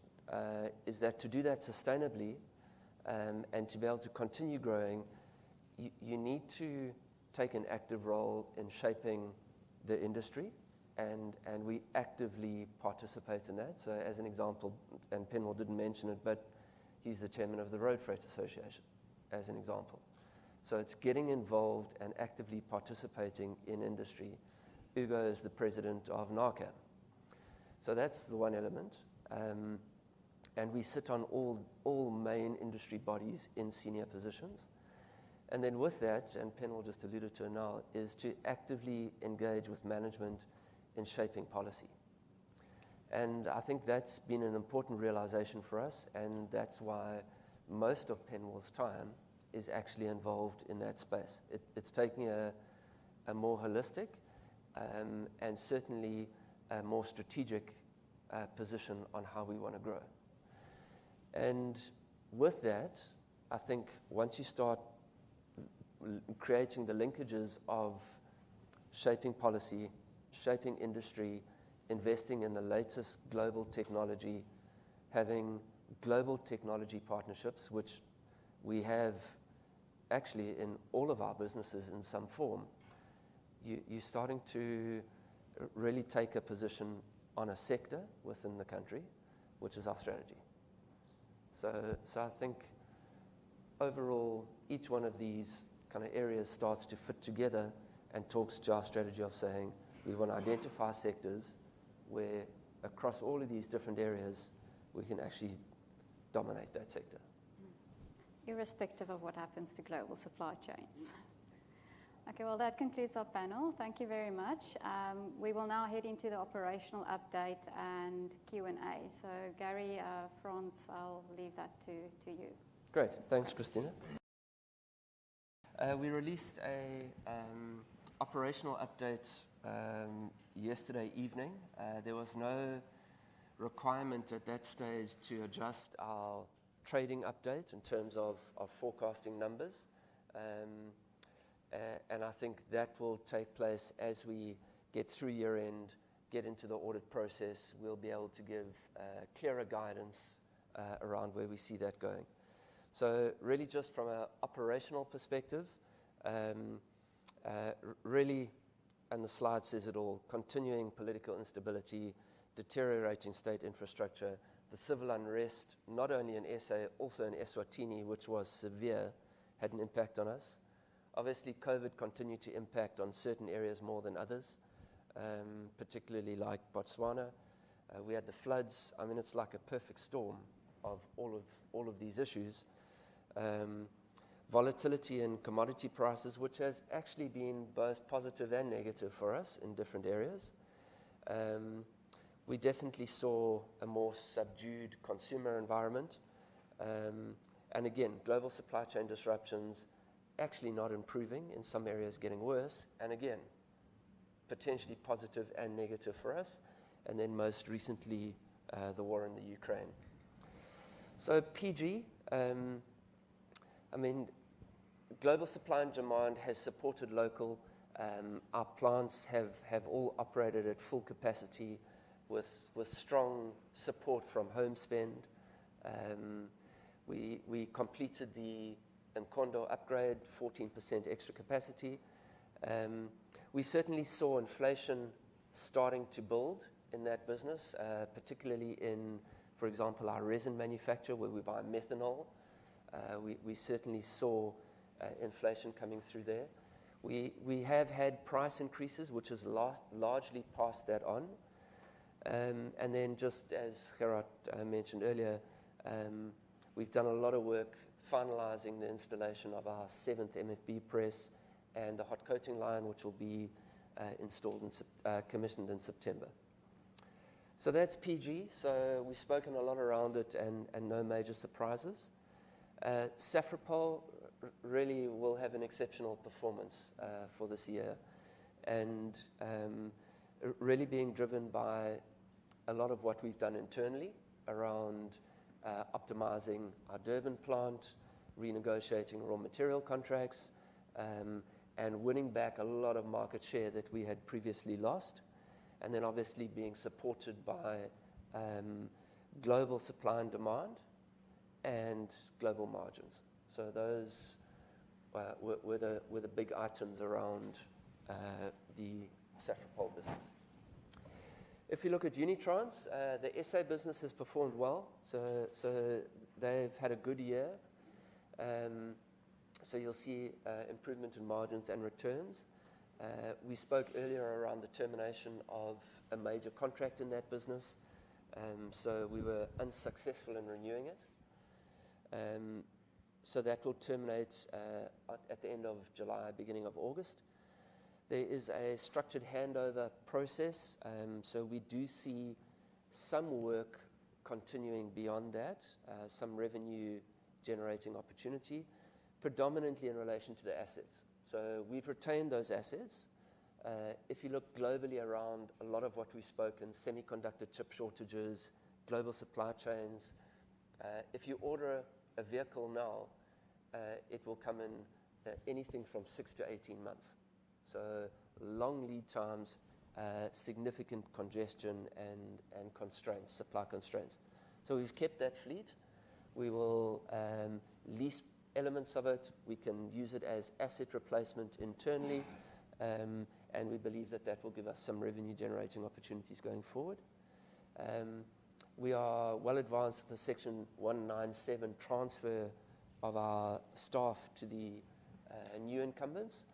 is that to do that sustainably, and to be able to continue growing, you need to take an active role in shaping the industry, and we actively participate in that. As an example, Penwell didn't mention it, but he's the chairman of the Road Freight Association, as an example. It's getting involved and actively participating in industry. Hugo is the president of NAACAM. That's the one element. We sit on all main industry bodies in senior positions. Then with that, Penwell just alluded to it now, is to actively engage with management in shaping policy. I think that's been an important realization for us, and that's why most of Penwell's time is actually involved in that space. It's taking a more holistic and certainly a more strategic position on how we wanna grow. With that, I think once you start creating the linkages of shaping policy, shaping industry, investing in the latest global technology, having global technology partnerships, which we have actually in all of our businesses in some form, you're starting to really take a position on a sector within the country, which is our strategy. I think overall, each one of these kinda areas starts to fit together and talks to our strategy of saying we wanna identify sectors where, across all of these different areas, we can actually dominate that sector. Irrespective of what happens to global supply chains. Okay. Well, that concludes our panel. Thank you very much. We will now head into the operational update and Q and A. Gary, Frans, I'll leave that to you. Great. Thanks, Christina. We released a operational update yesterday evening. There was no requirement at that stage to adjust our trading update in terms of our forecasting numbers. I think that will take place as we get through year-end, get into the audit process. We'll be able to give clearer guidance around where we see that going. Really just from a operational perspective, really, the slide says it all, continuing political instability, deteriorating state infrastructure, the civil unrest, not only in SA, also in Eswatini, which was severe, had an impact on us. Obviously, COVID continued to impact on certain areas more than others, particularly like Botswana. We had the floods. I mean, it's like a perfect storm of all of these issues. Volatility in commodity prices, which has actually been both positive and negative for us in different areas. We definitely saw a more subdued consumer environment. Global supply chain disruptions actually not improving, in some areas getting worse, and again, potentially positive and negative for us. Most recently, the war in the Ukraine. PG, I mean, global supply and demand has supported local. Our plants have all operated at full capacity with strong support from home spend. We completed the eMkhondo upgrade, 14% extra capacity. We certainly saw inflation starting to build in that business, particularly in, for example, our resin manufacture where we buy methanol. We certainly saw inflation coming through there. We have had price increases, which has largely passed that on. Just as Gerhard mentioned earlier, we've done a lot of work finalizing the installation of our seventh MFB press and the hot coating line, which will be commissioned in September. That's PG. We've spoken a lot around it and no major surprises. Safripol really will have an exceptional performance for this year and really being driven by a lot of what we've done internally around optimizing our Durban plant, renegotiating raw material contracts, and winning back a lot of market share that we had previously lost. Then obviously being supported by global supply and demand and global margins. Those were the big items around the Safripol business. If you look at Unitrans, the SA business has performed well. They've had a good year. You'll see improvement in margins and returns. We spoke earlier around the termination of a major contract in that business. We were unsuccessful in renewing it. That will terminate at the end of July, beginning of August. There is a structured handover process, we do see some work continuing beyond that, some revenue generating opportunity, predominantly in relation to the assets. We've retained those assets. If you look globally around a lot of what we spoke, in semiconductor chip shortages, global supply chains, if you order a vehicle now, it will come in, anything from 6 to 18 months. Long lead times, significant congestion and constraints, supply constraints. We've kept that fleet. We will lease elements of it. We can use it as asset replacement internally, and we believe that that will give us some revenue generating opportunities going forward. We are well advanced with the Section 197 transfer of our staff to the new incumbents.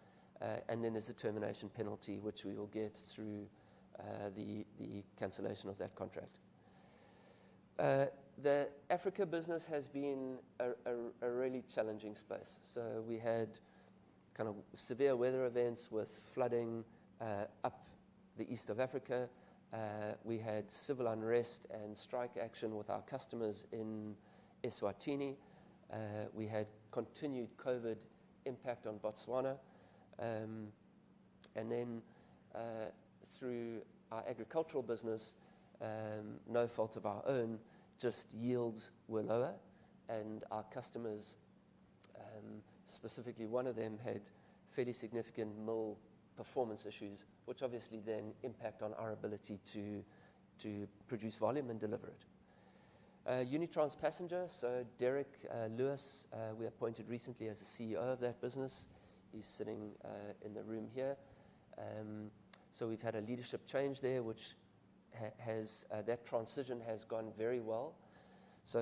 And then there's a termination penalty, which we will get through the cancellation of that contract. The Africa business has been a really challenging space. We had kind of severe weather events with flooding up the east of Africa. We had civil unrest and strike action with our customers in Eswatini. We had continued COVID impact on Botswana. Through our agricultural business, no fault of our own, just yields were lower, and our customers, specifically one of them had fairly significant mill performance issues, which obviously then impact on our ability to produce volume and deliver it. Unitrans Passenger, Derek Lewis, we appointed recently as the CEO of that business. He's sitting in the room here. We've had a leadership change there, which has. That transition has gone very well.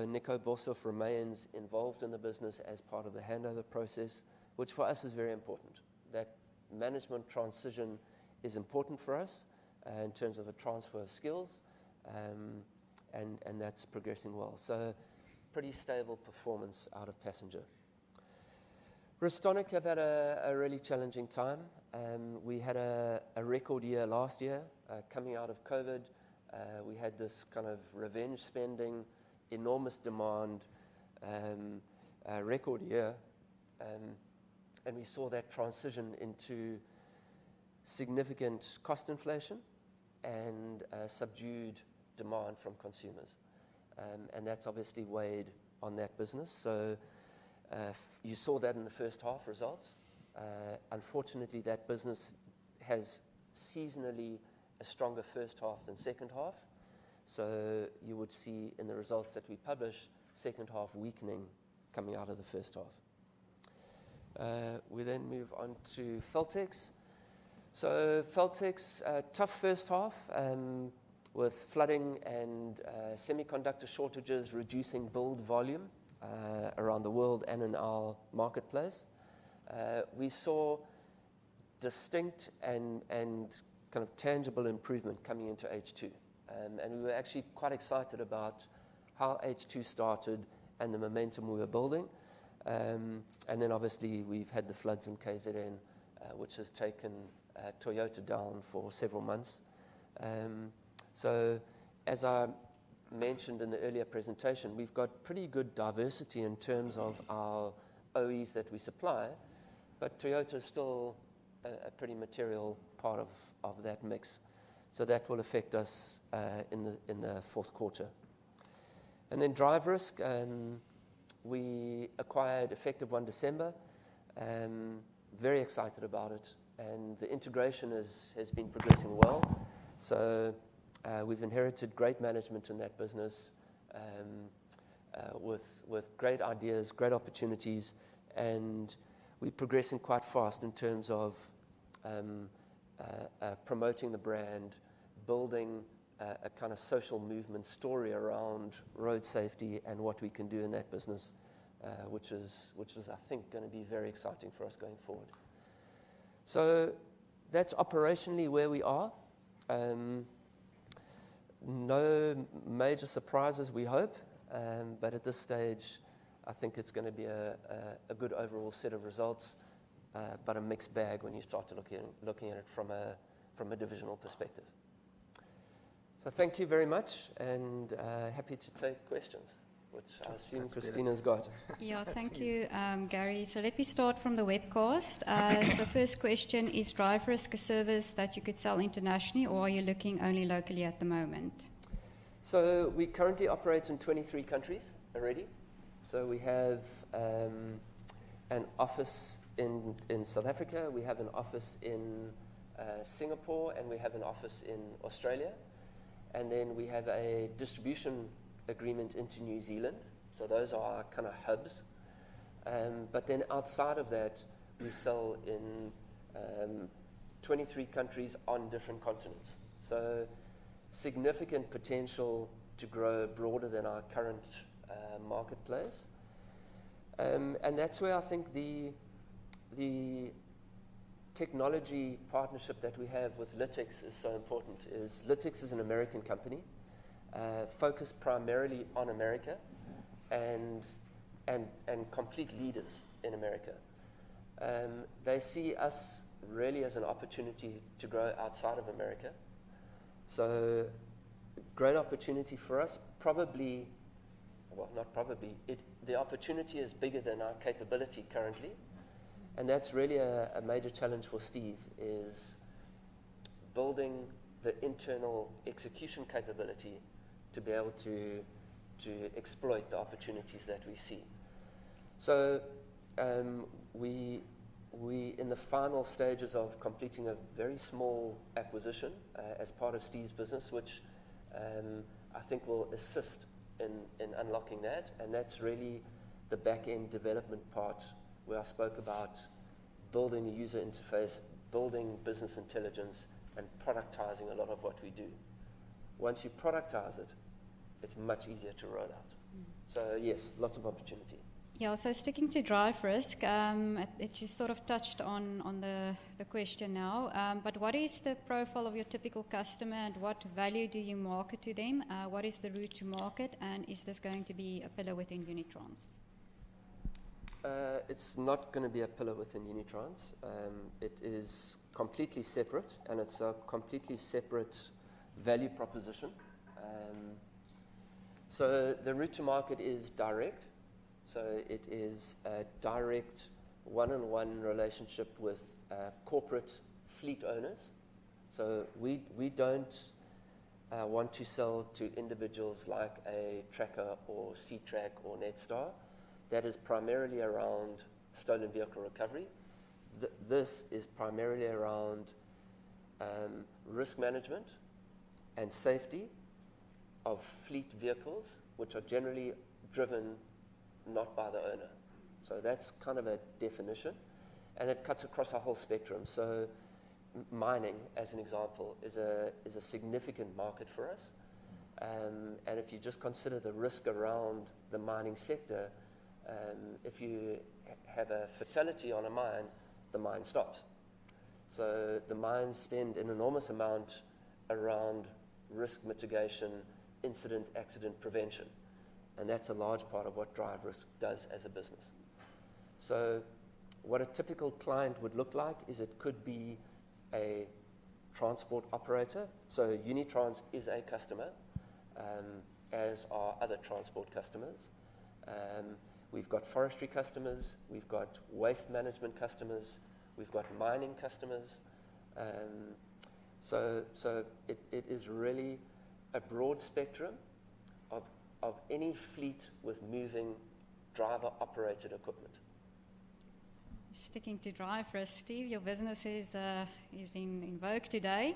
Nico Boshoff remains involved in the business as part of the handover process, which for us is very important, that management transition is important for us, in terms of a transfer of skills. That's progressing well. Pretty stable performance out of Passenger. Restonic have had a really challenging time. We had a record year last year, coming out of COVID. We had this kind of revenge spending, enormous demand, a record year. We saw that transition into significant cost inflation and subdued demand from consumers. That's obviously weighed on that business. You saw that in the first half results. Unfortunately, that business has seasonally a stronger first half than second half. You would see in the results that we publish, second half weakening coming out of the first half. We then move on to Feltex. Feltex, a tough first half, with flooding and semiconductor shortages reducing build volume, around the world and in our marketplace. We saw distinct and kind of tangible improvement coming into H2. We were actually quite excited about how H2 started and the momentum we were building. Obviously, we've had the floods in KZN, which has taken Toyota down for several months. As I mentioned in the earlier presentation, we've got pretty good diversity in terms of our OEs that we supply, but Toyota is still a pretty material part of that mix. That will affect us in the fourth quarter. DriveRisk we acquired effective 1 December. Very excited about it, and the integration has been progressing well. We've inherited great management in that business with great ideas, great opportunities, and we're progressing quite fast in terms of promoting the brand, building a kind of social movement story around road safety and what we can do in that business, which is, I think, gonna be very exciting for us going forward. That's operationally where we are. No major surprises, we hope, but at this stage, I think it's gonna be a good overall set of results, but a mixed bag when you start to look at it from a divisional perspective. Thank you very much, and happy to take questions, which I assume Christina's got. Yeah. Thank you, Gary. Let me start from the webcast. First question, is DriveRisk a service that you could sell internationally, or are you looking only locally at the moment? We currently operate in 23 countries already. We have an office in South Africa. We have an office in Singapore, and we have an office in Australia. Then we have a distribution agreement into New Zealand. Those are kinda hubs. But then outside of that, we sell in 23 countries on different continents. Significant potential to grow broader than our current marketplace. That's where I think the technology partnership that we have with Lytx is so important. Lytx is an American company, focused primarily on America and complete leaders in America. They see us really as an opportunity to grow outside of America. Great opportunity for us. Probably. Well, not probably. The opportunity is bigger than our capability currently, and that's really a major challenge for Steve, is building the internal execution capability to be able to exploit the opportunities that we see. We in the final stages of completing a very small acquisition as part of Steve's business, which I think will assist in unlocking that, and that's really the back-end development part where I spoke about building the user interface, building business intelligence, and productizing a lot of what we do. Once you productize it's much easier to roll out. Mm-hmm. Yes, lots of opportunity. Sticking to DriveRisk, you sort of touched on the question now. What is the profile of your typical customer, and what value do you market to them? What is the route to market, and is this going to be a pillar within Unitrans? It's not gonna be a pillar within Unitrans. It is completely separate, and it's a completely separate value proposition. The route to market is direct. It is a direct one-on-one relationship with corporate fleet owners. We don't want to sell to individuals like a Tracker or Ctrack or Netstar. That is primarily around stolen vehicle recovery. This is primarily around risk management and safety of fleet vehicles, which are generally driven not by the owner. That's kind of a definition, and it cuts across our whole spectrum. Mining, as an example, is a significant market for us. If you just consider the risk around the mining sector, if you have a fatality on a mine, the mine stops. The mines spend an enormous amount around risk mitigation, incident, accident prevention, and that's a large part of what DriveRisk does as a business. What a typical client would look like is it could be a transport operator. Unitrans is a customer, as are other transport customers. We've got forestry customers. We've got waste management customers. We've got mining customers. It is really a broad spectrum of any fleet with moving driver-operated equipment. Sticking to DriveRisk, Steve, your business is in vogue today.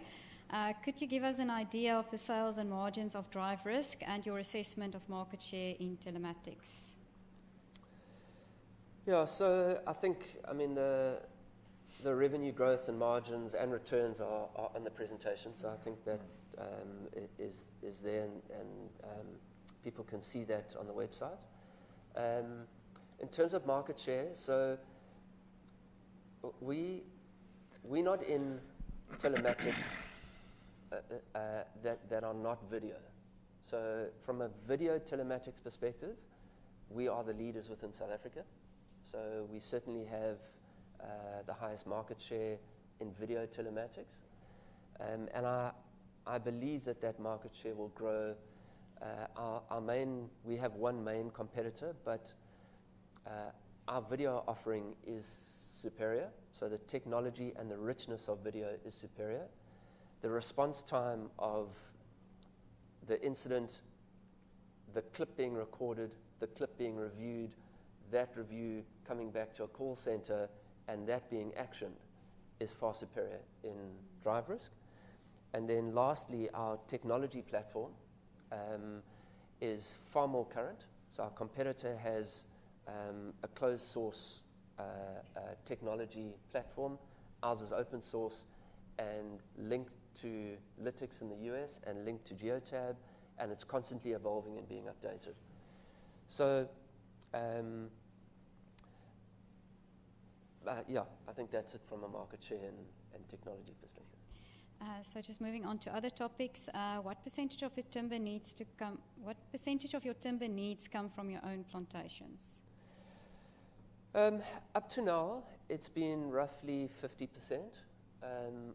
Could you give us an idea of the sales and margins of DriveRisk and your assessment of market share in telematics? Yeah. I think, I mean, the revenue growth and margins and returns are in the presentation. I think that is there and people can see that on the website. In terms of market share, we are not in telematics that are not video. From a video telematics perspective, we are the leaders within South Africa. We certainly have the highest market share in video telematics. I believe that market share will grow. We have one main competitor, but our video offering is superior. The technology and the richness of video is superior. The response time of the incident, the clip being recorded, the clip being reviewed, that review coming back to a call center, and that being actioned is far superior in DriveRisk. Lastly, our technology platform is far more current. Our competitor has a closed source technology platform. Ours is open source and linked to Lytx in the U.S. and linked to Geotab, and it's constantly evolving and being updated. Yeah, I think that's it from a market share and technology perspective. Just moving on to other topics. What percentage of your timber needs come from your own plantations? Up to now, it's been roughly 50%.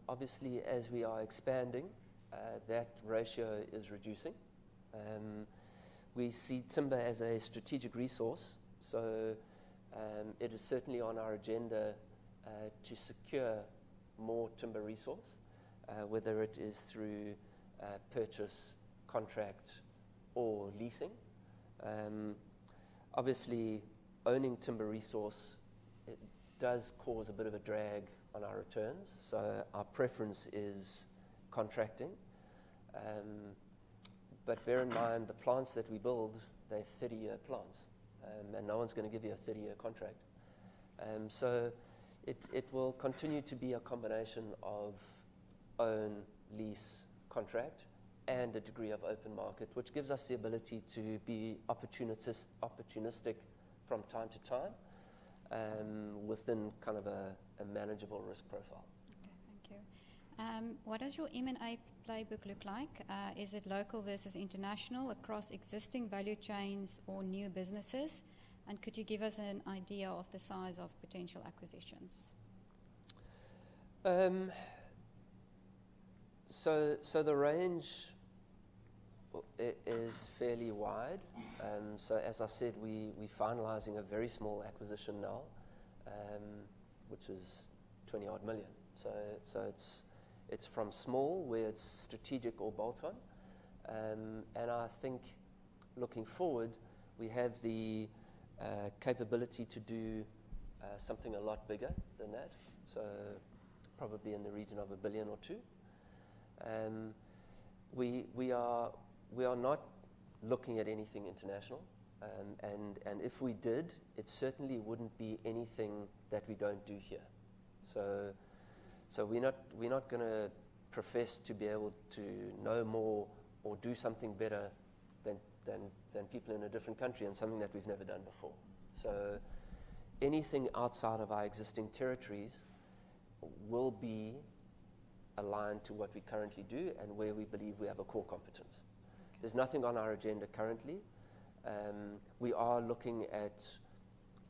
Obviously, as we are expanding, that ratio is reducing. We see timber as a strategic resource, so it is certainly on our agenda to secure more timber resource, whether it is through purchase, contract or leasing. Obviously owning timber resource, it does cause a bit of a drag on our returns, so our preference is contracting. But bear in mind, the plants that we build, they're 30-year plants, and no one's gonna give you a 30-year contract. So it will continue to be a combination of own, lease, contract and a degree of open market, which gives us the ability to be opportunistic from time to time, within kind of a manageable risk profile. Okay. Thank you. What does your M&A playbook look like? Is it local versus international, across existing value chains or new businesses? Could you give us an idea of the size of potential acquisitions? The range is fairly wide. As I said, we are finalizing a very small acquisition now, which is 20-odd million. It's from small, where it's strategic or bolt-on. I think looking forward, we have the capability to do something a lot bigger than that, so probably in the region of 1-2 billion. We are not looking at anything international. If we did, it certainly wouldn't be anything that we don't do here. We're not gonna profess to be able to know more or do something better than people in a different country and something that we've never done before. Anything outside of our existing territories will be aligned to what we currently do and where we believe we have a core competence. Okay. There's nothing on our agenda currently. We are looking at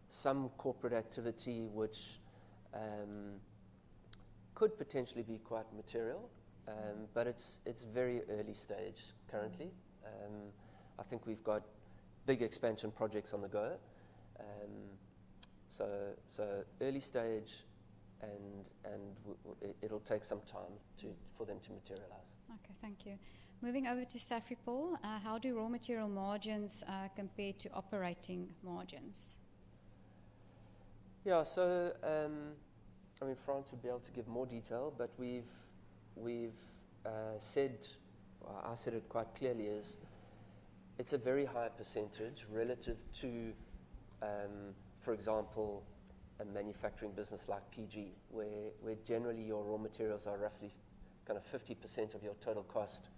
some corporate activity, which could potentially be quite material, but it's very early stage currently. I think we've got big expansion projects on the go. Early stage and it'll take some time for them to materialize. Okay. Thank you. Moving over to Safripol. How do raw material margins compare to operating margins? I mean, Frans would be able to give more detail, but we've said, or I said it quite clearly. It's a very high percentage relative to, for example, a manufacturing business like PG, where generally your raw materials are roughly kinda 50% of your total cost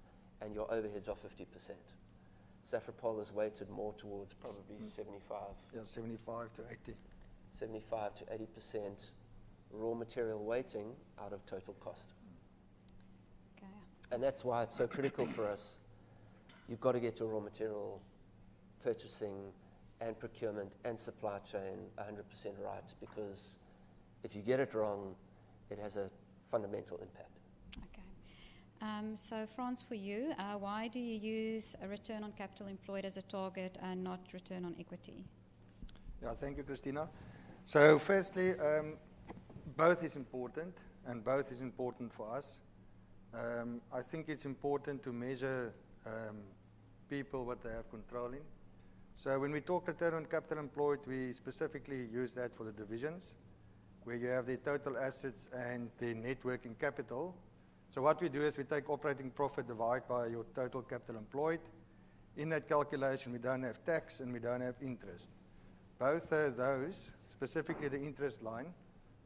and your overheads are 50%. Safripol is weighted more towards probably 75%. Yeah. 75% to 80%. 75%-80% raw material weighting out of total cost. Okay. That's why it's so critical for us. You've gotta get your raw material purchasing and procurement and supply chain 100% right because if you get it wrong, it has a fundamental impact. Okay. Frans, for you, why do you use a return on capital employed as a target and not return on equity? Yeah. Thank you, Christina. Firstly, both is important for us. I think it's important to measure people on what they have control in. When we talk return on capital employed, we specifically use that for the divisions, where you have the total assets and the net working capital. What we do is we take operating profit divided by your total capital employed. In that calculation, we don't have tax and we don't have interest. Both of those, specifically the interest line,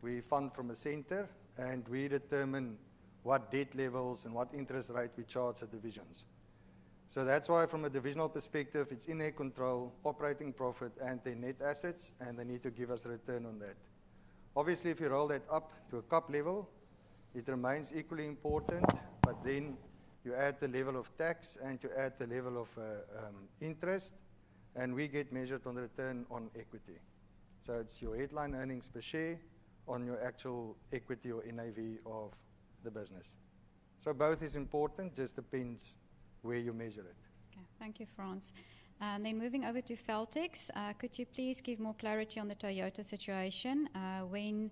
we fund from the center, and we determine what debt levels and what interest rate we charge the divisions. That's why from a divisional perspective, it's in their control, operating profit and their net assets, and they need to give us a return on that. Obviously, if you roll that up to a group level, it remains equally important, but then you add the level of tax and you add the level of interest, and we get measured on the return on equity. It's your headline earnings per share on your actual equity or NAV of the business. Both is important, just depends where you measure it. Okay. Thank you, Frans. Moving over to Feltex. Could you please give more clarity on the Toyota situation? When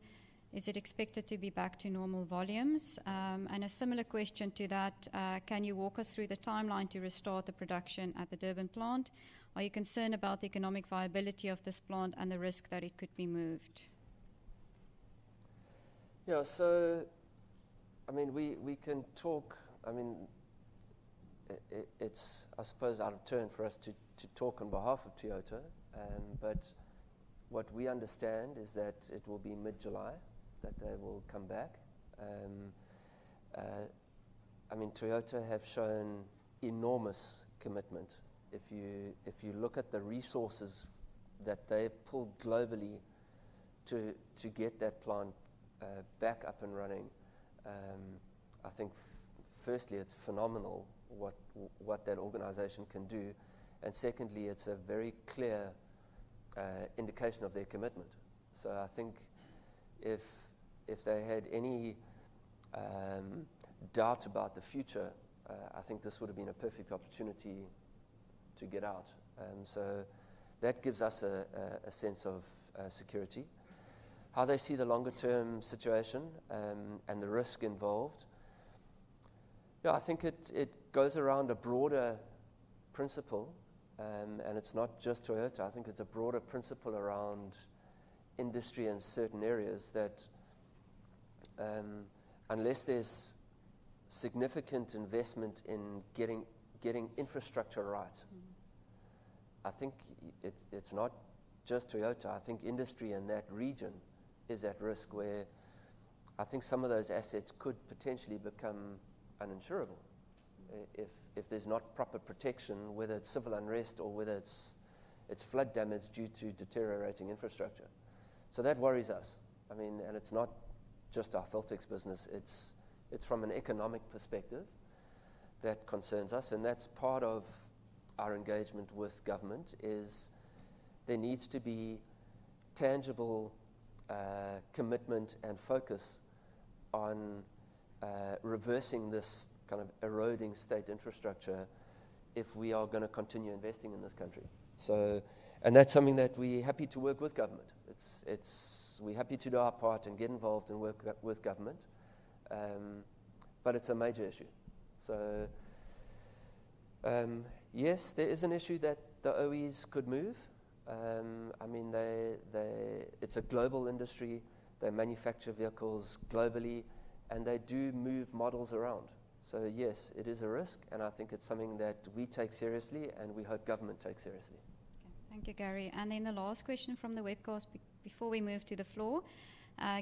is it expected to be back to normal volumes? A similar question to that, can you walk us through the timeline to restore the production at the Durban plant? Are you concerned about the economic viability of this plant and the risk that it could be moved? Yeah. I mean, we can talk. I mean, it's I suppose out of turn for us to talk on behalf of Toyota. But what we understand is that it will be mid-July that they will come back. I mean, Toyota have shown enormous commitment. If you look at the resources that they pulled globally to get that plant back up and running, I think firstly, it's phenomenal what that organization can do. Secondly, it's a very clear indication of their commitment. I think if they had any doubt about the future, I think this would have been a perfect opportunity to get out. That gives us a sense of security. How they see the longer term situation and the risk involved. Yeah, I think it goes around a broader principle, and it's not just Toyota. I think it's a broader principle around industry in certain areas that, unless there's significant investment in getting infrastructure right. Mm-hmm. I think it's not just Toyota. I think industry in that region is at risk where I think some of those assets could potentially become uninsurable if there's not proper protection, whether it's civil unrest or whether it's flood damage due to deteriorating infrastructure. That worries us. I mean, it's not just our Feltex business. It's from an economic perspective that concerns us, and that's part of our engagement with government is there needs to be tangible commitment and focus on reversing this kind of eroding state infrastructure if we are gonna continue investing in this country. That's something that we're happy to work with government. We're happy to do our part and get involved and work with government, but it's a major issue. Yes, there is an issue that the OEs could move. I mean, it's a global industry. They manufacture vehicles globally, and they do move models around. Yes, it is a risk, and I think it's something that we take seriously and we hope government takes seriously. Okay. Thank you, Gary. The last question from the webcast before we move to the floor.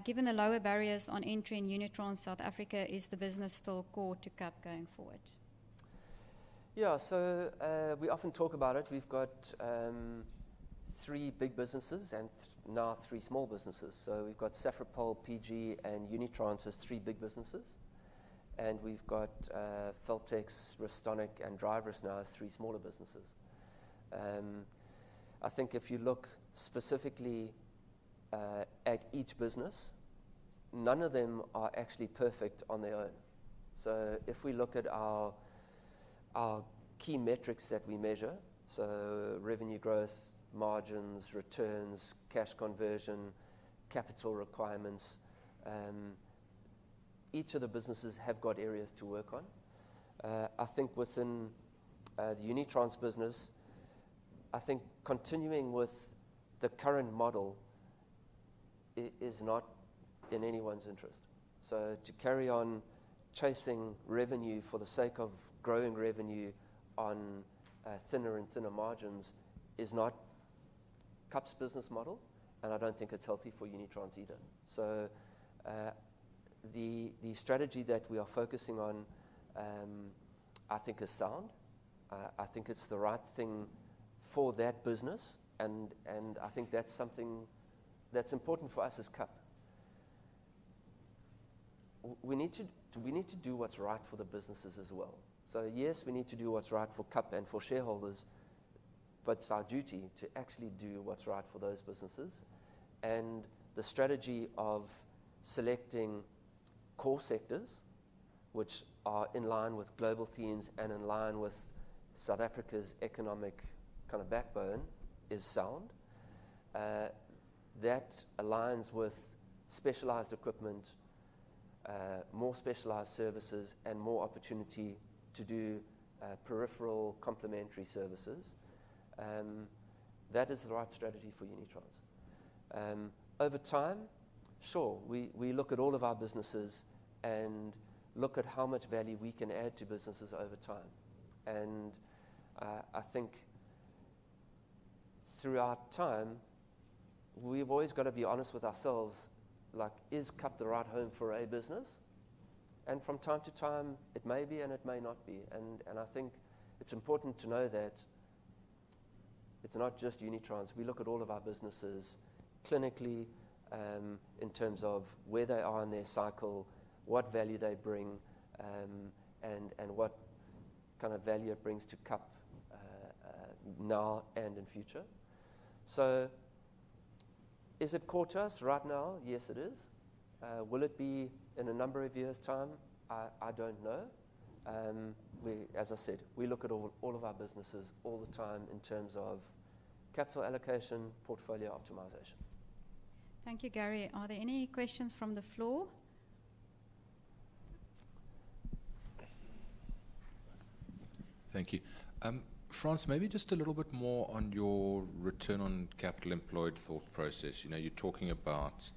Given the lower barriers on entry in Unitrans South Africa, is the business still core to KAP going forward? Yeah. We often talk about it. We've got three big businesses and now three small businesses. We've got Safripol, PG and Unitrans as three big businesses, and we've got Feltex, Restonic and DriveRisk now as three smaller businesses. I think if you look specifically at each business, none of them are actually perfect on their own. If we look at our key metrics that we measure, so revenue growth, margins, returns, cash conversion, capital requirements, each of the businesses have got areas to work on. I think within the Unitrans business, I think continuing with the current model is not in anyone's interest. To carry on chasing revenue for the sake of growing revenue on thinner and thinner margins is not KAP's business model, and I don't think it's healthy for Unitrans either. The strategy that we are focusing on, I think is sound. I think it's the right thing for that business, and I think that's something that's important for us as KAP. We need to do what's right for the businesses as well. Yes, we need to do what's right for KAP and for shareholders, but it's our duty to actually do what's right for those businesses. The strategy of selecting core sectors which are in line with global themes and in line with South Africa's economic kind of backbone is sound. That aligns with specialized equipment, more specialized services and more opportunity to do, peripheral complementary services. That is the right strategy for Unitrans. Over time, sure, we look at all of our businesses and look at how much value we can add to businesses over time. I think throughout time, we've always gotta be honest with ourselves, like is KAP the right home for a business? From time to time, it may be, and it may not be. I think it's important to know that it's not just Unitrans. We look at all of our businesses clinically, in terms of where they are in their cycle, what value they bring, and what kind of value it brings to KAP, now and in future. Is it core to us right now? Yes, it is. Will it be in a number of years' time? I don't know. As I said, we look at all of our businesses all the time in terms of capital allocation, portfolio optimization. Thank you, Gary. Are there any questions from the floor? Thank you. Frans, maybe just a little bit more on your return on capital employed thought process. You know, you're talking about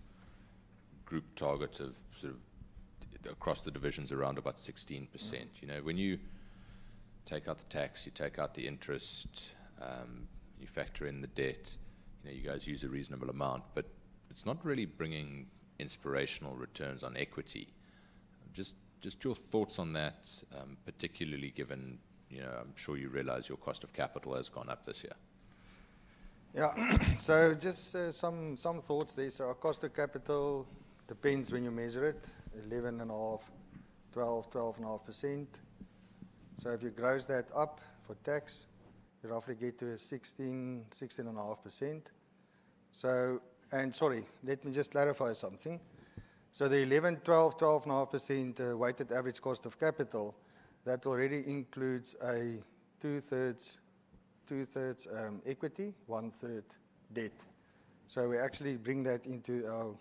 group targets of sort of across the divisions around about 16%. Mm-hmm. You know, when you take out the tax, you take out the interest, you factor in the debt. You know, you guys use a reasonable amount, but it's not really bringing inspirational returns on equity. Just your thoughts on that, particularly given, you know, I'm sure you realize your cost of capital has gone up this year. Yeah. Just some thoughts there. Our cost of capital depends when you measure it, 11.5%-12.5%. If you gross that up for tax, you roughly get to a 16%-16.5%. Sorry, let me just clarify something. The 11%-12.5% weighted average cost of capital already includes a two-thirds equity, one-third debt. We actually bring that into our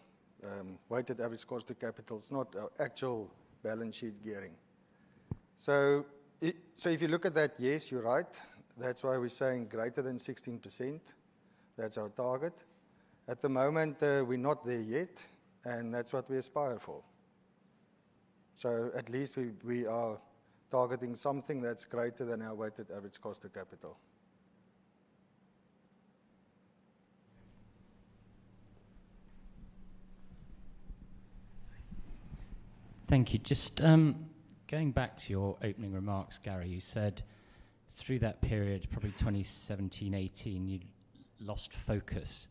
weighted average cost of capital. It's not our actual balance sheet gearing. If you look at that, yes, you're right. That's why we're saying greater than 16%. That's our target. At the moment, we're not there yet, and that's what we aspire for. At least we are targeting something that's greater than our weighted average cost of capital. Thank you. Just going back to your opening remarks, Gary, you said through that period, probably 2017, 2018, you lost focus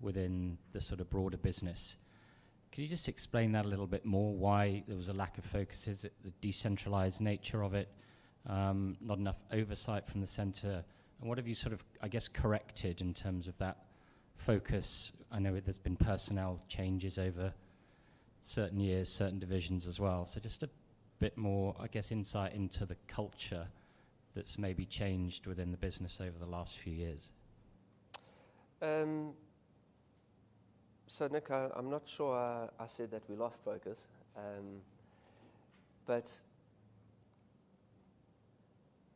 within the sort of broader business. Could you just explain that a little bit more, why there was a lack of focus? Is it the decentralized nature of it? Not enough oversight from the center? And what have you sort of, I guess, corrected in terms of that focus? I know there's been personnel changes over certain years, certain divisions as well. Just a bit more, I guess, insight into the culture that's maybe changed within the business over the last few years. Nick, I'm not sure I said that we lost focus.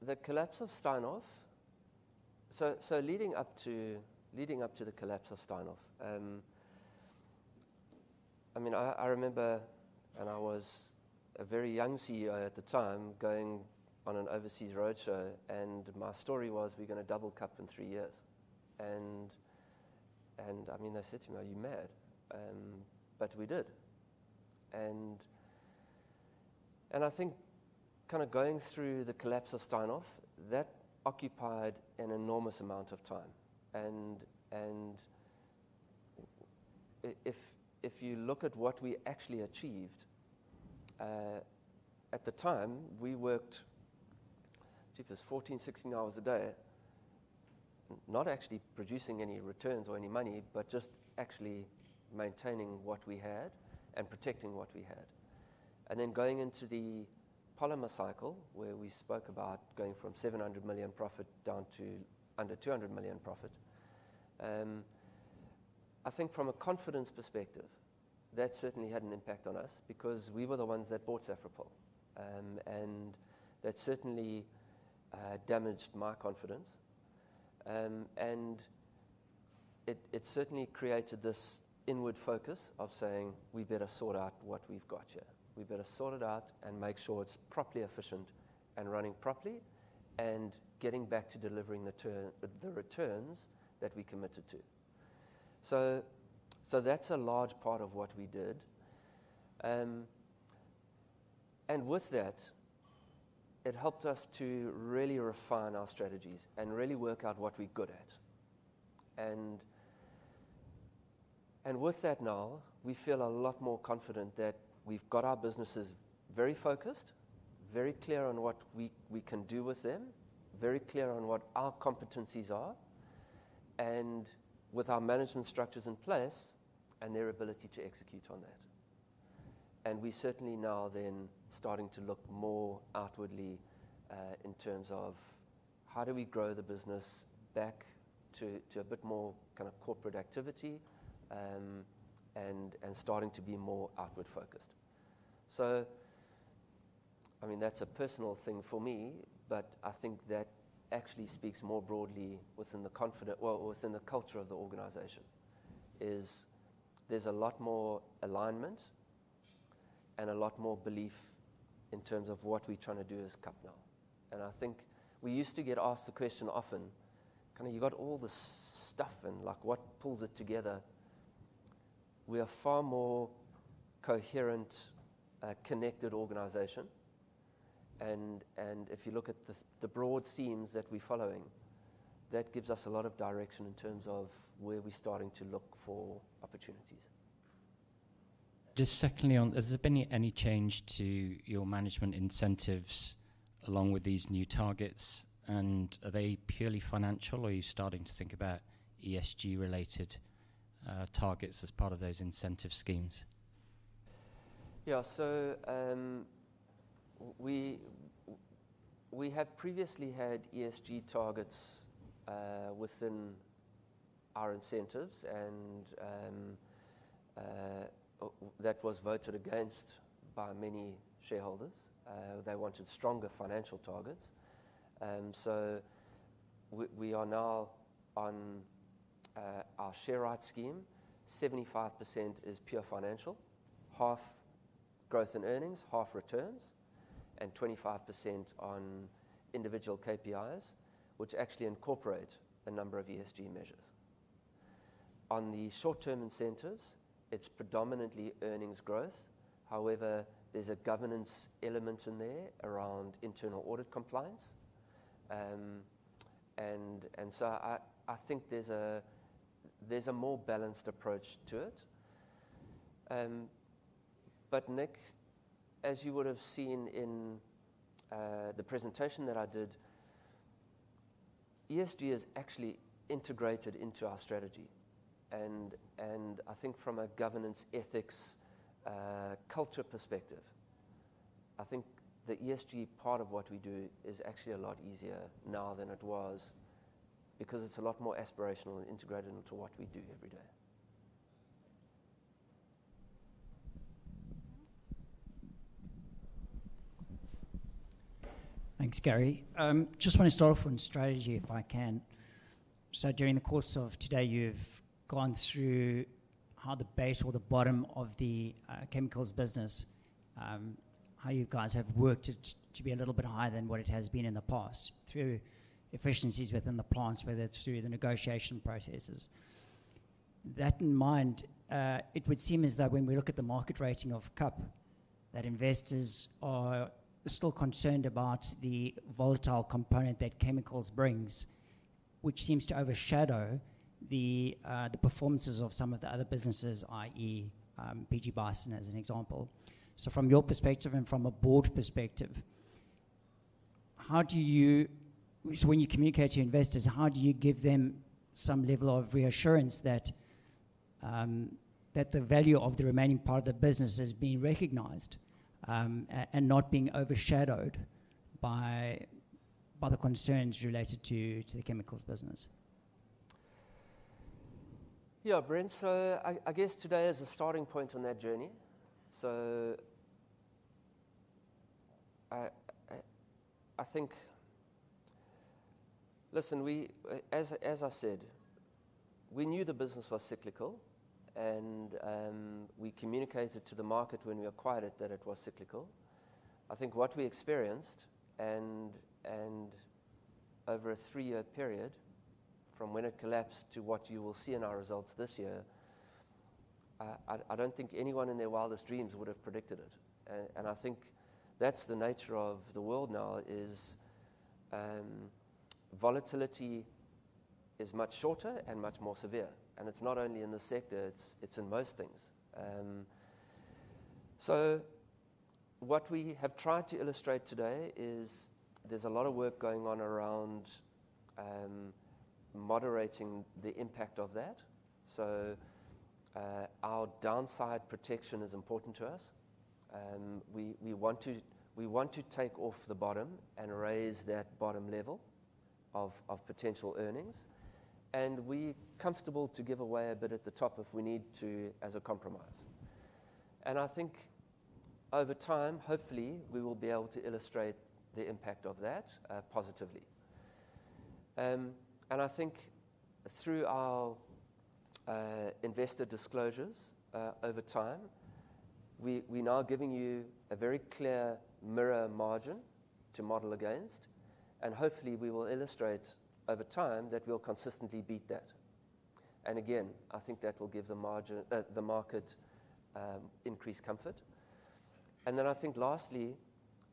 The collapse of Steinhoff. Leading up to the collapse of Steinhoff, I mean, I remember, and I was a very young CEO at the time, going on an overseas roadshow, and my story was, we're gonna double KAP in three years. I mean, they said to me, "Are you mad?" We did. I think kind of going through the collapse of Steinhoff, that occupied an enormous amount of time. If you look at what we actually achieved, at the time, we worked 14, 16 hours a day, not actually producing any returns or any money, but just actually maintaining what we had and protecting what we had. Going into the polymer cycle, where we spoke about going from 700 million profit down to under 200 million profit. I think from a confidence perspective, that certainly had an impact on us because we were the ones that bought Safripol. That certainly damaged my confidence. It certainly created this inward focus of saying, "We better sort out what we've got here. We better sort it out and make sure it's properly efficient and running properly, and getting back to delivering the returns that we committed to." That's a large part of what we did. With that, it helped us to really refine our strategies and really work out what we're good at. With that now, we feel a lot more confident that we've got our businesses very focused, very clear on what we can do with them, very clear on what our competencies are, and with our management structures in place and their ability to execute on that. We certainly now then starting to look more outwardly in terms of how do we grow the business back to a bit more kind of corporate activity, and starting to be more outward focused. I mean, that's a personal thing for me, but I think that actually speaks more broadly within the well, within the culture of the organization, is there's a lot more alignment and a lot more belief in terms of what we're trying to do as KAP now. I think we used to get asked the question often, kind of, "You got all this stuff and, like, what pulls it together?" We are far more coherent, connected organization. If you look at the broad themes that we're following, that gives us a lot of direction in terms of where we're starting to look for opportunities. Just secondly on, has there been any change to your management incentives along with these new targets? Are they purely financial, or are you starting to think about ESG-related targets as part of those incentive schemes? Yeah. We have previously had ESG targets within our incentives and that was voted against by many shareholders. They wanted stronger financial targets. We are now on our share right scheme. 75% is pure financial, half growth and earnings, half returns, and 25% on individual KPIs, which actually incorporate a number of ESG measures. On the short-term incentives, it's predominantly earnings growth. However, there's a governance element in there around internal audit compliance. And so I think there's a more balanced approach to it. But Nick, as you would have seen in the presentation that I did, ESG is actually integrated into our strategy. I think the ESG part of what we do is actually a lot easier now than it was because it's a lot more aspirational and integrated into what we do every day. Thanks, Gary. Just wanna start off on strategy if I can. During the course of today, you've gone through how the base or the bottom of the chemicals business, how you guys have worked it to be a little bit higher than what it has been in the past through efficiencies within the plants, whether it's through the negotiation processes. That in mind, it would seem as though when we look at the market rating of KAP, that investors are still concerned about the volatile component that chemicals brings, which seems to overshadow the performances of some of the other businesses, i.e., PG Bison as an example. From your perspective and from a board perspective, when you communicate to your investors, how do you give them some level of reassurance that the value of the remaining part of the business is being recognized, and not being overshadowed by the concerns related to the chemicals business? Yeah, Brent. I guess today is a starting point on that journey. I think. Listen, as I said, we knew the business was cyclical and we communicated to the market when we acquired it that it was cyclical. I think what we experienced over a three-year period from when it collapsed to what you will see in our results this year, I don't think anyone in their wildest dreams would have predicted it. I think that's the nature of the world now is volatility is much shorter and much more severe. It's not only in this sector, it's in most things. What we have tried to illustrate today is there's a lot of work going on around moderating the impact of that. Our downside protection is important to us. We want to take off the bottom and raise that bottom level of potential earnings. We're comfortable to give away a bit at the top if we need to as a compromise. I think over time, hopefully, we will be able to illustrate the impact of that, positively. I think through our investor disclosures, over time, we now are giving you a very clear mirror margin to model against. Hopefully, we will illustrate over time that we'll consistently beat that. Again, I think that will give the market increased comfort. I think lastly,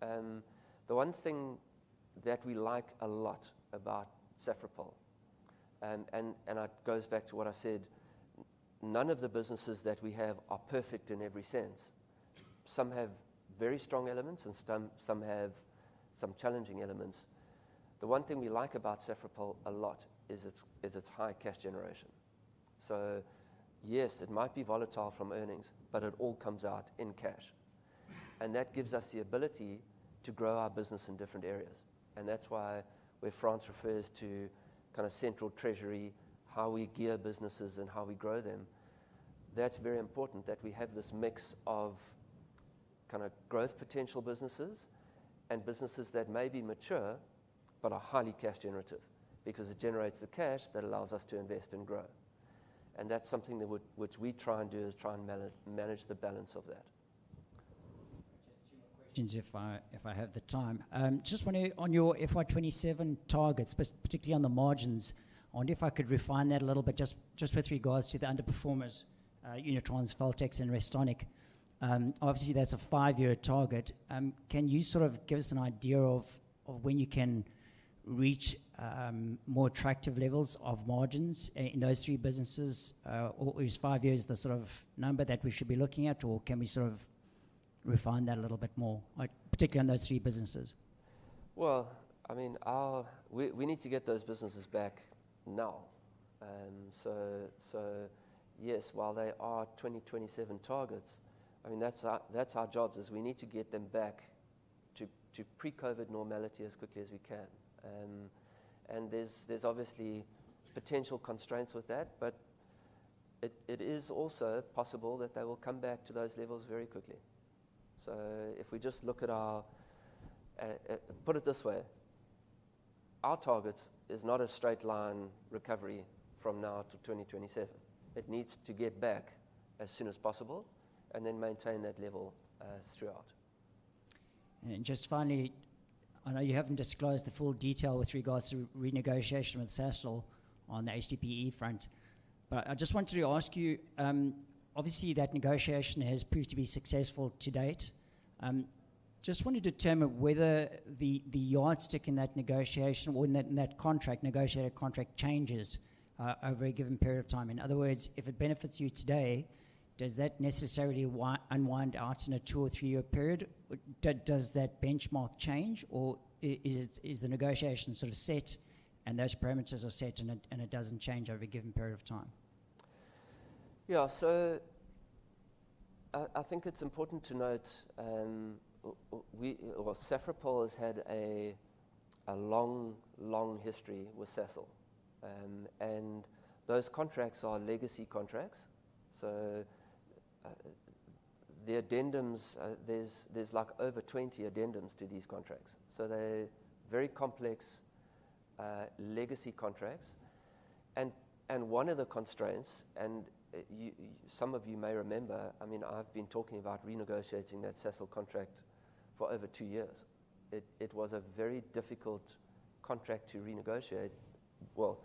the one thing that we like a lot about Safripol, and it goes back to what I said, none of the businesses that we have are perfect in every sense. Some have very strong elements and some have challenging elements. The one thing we like about Safripol a lot is its high cash generation. Yes, it might be volatile from earnings, but it all comes out in cash. That gives us the ability to grow our business in different areas. That's why when Frans refers to kinda central treasury, how we gear businesses and how we grow them, that's very important that we have this mix of kinda growth potential businesses and businesses that may be mature but are highly cash generative because it generates the cash that allows us to invest and grow. That's something which we try and do, is try and manage the balance of that. Just two more questions if I have the time. Just wonder on your FY 2027 targets, particularly on the margins, I wonder if I could refine that a little bit just with regards to the underperformers, Unitrans, Feltex and Restonic. Obviously that's a five-year target. Can you sort of give us an idea of when you can reach more attractive levels of margins in those three businesses? Or is five years the sort of number that we should be looking at, or can we sort of refine that a little bit more, like particularly on those three businesses? We need to get those businesses back now. Yes, while they are 2027 targets, I mean, that's our job, is we need to get them back to pre-COVID normality as quickly as we can. There's obviously potential constraints with that, but it is also possible that they will come back to those levels very quickly. Put it this way, our targets is not a straight line recovery from now to 2027. It needs to get back as soon as possible and then maintain that level throughout. Just finally, I know you haven't disclosed the full detail with regards to renegotiation with Sasol on the HDPE front, but I just wanted to ask you, obviously that negotiation has proved to be successful to date. Just wanted to determine whether the yardstick in that negotiation or in that negotiated contract changes over a given period of time. In other words, if it benefits you today, does that necessarily unwind out in a two or three-year period? Does that benchmark change, or is the negotiation sort of set and those parameters are set and it doesn't change over a given period of time? I think it's important to note, we or Safripol has had a long history with Sasol. Those contracts are legacy contracts, the addendums, there's like over 20 addendums to these contracts. They're very complex legacy contracts. One of the constraints, some of you may remember, I mean, I've been talking about renegotiating that Sasol contract for over two years. It was a very difficult contract to renegotiate, well,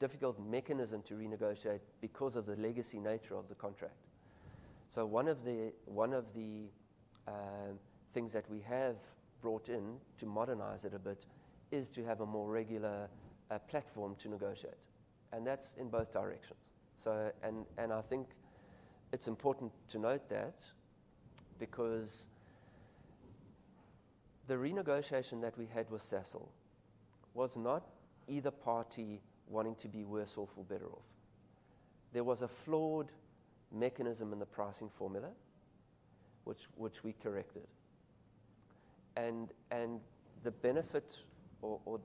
difficult mechanism to renegotiate because of the legacy nature of the contract. One of the things that we have brought in to modernize it a bit is to have a more regular platform to negotiate, and that's in both directions. I think it's important to note that because the renegotiation that we had with Sasol was not either party wanting to be worse off or better off. There was a flawed mechanism in the pricing formula which we corrected. The benefit or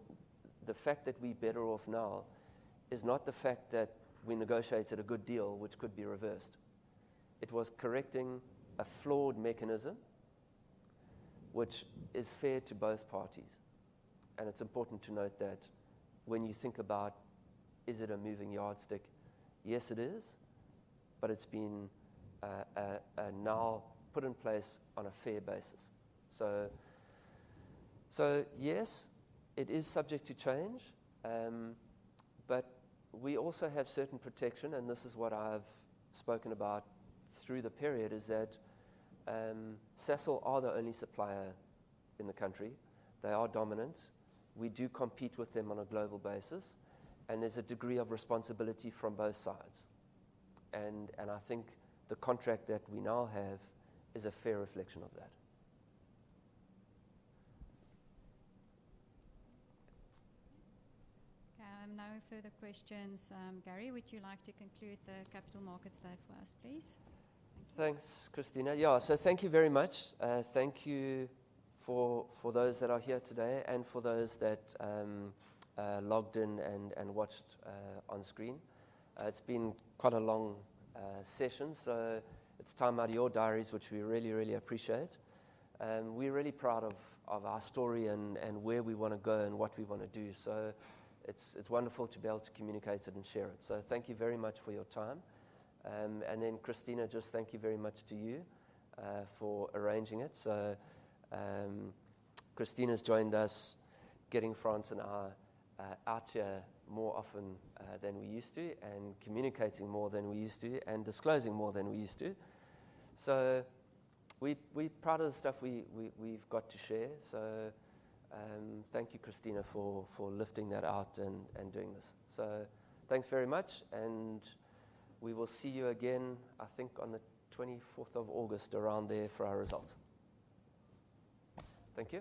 the fact that we're better off now is not the fact that we negotiated a good deal which could be reversed. It was correcting a flawed mechanism which is fair to both parties. It's important to note that when you think about, is it a moving yardstick? Yes, it is. It's been now put in place on a fair basis. Yes, it is subject to change, but we also have certain protection, and this is what I've spoken about through the period, is that Sasol are the only supplier in the country. They are dominant. We do compete with them on a global basis, and there's a degree of responsibility from both sides. I think the contract that we now have is a fair reflection of that. No further questions. Gary, would you like to conclude the capital markets day for us, please? Thank you. Thanks, Christina. Thank you very much. Thank you for those that are here today and for those that logged in and watched on screen. It's been quite a long session, so it's time out of your diaries, which we really appreciate. We're really proud of our story and where we wanna go and what we wanna do, so it's wonderful to be able to communicate it and share it. Thank you very much for your time. Christina, just thank you very much to you for arranging it. Christina's joined us, getting Frans and I out here more often than we used to, and communicating more than we used to, and disclosing more than we used to. We proud of the stuff we've got to share. Thank you, Christina, for lifting that out and doing this. Thanks very much, and we will see you again, I think, on the 24th of August around there for our results. Thank you.